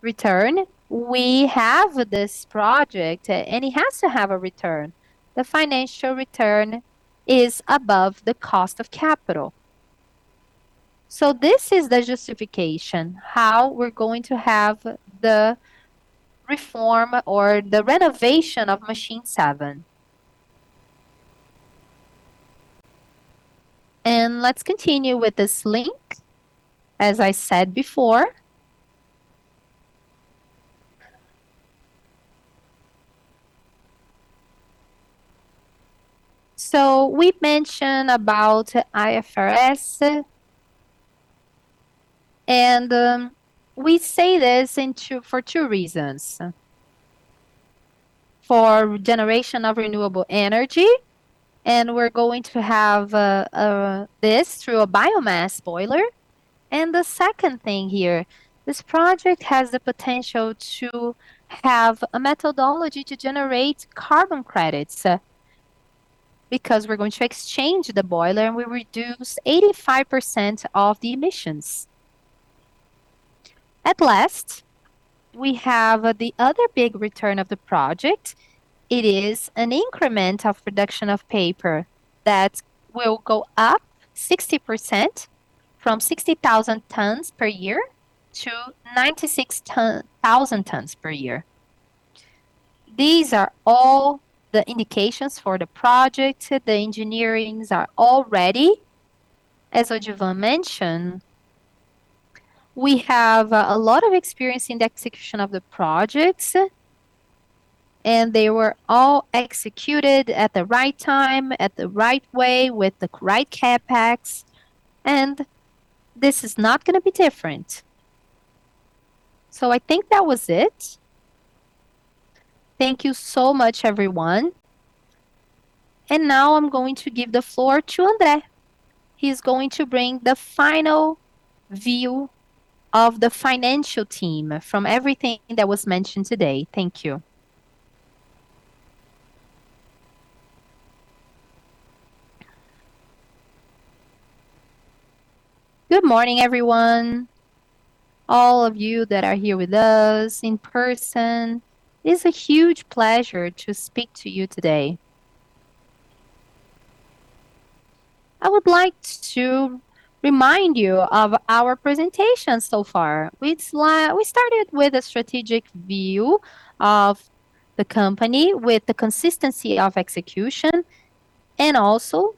return. We have this project, and it has to have a return. The financial return is above the cost of capital. This is the justification, how we're going to have the reform or the renovation of Machine Seven. Let's continue with this link, as I said before. We mentioned about IFRS, and we say this for two reasons. For generation of renewable energy, and we're going to have this through a biomass boiler. The second thing here, this project has the potential to have a methodology to generate carbon credits, because we're going to exchange the boiler and we reduce 85% of the emissions. At last, we have the other big return of the project. It is an increment of production of paper that will go up 60%, from 60,000 tons per year to 96,000 tons per year. These are all the indications for the project. The engineerings are all ready. As Odivan mentioned, we have a lot of experience in the execution of the projects, and they were all executed at the right time, at the right way, with the right CapEx, and this is not going to be different. I think that was it. Thank you so much, everyone. Now I'm going to give the floor to André. He's going to bring the final view of the financial team from everything that was mentioned today. Thank you. Good morning, everyone, all of you that are here with us in person. It's a huge pleasure to speak to you today. I would like to remind you of our presentation so far. We started with a strategic view of the company, with the consistency of execution, and also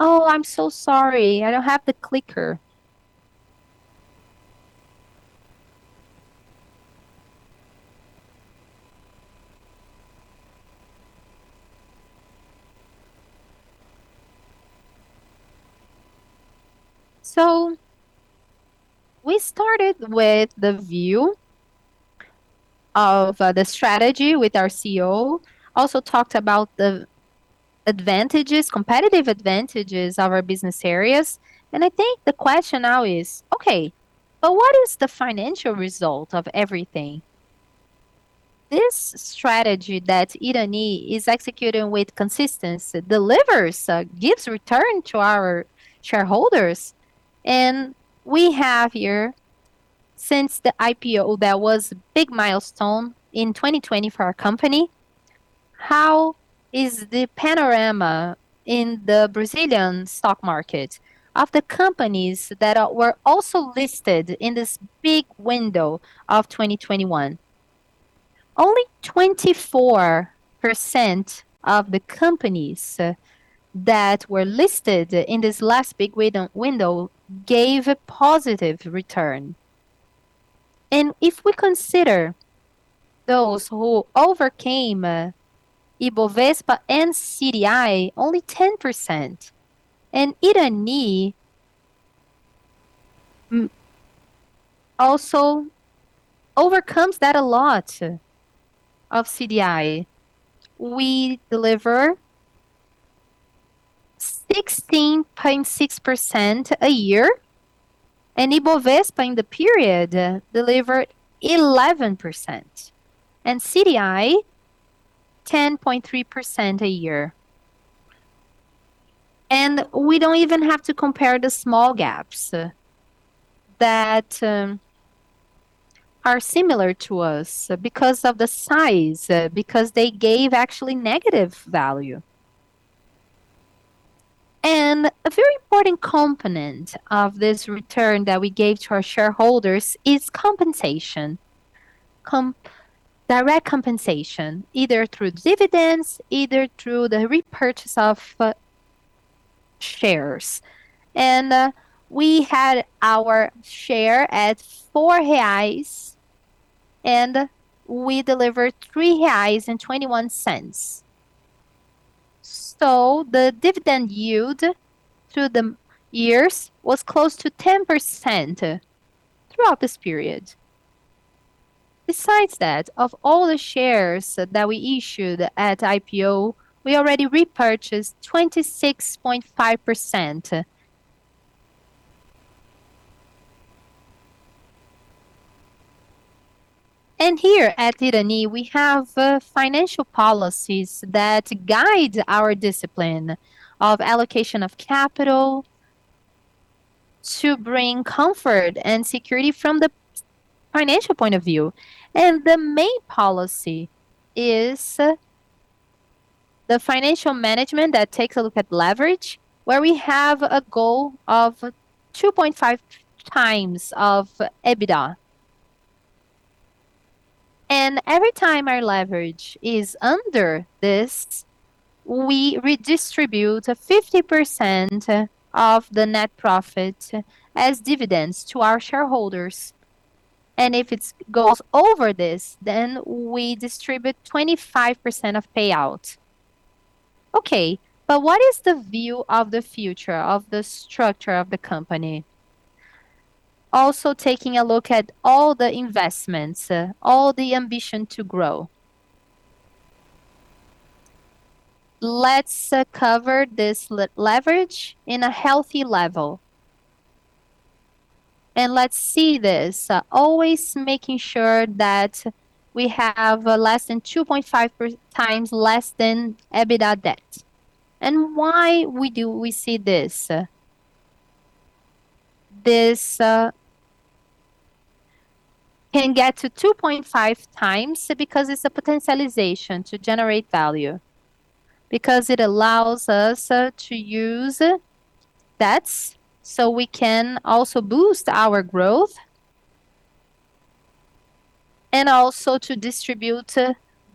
Oh, I'm so sorry. I don't have the clicker. We started with the view of the strategy with our CEO, also talked about the competitive advantages of our business areas. I think the question now is, okay, but what is the financial result of everything? This strategy that Irani is executing with consistency delivers, gives return to our shareholders. We have here, since the IPO, that was a big milestone in 2020 for our company. How is the panorama in the Brazilian stock market of the companies that were also listed in this big window of 2021? Only 24% of the companies that were listed in this last big window gave a positive return. If we consider those who overcame IBOVESPA and CDI, only 10%. Irani also overcomes that a lot of CDI. We deliver 16.6% a year, and IBOVESPA in the period delivered 11%, and CDI, 10.3% a year. We don't even have to compare the small gaps that are similar to us because of the size, because they gave actually negative value. A very important component of this return that we gave to our shareholders is compensation. Direct compensation, either through dividends, either through the repurchase of shares. We had our share at 4 reais, and we delivered 3.21 reais. The dividend yield through the years was close to 10% throughout this period. Besides that, of all the shares that we issued at IPO, we already repurchased 26.5%. Here at Irani, we have financial policies that guide our discipline of allocation of capital to bring comfort and security from the financial point of view. The main policy is the financial management that takes a look at leverage, where we have a goal of 2.5 times of EBITDA. Every time our leverage is under this, we redistribute 50% of the net profit as dividends to our shareholders. If it goes over this, then we distribute 25% of payout. What is the view of the future of the structure of the company? Also taking a look at all the investments, all the ambition to grow. Let's cover this leverage in a healthy level. Let's see this, always making sure that we have less than 2.5 times less than EBITDA debt. Why do we see this? This can get to 2.5 times because it's a potentialization to generate value. Because it allows us to use debts so we can also boost our growth, and also to distribute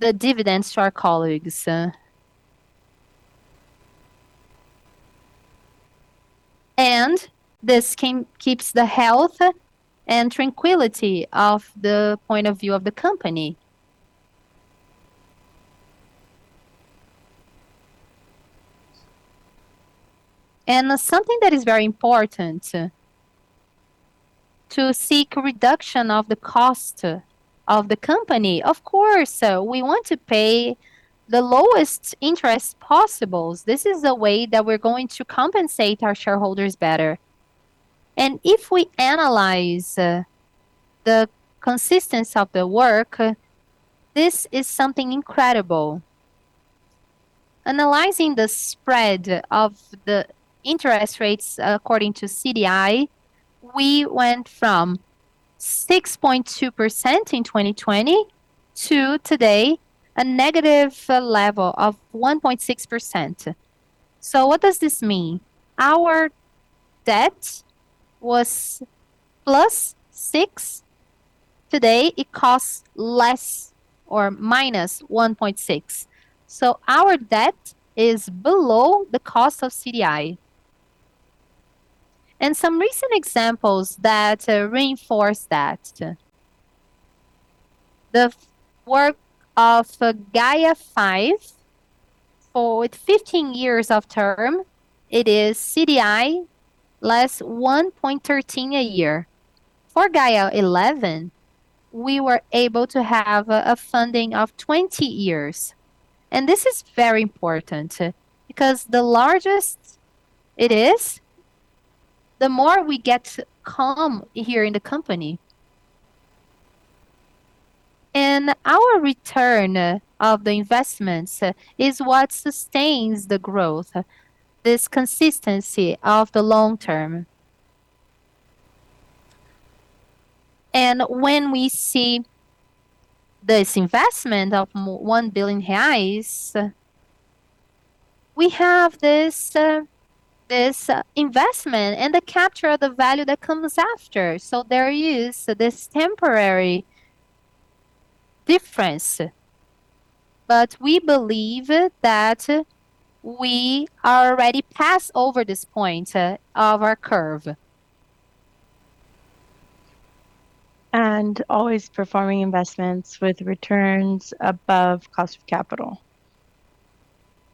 the dividends to our colleagues. This keeps the health and tranquility of the point of view of the company. Something that is very important, to seek reduction of the cost of the company. We want to pay the lowest interest possible. This is the way that we're going to compensate our shareholders better. If we analyze the consistence of the work, this is something incredible. Analyzing the spread of the interest rates according to CDI, we went from 6.2% in 2020 to today, a negative level of 1.6%. What does this mean? Our debt was plus six. Today, it costs less or minus 1.6. Our debt is below the cost of CDI. Some recent examples that reinforce that. The work of Gaia V for 15 years of term, it is CDI less 1.13 a year. For Gaia XI, we were able to have a funding of 20 years, This is very important because the largest it is, the more we get calm here in the company. Our return of the investments is what sustains the growth, this consistency of the long term. When we see this investment of 1 billion reais, we have this investment and the capture of the value that comes after. There is this temporary difference, but we believe that we are already past this point of our curve. Always performing investments with returns above cost of capital,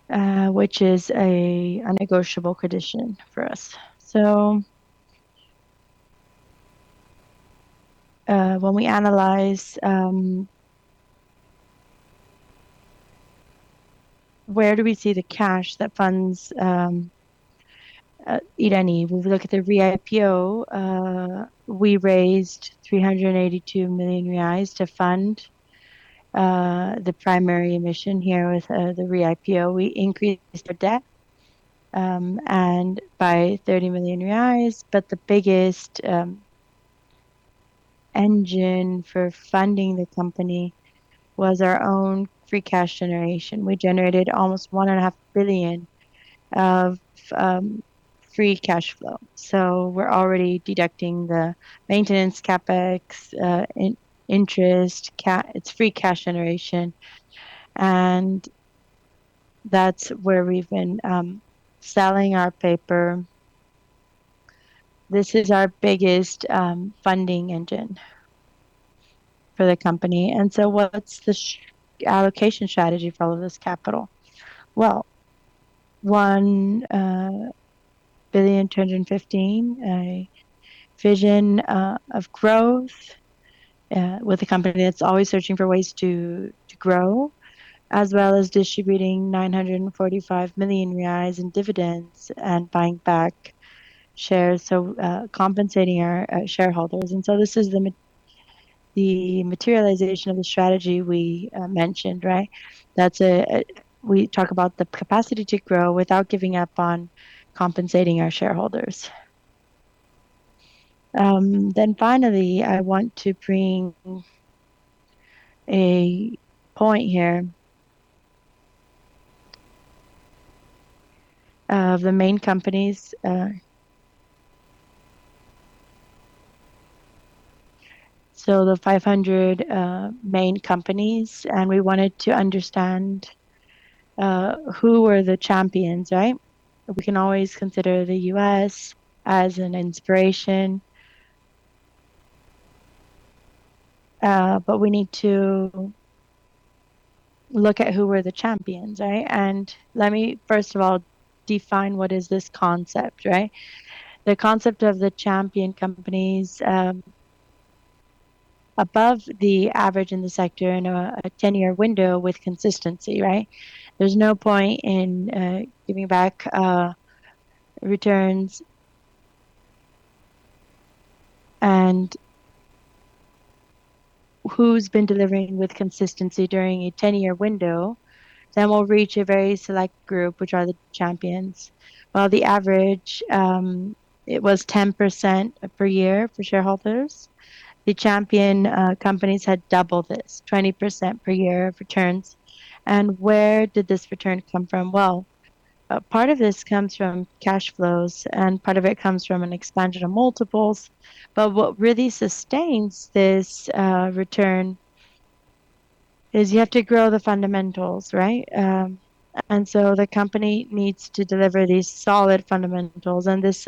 which is a negotiable condition for us. When we analyze where do we see the cash that funds Irani, we look at the re-IPO. We raised 382 million reais to fund the primary emission here with the re-IPO. We increased our debt, by BRL 30 million. The biggest engine for funding the company was our own free cash generation. We generated almost 1.5 billion of free cash flow. We're already deducting the maintenance CapEx, interest. It's free cash generation, and that's where we've been selling our paper. This is our biggest funding engine for the company. What's the allocation strategy for all of this capital? Well, 1.215 billion, a vision of growth, with a company that's always searching for ways to grow, as well as distributing 945 million reais in dividends and buying back shares. Compensating our shareholders. This is the materialization of the strategy we mentioned, right? We talk about the capacity to grow without giving up on compensating our shareholders. Finally, I want to bring a point here of the main companies. The 500 main companies, and we wanted to understand who were the champions, right? We can always consider the U.S. as an inspiration, but we need to look at who were the champions, right? Let me first of all define what is this concept, right? The concept of the champion companies above the average in the sector in a 10-year window with consistency, right? There's no point in giving back returns, who's been delivering with consistency during a 10-year window. We'll reach a very select group, which are the champions, while the average, it was 10% per year for shareholders. The champion companies had double this, 20% per year of returns. Where did this return come from? Part of this comes from cash flows, part of it comes from an expansion of multiples. What really sustains this return is you have to grow the fundamentals, right? The company needs to deliver these solid fundamentals and this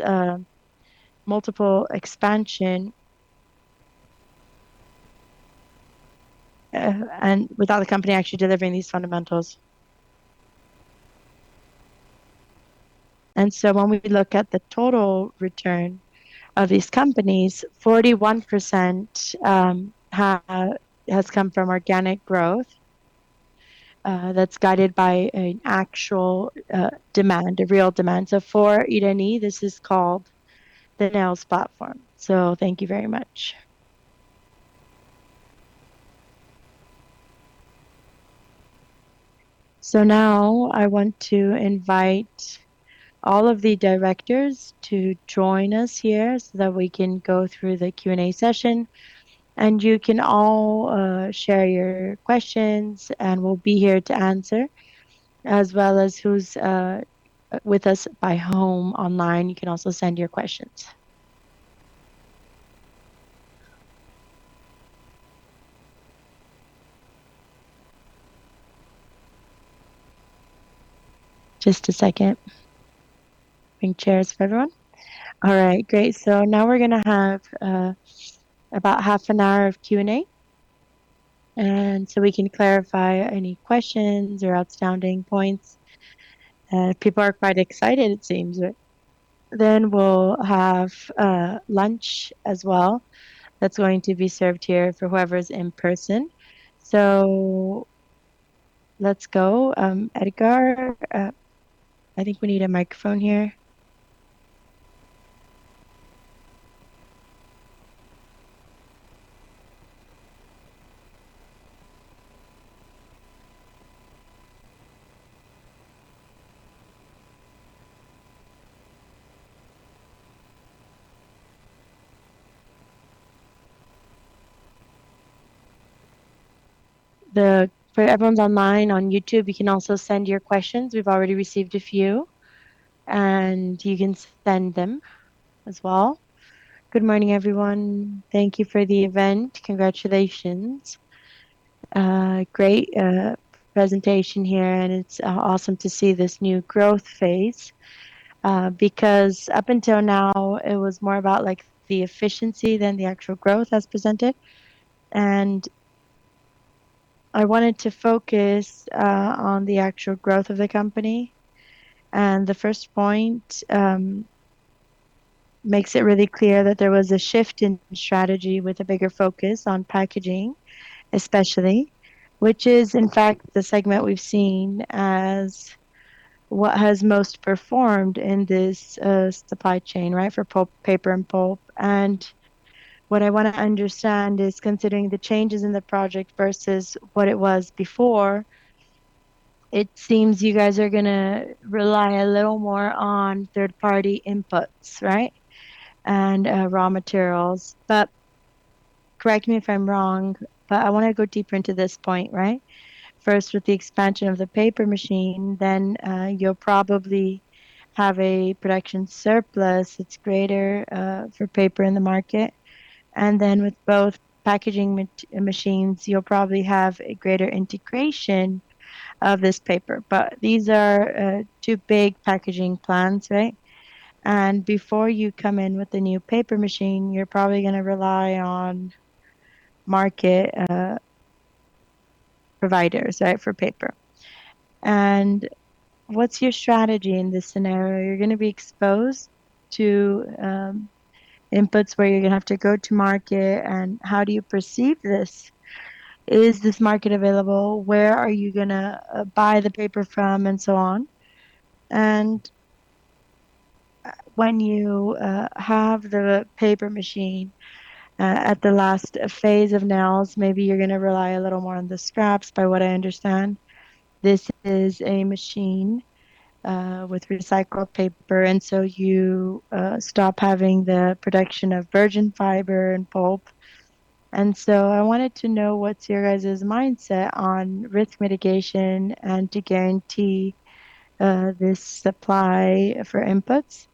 multiple expansion, without the company actually delivering these fundamentals. When we look at the total return of these companies, 41% has come from organic growth. That's guided by an actual demand, a real demand. For Irani, this is called the Neos Platform. Thank you very much. Now I want to invite all of the directors to join us here so that we can go through the Q&A session, and you can all share your questions, and we'll be here to answer, as well as who's with us by home online. You can also send your questions. Just a second. Bring chairs for everyone. All right, great. Now we're going to have about half an hour of Q&A, and so we can clarify any questions or outstanding points. People are quite excited, it seems. Then we'll have lunch as well. That's going to be served here for whoever's in person. Let's go. Edgar, I think we need a microphone here. For everyone's online on YouTube, you can also send your questions. We've already received a few, and you can send them as well. Good morning, everyone. Thank you for the event. Congratulations. Great presentation here, and it's awesome to see this new growth phase. Because up until now, it was more about the efficiency than the actual growth as presented. I wanted to focus on the actual growth of the company. The first point makes it really clear that there was a shift in strategy with a bigger focus on packaging, especially, which is in fact the segment we've seen as what has most performed in this supply chain for paper and pulp. What I want to understand is considering the changes in the project versus what it was before, it seems you guys are going to rely a little more on third-party inputs and raw materials. Correct me if I'm wrong, but I want to go deeper into this point. First, with the expansion of the paper machine, you'll probably have a production surplus that's greater for paper in the market. With both packaging machines, you'll probably have a greater integration of this paper. These are two big packaging plants. Before you come in with the new paper machine, you're probably going to rely on market providers for paper. What's your strategy in this scenario? You're going to be exposed to inputs where you're going to have to go to market. How do you perceive this? Is this market available? Where are you going to buy the paper from, and so on? When you have the paper machine at the last phase of Neos, maybe you're going to rely a little more on the scraps, by what I understand. This is a machine with recycled paper, you stop having the production of virgin fiber and pulp. I wanted to know what's your guys' mindset on risk mitigation and to guarantee this supply for inputs.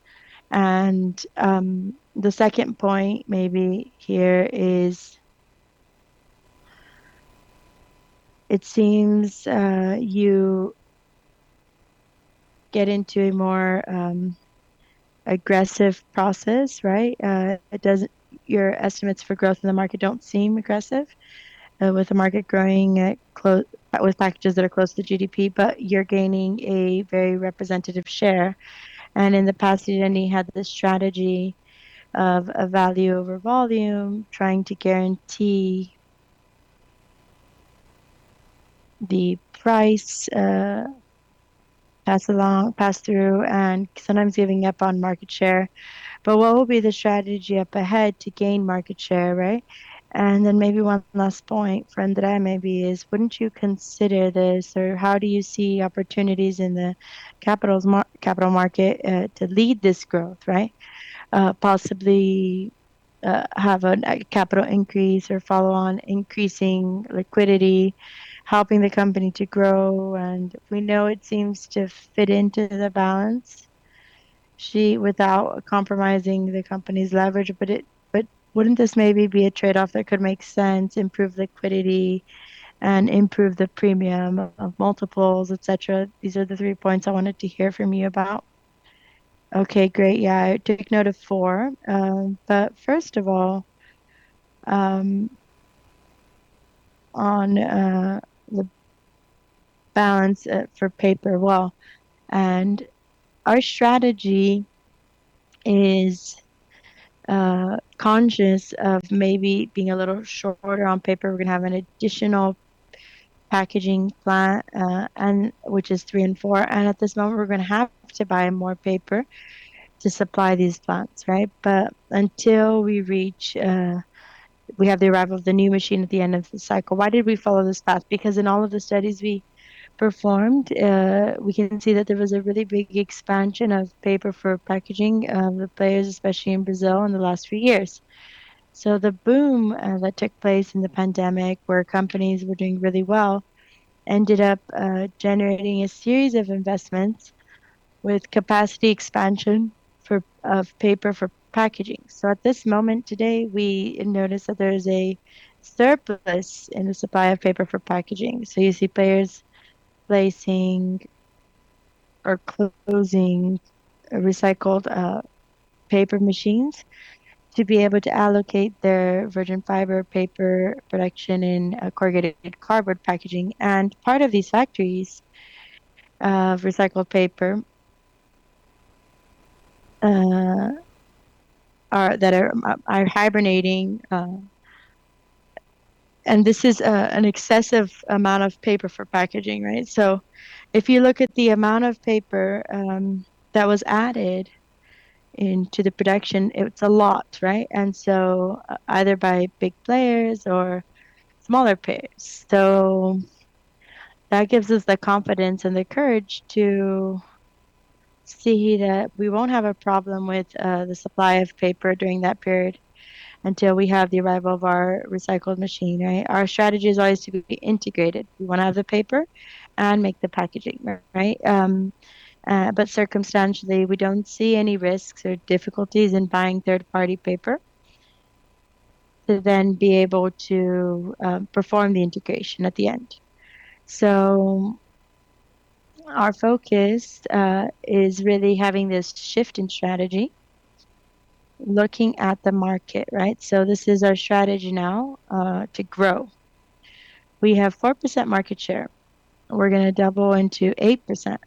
The second point maybe here is, it seems you get into a more aggressive process. Your estimates for growth in the market don't seem aggressive with the market growing With packages that are close to GDP, you're gaining a very representative share. In the past, you then had this strategy of a value over volume, trying to guarantee the price pass-through, and sometimes giving up on market share. What will be the strategy up ahead to gain market share? Maybe one last point, André, maybe is wouldn't you consider this, or how do you see opportunities in the capital market to lead this growth? Possibly have a capital increase or follow on increasing liquidity, helping the company to grow. We know it seems to fit into the balance sheet without compromising the company's leverage. Wouldn't this maybe be a trade-off that could make sense, improve liquidity, and improve the premium of multiples, et cetera? These are the three points I wanted to hear from you about. Okay, great. I took note of four. First of all, on the balance for paper. Our strategy is conscious of maybe being a little shorter on paper. We're going to have an additional packaging plant, which is 3 and 4. At this moment, we're going to have to buy more paper to supply these plants. Until we have the arrival of the new machine at the end of the cycle. Why did we follow this path? In all of the studies we performed, we can see that there was a really big expansion of paper for packaging players, especially in Brazil, in the last few years. The boom that took place in the pandemic, where companies were doing really well, ended up generating a series of investments with capacity expansion of paper for packaging. At this moment today, we notice that there is a surplus in the supply of paper for packaging. You see players placing or closing recycled paper machines to be able to allocate their virgin fiber paper production in corrugated cardboard packaging. Part of these factories of recycled paper that are hibernating, this is an excessive amount of paper for packaging. If you look at the amount of paper that was added into the production, it's a lot. Either by big players or smaller players. That gives us the confidence and the courage to see that we won't have a problem with the supply of paper during that period until we have the arrival of our recycled machine. Our strategy is always to be integrated. We want to have the paper and make the packaging. Circumstantially, we don't see any risks or difficulties in buying third-party paper To then be able to perform the integration at the end. Our focus is really having this shift in strategy, looking at the market, right? This is our strategy now, to grow. We have 4% market share. We're going to double into 8%.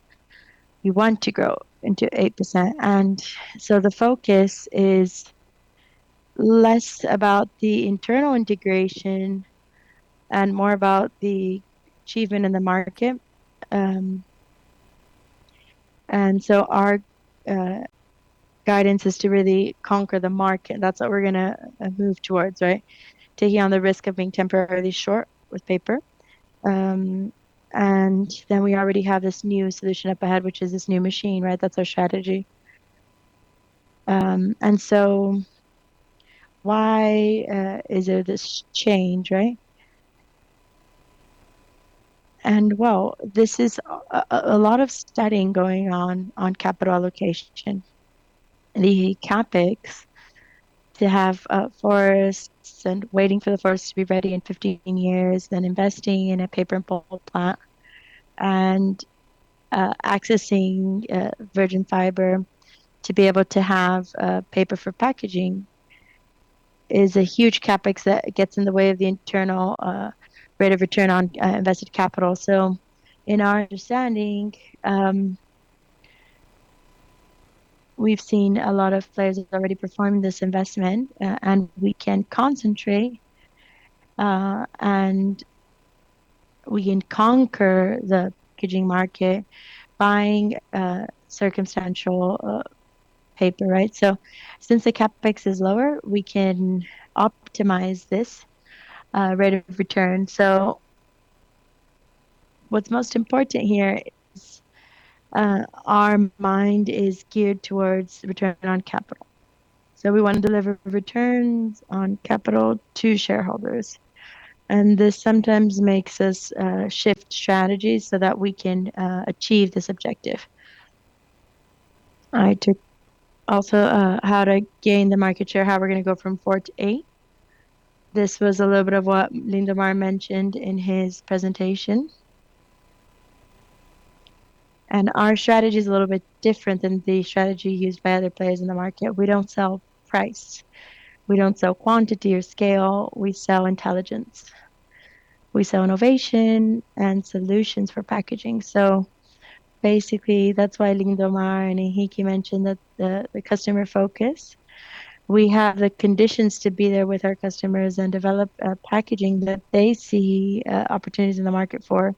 We want to grow into 8%, the focus is less about the internal integration and more about the achievement in the market. Our guidance is to really conquer the market. That's what we're going to move towards, right? Taking on the risk of being temporarily short with paper. We already have this new solution up ahead, which is this new machine, right? That's our strategy. Why is there this change, right? This is a lot of studying going on capital allocation. The CapEx to have forests, waiting for the forests to be ready in 15 years, then investing in a paper and pulp plant, accessing virgin fiber to be able to have paper for packaging is a huge CapEx that gets in the way of the internal rate of return on invested capital. In our understanding, we've seen a lot of players have already performed this investment, and we can concentrate, and we can conquer the packaging market buying circumstantial paper, right? Since the CapEx is lower, we can optimize this rate of return. What's most important here is our mind is geared towards return on capital. We want to deliver returns on capital to shareholders. This sometimes makes us shift strategies so that we can achieve this objective. Also, how to gain the market share, how we're going to go from 4% to 8%. This was a little bit of what Lindomar mentioned in his presentation. Our strategy is a little bit different than the strategy used by other players in the market. We don't sell price. We don't sell quantity or scale. We sell intelligence. We sell innovation and solutions for packaging. Basically, that's why Lindomar and Henrique mentioned the customer focus. We have the conditions to be there with our customers and develop packaging that they see opportunities in the market for,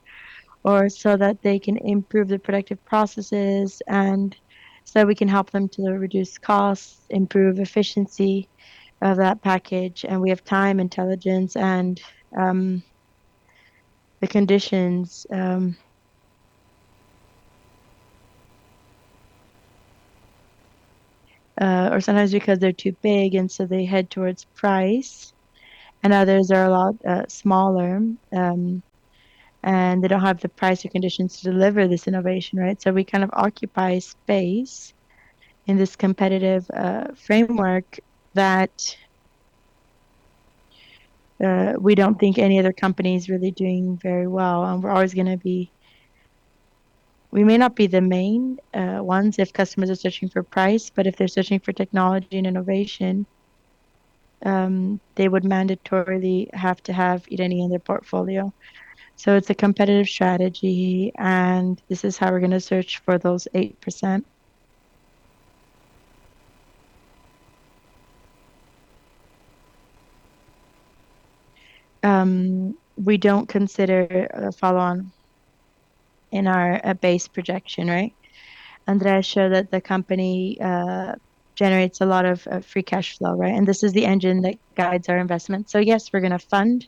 or so that they can improve their productive processes, and we can help them to reduce costs, improve efficiency of that package. We have time, intelligence, and the conditions. Sometimes because they're too big, and they head towards price. Others are a lot smaller, and they don't have the price or conditions to deliver this innovation, right? We kind of occupy space in this competitive framework that we don't think any other company is really doing very well, and we're always going to be. We may not be the main ones if customers are searching for price, but if they're searching for technology and innovation, they would mandatorily have to have Irani in their portfolio. It's a competitive strategy, and this is how we're going to search for those 8%. We don't consider a follow-on in our base projection, right? André showed that the company generates a lot of free cash flow, right? This is the engine that guides our investment. Yes, we're going to fund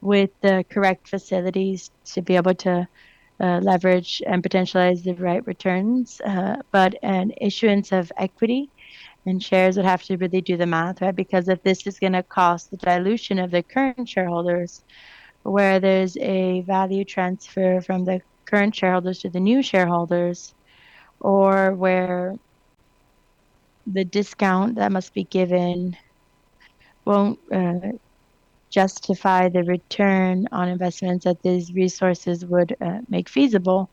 with the correct facilities to be able to leverage and potentialize the right returns. An issuance of equity and shares would have to really do the math, right? If this is going to cost the dilution of the current shareholders, where there's a value transfer from the current shareholders to the new shareholders, or where the discount that must be given won't justify the return on investments that these resources would make feasible,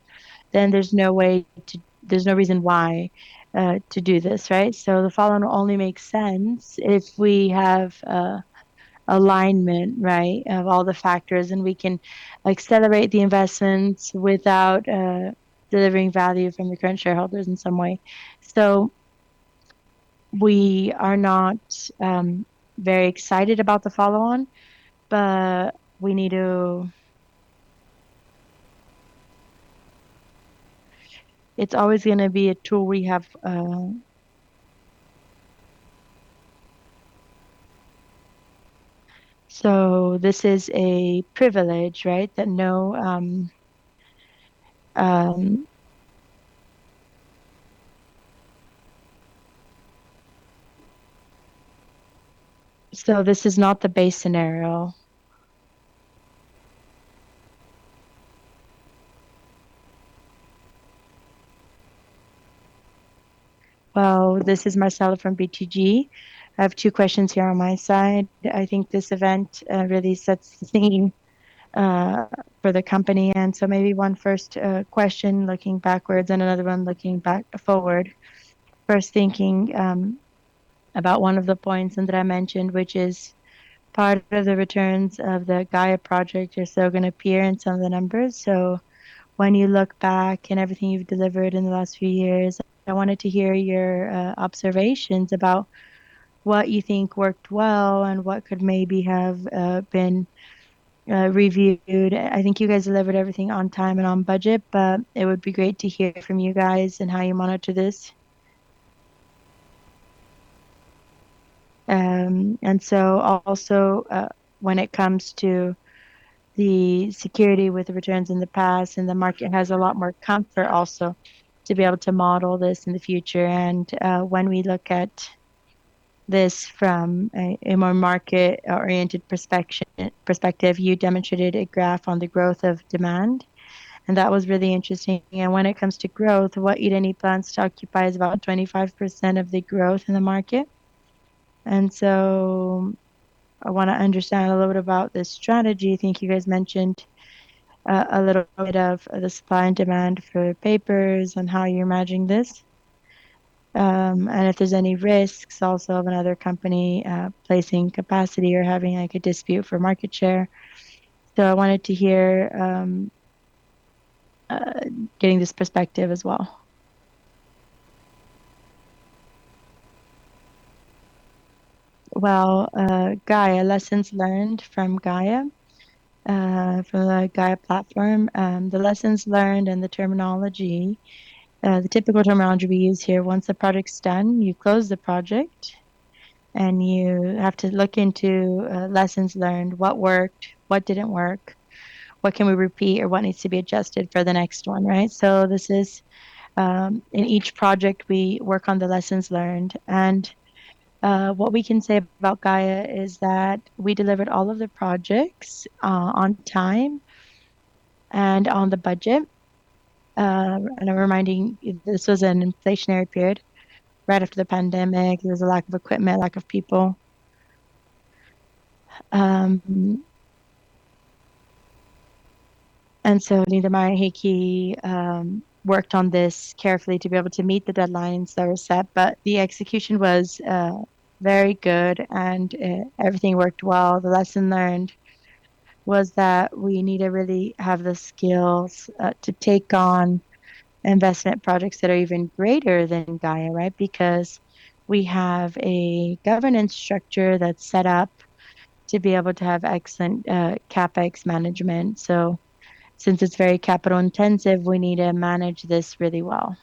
then there's no reason why to do this, right? The follow-on only makes sense if we have alignment, right, of all the factors, and we can accelerate the investments without delivering value from the current shareholders in some way. We are not very excited about the follow-on, but we need to. It's always going to be a tool we have. This is a privilege, right? That no. This is not the base scenario. Well, this is Marcella from BTG. I have two questions here on my side. I think this event really sets the scene for the company, maybe one first question looking backwards and another one looking forward. First, thinking about one of the points André mentioned, which is part of the returns of the Gaia project are still going to appear in some of the numbers. When you look back on everything you've delivered in the last few years, I wanted to hear your observations about what you think worked well and what could maybe have been reviewed. I think you guys delivered everything on time and on budget, but it would be great to hear from you guys on how you monitor this. Also when it comes to the security with the returns in the past, the market has a lot more comfort also to be able to model this in the future. When we look at this from a more market-oriented perspective, you demonstrated a graph on the growth of demand, and that was really interesting. When it comes to growth, what Irani plans to occupy is about 25% of the growth in the market. I want to understand a little bit about this strategy. I think you guys mentioned a little bit of the supply and demand for papers and how you're managing this. If there's any risks also of another company placing capacity or having a dispute for market share. I wanted to hear, getting this perspective as well. Well, Gaia, lessons learned from Gaia, for the Gaia Platform. The lessons learned and the terminology, the typical terminology we use here, once the project's done, you close the project and you have to look into lessons learned, what worked, what didn't work, what can we repeat or what needs to be adjusted for the next one, right? This is, in each project we work on the lessons learned. What we can say about Gaia is that we delivered all of the projects on time and on the budget. I'm reminding you, this was an inflationary period right after the pandemic. There was a lack of equipment, lack of people. Nidamar Ayheyki worked on this carefully to be able to meet the deadlines that were set. But the execution was very good and everything worked well. The lesson learned was that we need to really have the skills to take on investment projects that are even greater than Gaia, right? Because we have a governance structure that's set up to be able to have excellent CapEx management. Since it's very capital intensive, we need to manage this really well.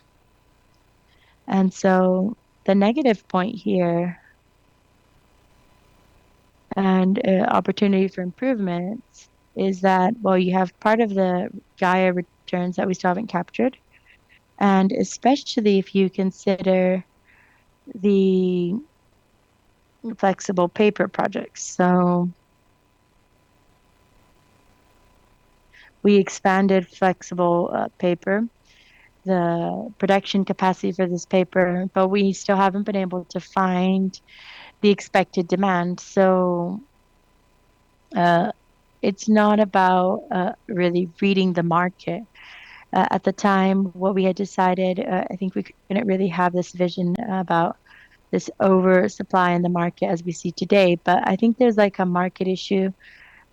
The negative point here and opportunity for improvements is that while you have part of the Gaia returns that we still haven't captured, and especially if you consider the flexible paper projects. We expanded flexible paper, the production capacity for this paper, but we still haven't been able to find the expected demand. It's not about really reading the market. At the time, what we had decided, I think we didn't really have this vision about this oversupply in the market as we see today. I think there's a market issue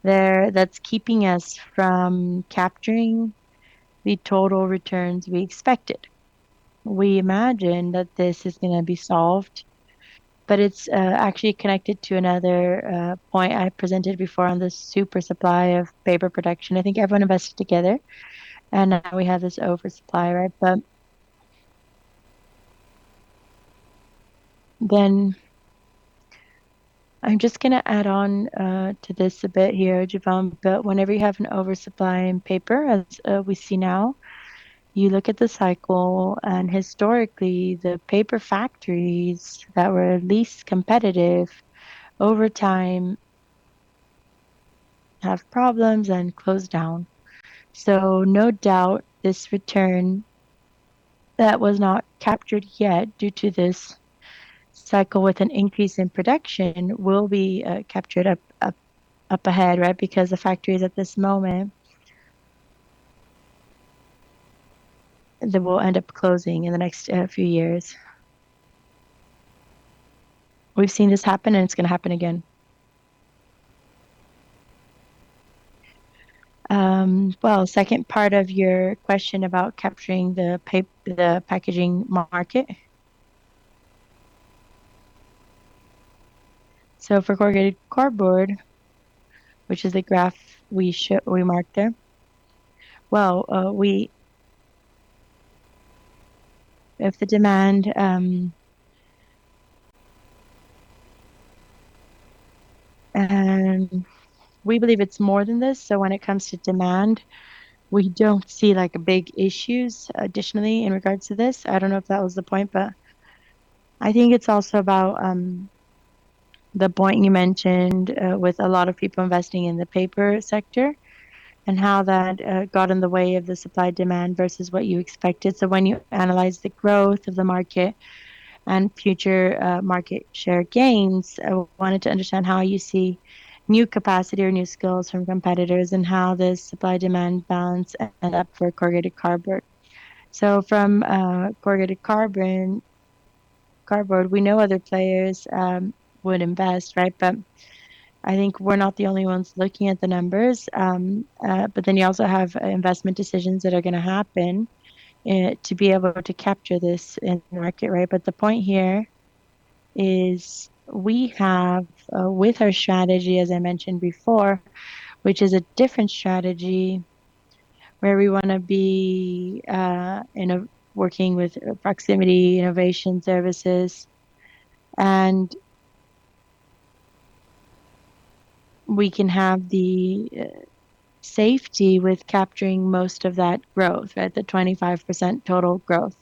there that's keeping us from capturing the total returns we expected. We imagine that this is going to be solved, but it's actually connected to another point I presented before on the super supply of paper production. I think everyone invested together, and now we have this oversupply, right? I'm just going to add on to this a bit here, Odivan, whenever you have an oversupply in paper, as we see now, you look at the cycle, and historically, the paper factories that were least competitive over time have problems and close down. No doubt this return that was not captured yet due to this cycle with an increase in production will be captured up ahead, right? Because the factories at this moment, they will end up closing in the next few years. We've seen this happen, and it's going to happen again. Second part of your question about capturing the packaging market. For corrugated cardboard, which is the graph we marked there. We have the demand, and we believe it's more than this. When it comes to demand, we don't see big issues additionally in regards to this. I don't know if that was the point, but I think it's also about the point you mentioned with a lot of people investing in the paper sector, and how that got in the way of the supply-demand versus what you expected. When you analyze the growth of the market and future market share gains, I wanted to understand how you see new capacity or new skills from competitors, and how the supply-demand balance end up for corrugated cardboard. From corrugated cardboard, we know other players would invest. I think we're not the only ones looking at the numbers. You also have investment decisions that are going to happen to be able to capture this in the market. The point here is we have with our strategy, as I mentioned before, which is a different strategy where we want to be working with proximity innovation services, and we can have the safety with capturing most of that growth at the 25% total growth.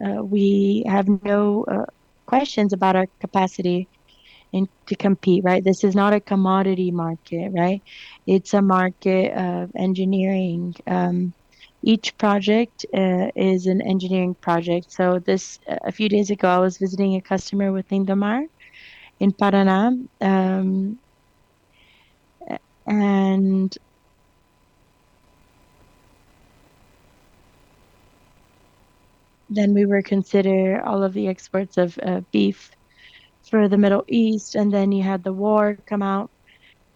We have no questions about our capacity to compete. This is not a commodity market. It's a market of engineering. Each project is an engineering project. A few days ago, I was visiting a customer with Lindomar in Paraná. We were consider all of the exports of beef for the Middle East, you had the war come out,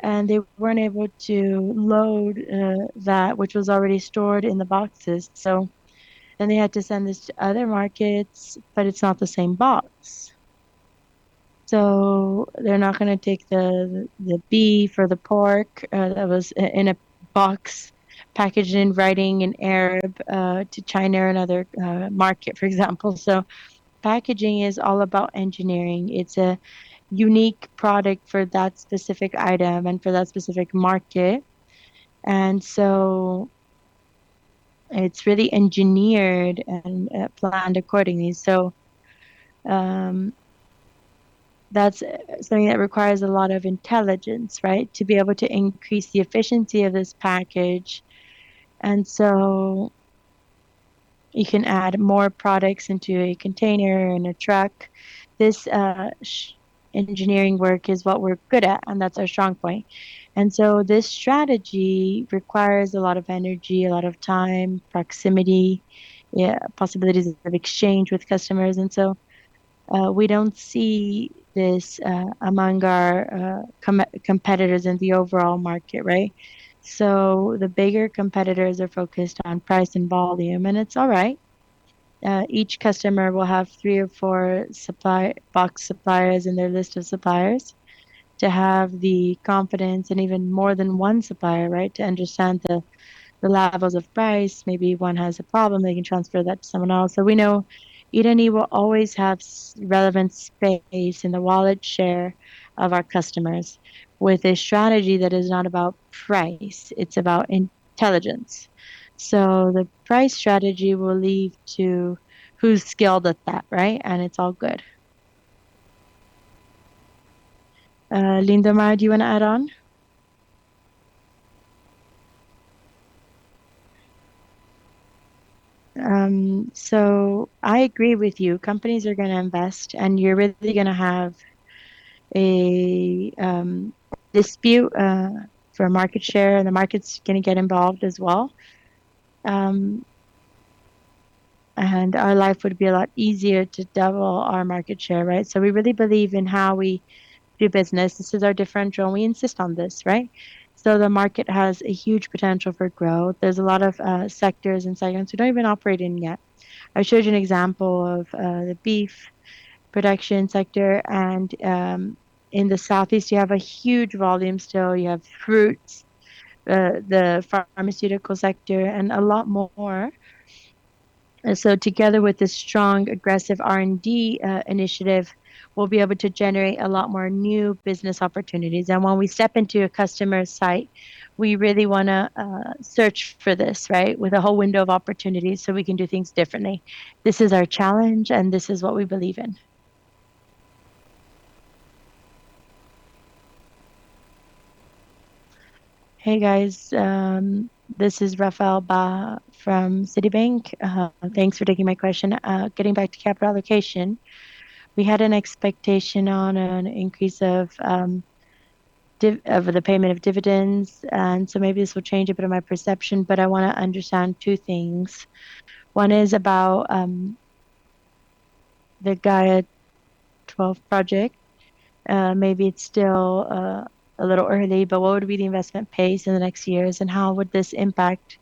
and they weren't able to load that, which was already stored in the boxes. They had to send this to other markets, it's not the same box. They're not going to take the beef or the pork that was in a box packaged in writing in Arab to China or another market, for example. Packaging is all about engineering. It's a unique product for that specific item and for that specific market. It's really engineered and planned accordingly. That's something that requires a lot of intelligence to be able to increase the efficiency of this package. You can add more products into a container and a truck. This engineering work is what we're good at, and that's our strong point. This strategy requires a lot of energy, a lot of time, proximity, possibilities of exchange with customers. We don't see this among our competitors in the overall market. The bigger competitors are focused on price and volume, and it's all right. Each customer will have three or four box suppliers in their list of suppliers to have the confidence and even more than one supplier to understand the levels of price. Maybe one has a problem, they can transfer that to someone else. We know Irani will always have relevant space in the wallet share of our customers with a strategy that is not about price, it's about intelligence. The price strategy will lead to who's skilled at that. It's all good. Lindomar, do you want to add on? I agree with you. Companies are going to invest, and you're really going to have a dispute for market share, and the market's going to get involved as well. Our life would be a lot easier to double our market share. We really believe in how we do business. This is our differential, and we insist on this. The market has a huge potential for growth. There's a lot of sectors and segments we don't even operate in yet. I showed you an example of the beef production sector, and in the southeast, you have a huge volume still. You have fruits, the pharmaceutical sector, and a lot more. Together with this strong, aggressive R&D initiative, we'll be able to generate a lot more new business opportunities. When we step into a customer site, we really want to search for this with a whole window of opportunities so we can do things differently. This is our challenge, and this is what we believe in. Hey, guys. This is Rafael from Citibank. Thanks for taking my question. Getting back to capital allocation, we had an expectation on an increase of the payment of dividends, maybe this will change a bit of my perception, but I want to understand two things. One is about the Gaia XII project. Maybe it's still a little early, but what would be the investment pace in the next years, and how would this impact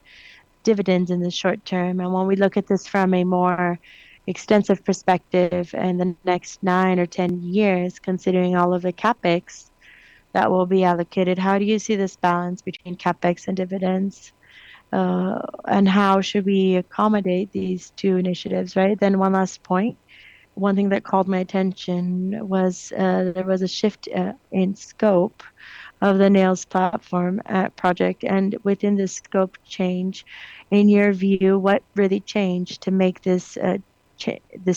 dividends in the short term? When we look at this from a more extensive perspective in the next 9 or 10 years, considering all of the CapEx that will be allocated, how do you see this balance between CapEx and dividends? How should we accommodate these two initiatives? One last point. One thing that called my attention was there was a shift in scope of the Neos Platform project. Within this scope change, in your view, what really changed to make this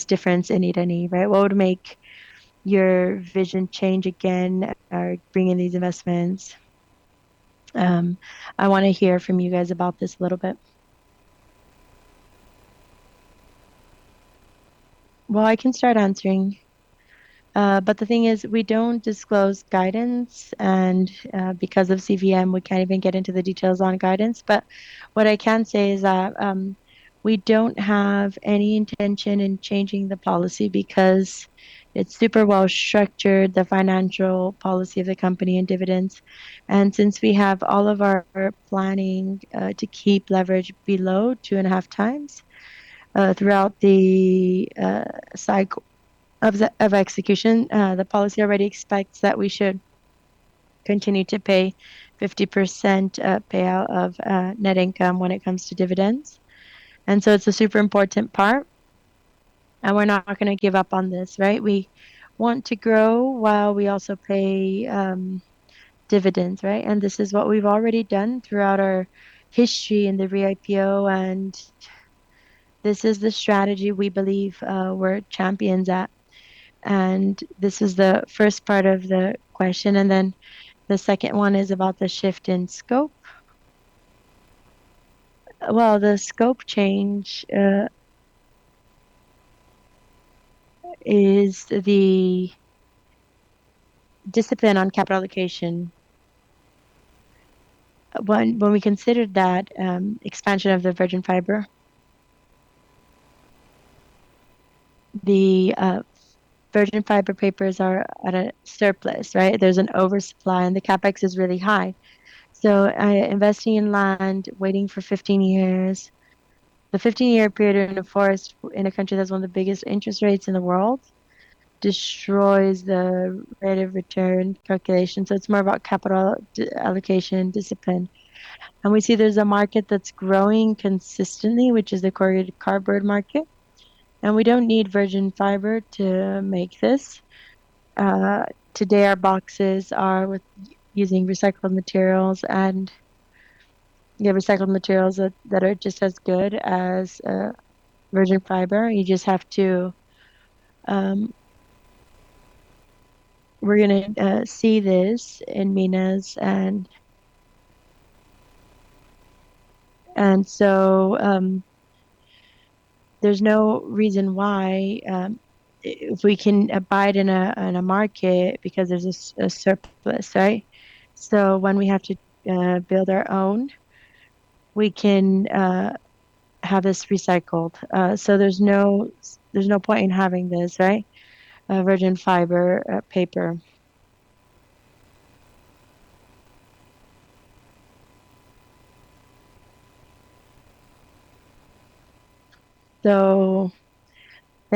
difference in Irani? What would make your vision change again or bring in these investments? I want to hear from you guys about this a little bit. I can start answering. The thing is, we don't disclose guidance, and because of CVM, we can't even get into the details on guidance. What I can say is that we don't have any intention in changing the policy because it's super well-structured, the financial policy of the company and dividends. Since we have all of our planning to keep leverage below 2.5 times throughout the cycle of execution, the policy already expects that we should continue to pay 50% payout of net income when it comes to dividends. It's a super important part, and we're not going to give up on this, right? We want to grow while we also pay dividends, right? This is what we've already done throughout our history in the re-IPO, and this is the strategy we believe we're champions at. This is the first part of the question, the second one is about the shift in scope. The scope change is the discipline on capital allocation. When we considered that expansion of the virgin fiber, the virgin fiber papers are at a surplus, right? There's an oversupply and the CapEx is really high. Investing in land, waiting for 15 years. The 15-year period in a forest in a country that's one of the biggest interest rates in the world destroys the rate of return calculation. It's more about capital allocation discipline. We see there's a market that's growing consistently, which is the corrugated cardboard market. We don't need virgin fiber to make this. Today, our boxes are with using recycled materials, and you have recycled materials that are just as good as virgin fiber. We're going to see this in Minas. There's no reason why we can abide in a market because there's a surplus, right? When we have to build our own, we can have this recycled. There's no point in having this, right? Virgin fiber paper.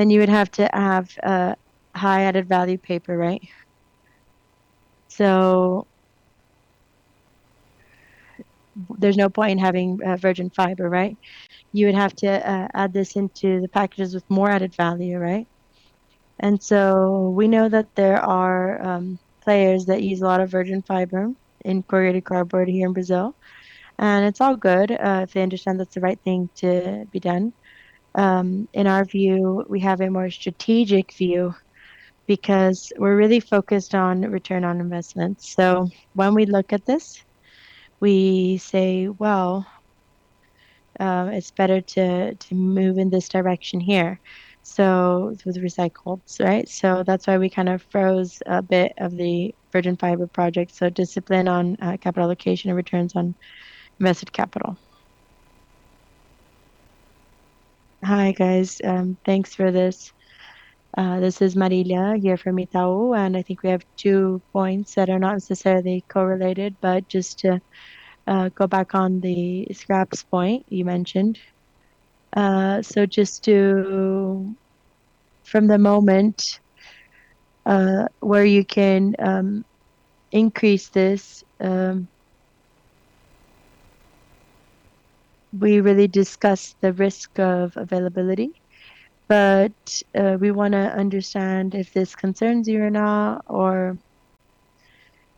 You would have to have a high added-value paper, right? There's no point in having virgin fiber, right? You would have to add this into the packages with more added value, right? We know that there are players that use a lot of virgin fiber in corrugated cardboard here in Brazil. It's all good, if they understand that's the right thing to be done. In our view, we have a more strategic view because we're really focused on return on investment. When we look at this, we say, "It's better to move in this direction here." It was recycled, right? That's why we kind of froze a bit of the virgin fiber project. Discipline on capital allocation and returns on invested capital. Hi, guys. Thanks for this. This is Marília here from Itaú, I think we have two points that are not necessarily correlated, just to go back on the scraps point you mentioned. Just from the moment where you can increase this, we really discussed the risk of availability. We want to understand if this concerns you or not, or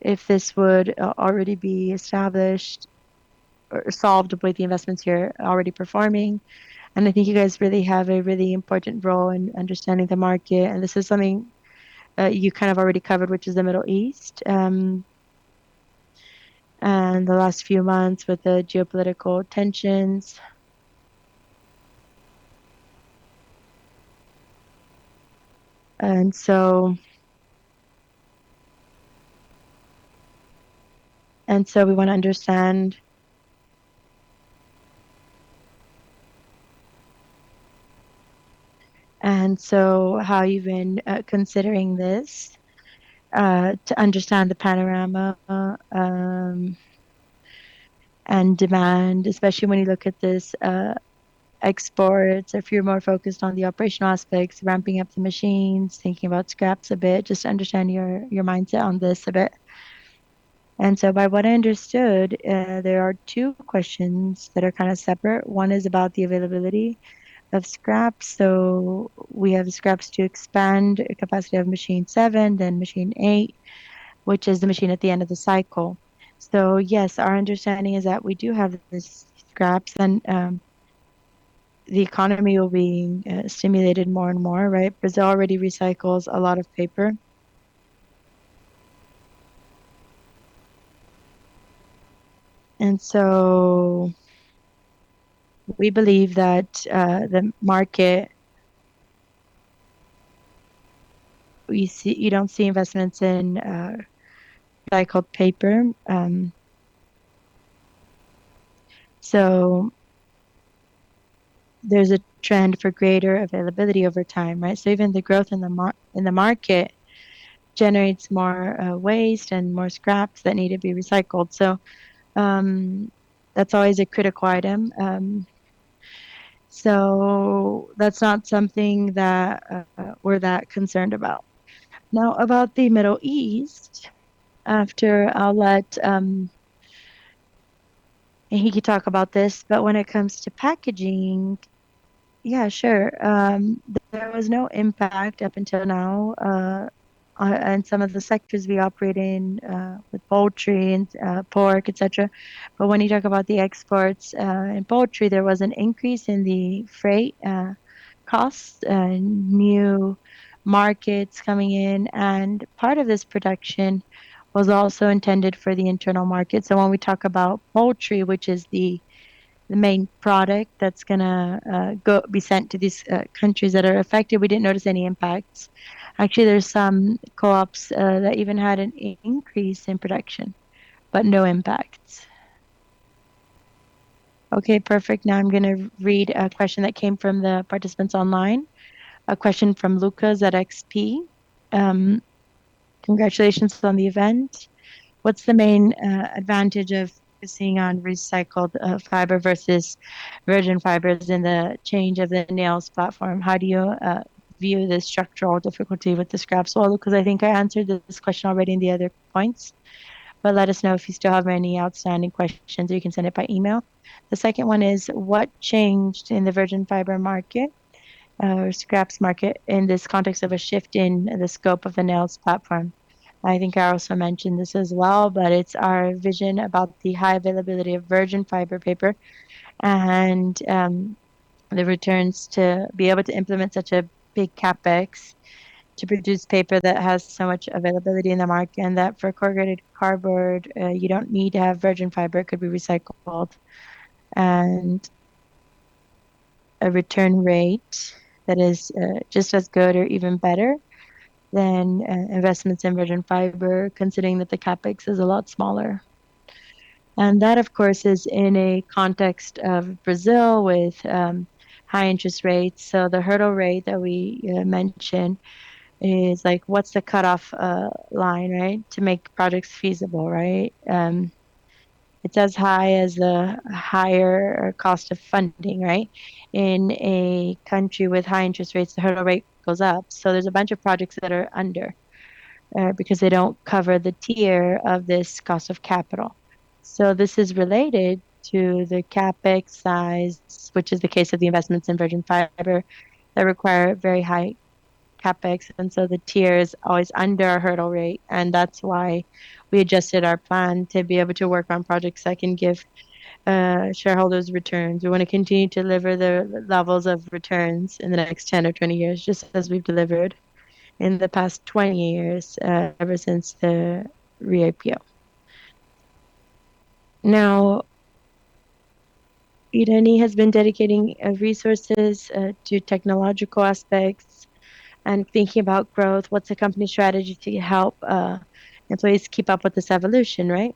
if this would already be established or solved with the investments you're already performing. I think you guys really have a really important role in understanding the market, and this is something that you kind of already covered, which is the Middle East, and the last few months with the geopolitical tensions. We want to understand. How you've been considering this, to understand the panorama, and demand, especially when you look at this exports. If you're more focused on the operational aspects, ramping up the machines, thinking about scraps a bit, just to understand your mindset on this a bit. By what I understood, there are two questions that are kind of separate. One is about the availability of scraps. We have scraps to expand capacity of Machine Seven, then machine eight, which is the machine at the end of the cycle. Yes, our understanding is that we do have these scraps and the economy will be stimulated more and more, right? Brazil already recycles a lot of paper. We believe that the market-- You don't see investments in recycled paper. There's a trend for greater availability over time, right? Even the growth in the market generates more waste and more scraps that need to be recycled. That's always a critical item. That's not something that we're that concerned about. Now, about the Middle East, after I'll let, and he could talk about this, but when it comes to packaging, yeah, sure. There was no impact up until now, on some of the sectors we operate in, with poultry and pork, et cetera. When you talk about the exports, in poultry, there was an increase in the freight costs, new markets coming in, and part of this production was also intended for the internal market. When we talk about poultry, which is the main product that's going to be sent to these countries that are affected, we didn't notice any impacts. Actually, there's some co-ops that even had an increase in production, but no impacts. Okay, perfect. I'm going to read a question that came from the participants online. A question from Lucas at XP. Congratulations on the event. What's the main advantage of focusing on recycled fiber versus virgin fibers in the change of the Neos Platform? How do you view the structural difficulty with the scraps? Because I think I answered this question already in the other points, but let us know if you still have any outstanding questions, or you can send it by email. The second one is, what changed in the virgin fiber market or scraps market in this context of a shift in the scope of the Neos Platform? I think I also mentioned this as well, but it's our vision about the high availability of virgin fiber paper and the returns to be able to implement such a big CapEx to produce paper that has so much availability in the market, and that for corrugated cardboard, you don't need to have virgin fiber. It could be recycled. A return rate that is just as good or even better than investments in virgin fiber, considering that the CapEx is a lot smaller. That, of course, is in a context of Brazil with high interest rates. The hurdle rate that we mentioned is like, what's the cutoff line, right, to make products feasible, right? It's as high as the higher cost of funding, right? In a country with high interest rates, the hurdle rate goes up. There's a bunch of projects that are under because they don't cover the TIR of this cost of capital. This is related to the CapEx size, which is the case of the investments in virgin fiber that require very high CapEx, the TIR is always under our hurdle rate, and that's why we adjusted our plan to be able to work on projects that can give shareholders returns. We want to continue to deliver the levels of returns in the next 10 or 20 years, just as we've delivered in the past 20 years, ever since the re-IPO. Irani has been dedicating resources to technological aspects and thinking about growth. What's the company strategy to help employees keep up with this evolution, right?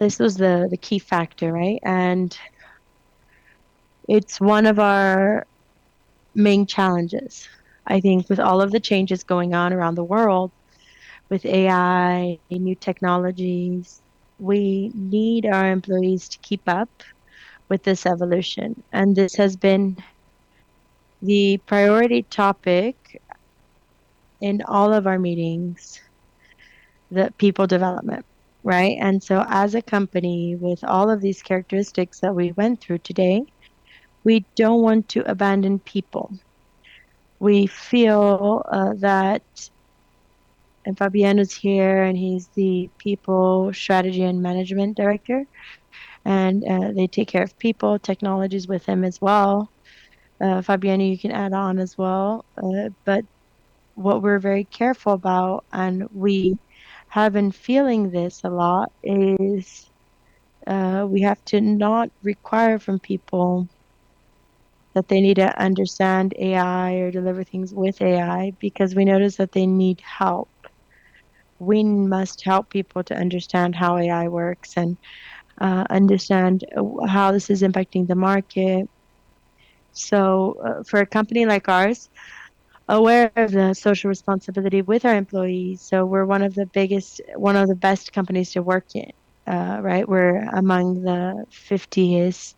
This was the key factor, right? It's one of our main challenges. I think with all of the changes going on around the world with AI and new technologies, we need our employees to keep up with this evolution. This has been the priority topic in all of our meetings, the people development, right? As a company with all of these characteristics that we went through today, we don't want to abandon people. We feel that, Fabiano's here, he's the Director of People, Strategy and Management, they take care of people, technologies with him as well. Fabiano, you can add on as well. What we're very careful about, and we have been feeling this a lot, is we have to not require from people that they need to understand AI or deliver things with AI because we notice that they need help. We must help people to understand how AI works and understand how this is impacting the market. For a company like ours, aware of the social responsibility with our employees, we're one of the best companies to work in. Right? We're among the 50-ish,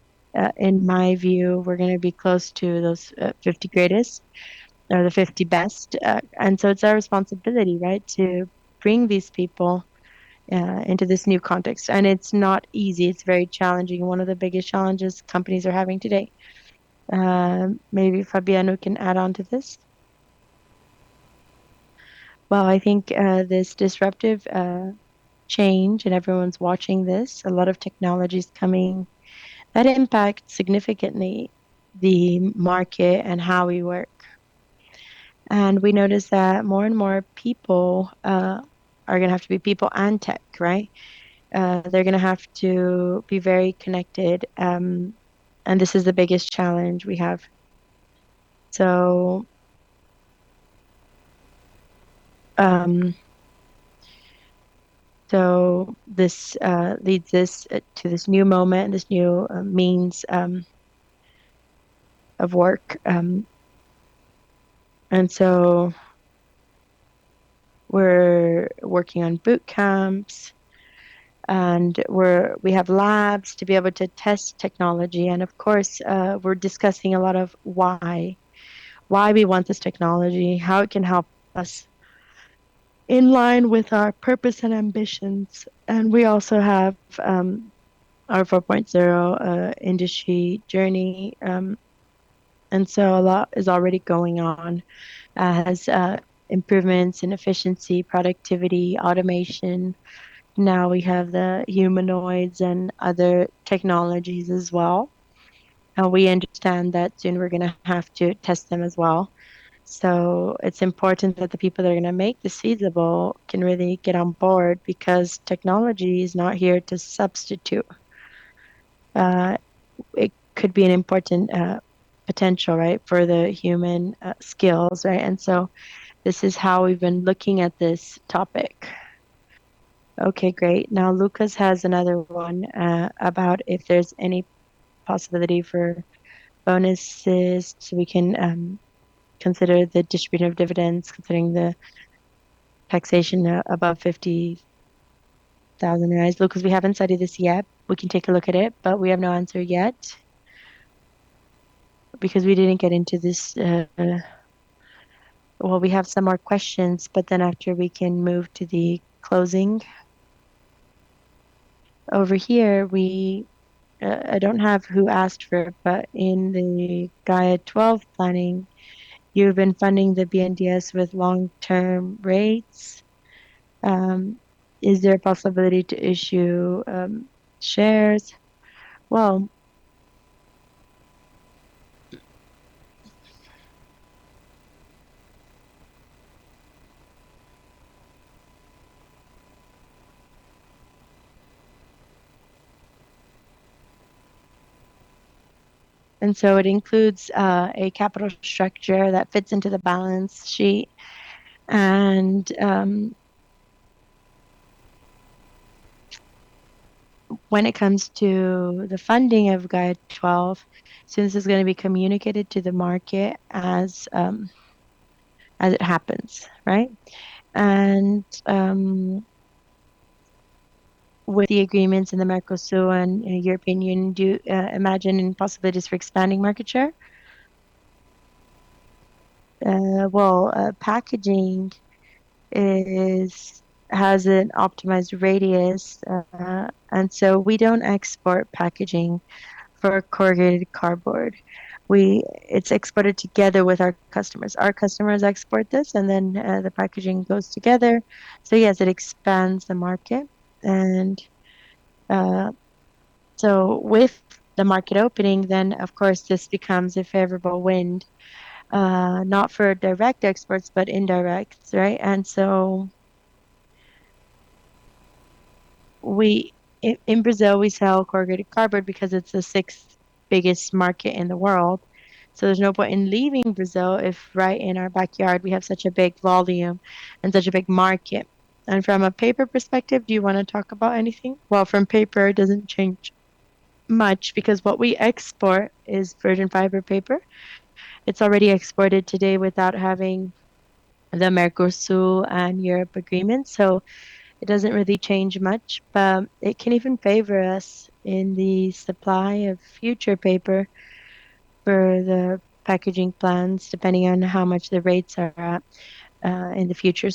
in my view, we're going to be close to those 50 greatest or the 50 best. It's our responsibility, right? To bring these people into this new context. It's not easy. It's very challenging, and one of the biggest challenges companies are having today. Maybe Fabiano can add on to this. I think this disruptive change, everyone's watching this, a lot of technology's coming that impact significantly the market and how we work. We notice that more and more people are going to have to be people and tech, right? They're going to have to be very connected, and this is the biggest challenge we have. This leads us to this new moment, this new means of work. We're working on boot camps and we have labs to be able to test technology, of course, we're discussing a lot of why. Why we want this technology, how it can help us in line with our purpose and ambitions. We also have our Industry 4.0 journey. A lot is already going on as improvements in efficiency, productivity, automation. Now we have the humanoids and other technologies as well. We understand that soon we're going to have to test them as well. It's important that the people that are going to make this feasible can really get on board, because technology is not here to substitute. It could be an important potential for the human skills. This is how we've been looking at this topic. Okay, great. Lucas has another one about if there's any possibility for bonuses, so we can consider the distributive dividends considering the taxation above 50,000 reais. Because we haven't studied this yet. We can take a look at it, but we have no answer yet because we didn't get into this. We have some more questions, but after we can move to the closing. I don't have who asked for it, but in the Gaia XII planning, you've been funding the BNDES with long-term rates. Is there a possibility to issue shares? It includes a capital structure that fits into the balance sheet. When it comes to the funding of Gaia XII, since it's going to be communicated to the market as it happens, right? With the agreements in the Mercosur and European Union, do you imagine any possibilities for expanding market share? Packaging has an optimized radius, and we don't export packaging for corrugated cardboard. It's exported together with our customers. Our customers export this, and the packaging goes together. Yes, it expands the market. With the market opening, of course, this becomes a favorable wind. Not for direct exports, but indirect, right? In Brazil we sell corrugated cardboard because it's the sixth biggest market in the world. There's no point in leaving Brazil if right in our backyard we have such a big volume and such a big market. From a paper perspective, do you want to talk about anything? From paper it doesn't change much because what we export is virgin fiber paper. It's already exported today without having the Mercosur and Europe agreement. It doesn't really change much, but it can even favor us in the supply of future paper for the packaging plans, depending on how much the rates are at in the future.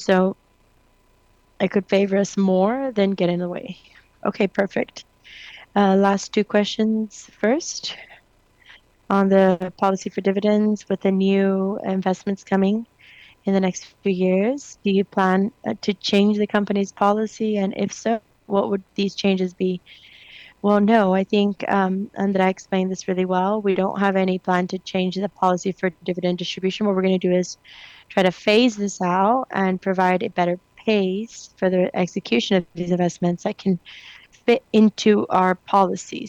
It could favor us more than get in the way. Okay, perfect. Last two questions. First, on the policy for dividends with the new investments coming in the next few years, do you plan to change the company's policy, and if so, what would these changes be? No. I think André explained this really well. We don't have any plan to change the policy for dividend distribution. What we're going to do is try to phase this out and provide a better pace for the execution of these investments that can fit into our policy.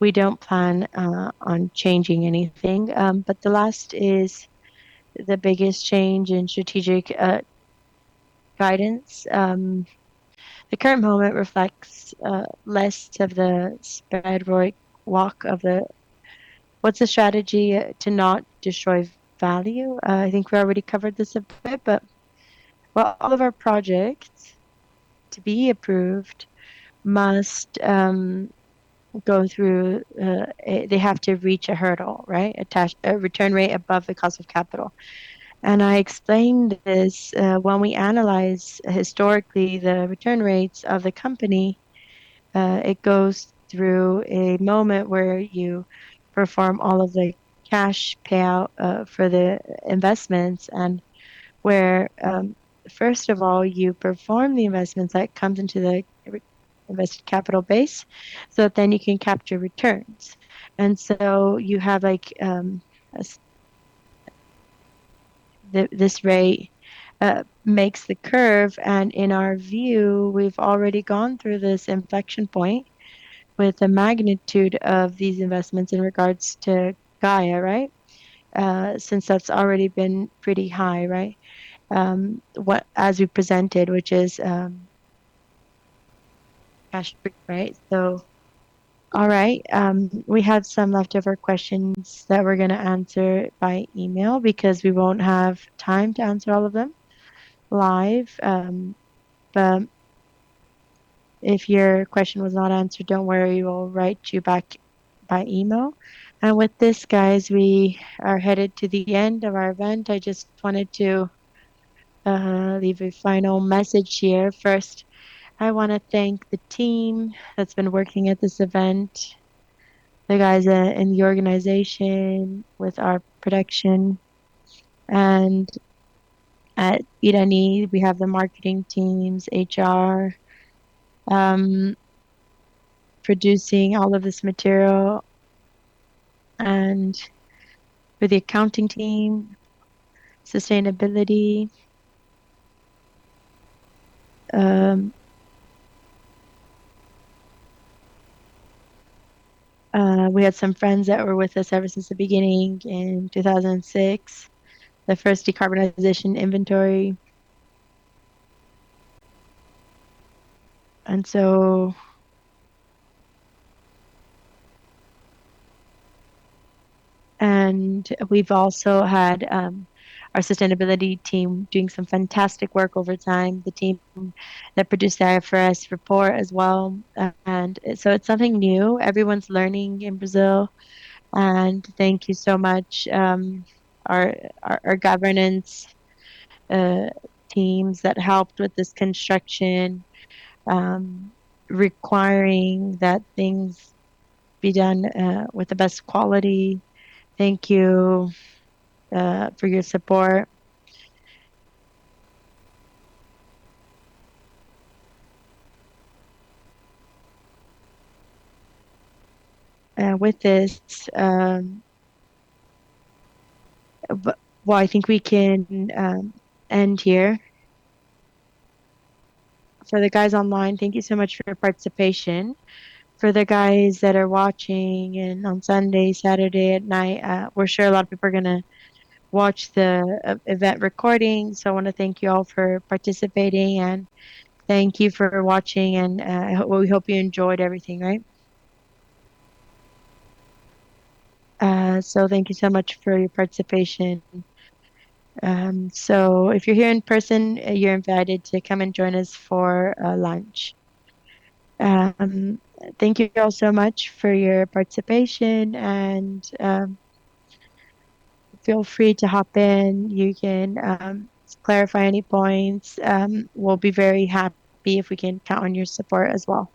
We don't plan on changing anything. The last is the biggest change in strategic guidance. The current moment reflects less of the sporadic walk. What's the strategy to not destroy value? I think we already covered this a bit, but all of our projects to be approved must They have to reach a hurdle, right? A return rate above the cost of capital. I explained this, when we analyze historically the return rates of the company. It goes through a moment where you perform all of the cash payout for the investments and where, first of all, you perform the investments, that comes into the invested capital base, so you can capture returns. You have this rate makes the curve, and in our view, we've already gone through this inflection point with the magnitude of these investments in regards to Gaia. Since that's already been pretty high. As we presented, which is cash flow. All right. We had some leftover questions that we're going to answer by email because we won't have time to answer all of them live. If your question was not answered, don't worry. We'll write you back by email. With this, guys, we are headed to the end of our event. I just wanted to leave a final message here. First, I want to thank the team that's been working at this event, the guys in the organization with our production. At Irani Papel e Embalagem, we have the marketing teams, HR, producing all of this material, and with the accounting team, sustainability. We had some friends that were with us ever since the beginning in 2006, the first decarbonization inventory. We've also had our sustainability team doing some fantastic work over time, the team that produced the IFRS report as well. It's something new. Everyone's learning in Brazil. Thank you so much. Our governance teams that helped with this construction, requiring that things be done with the best quality. Thank you for your support. With this, I think we can end here. For the guys online, thank you so much for your participation. For the guys that are watching in on Sunday, Saturday at night, we're sure a lot of people are going to watch the event recording. I want to thank you all for participating and thank you for watching, and we hope you enjoyed everything. Thank you so much for your participation. If you're here in person, you're invited to come and join us for lunch. Thank you all so much for your participation, and feel free to hop in. You can clarify any points. We'll be very happy if we can count on your support as well.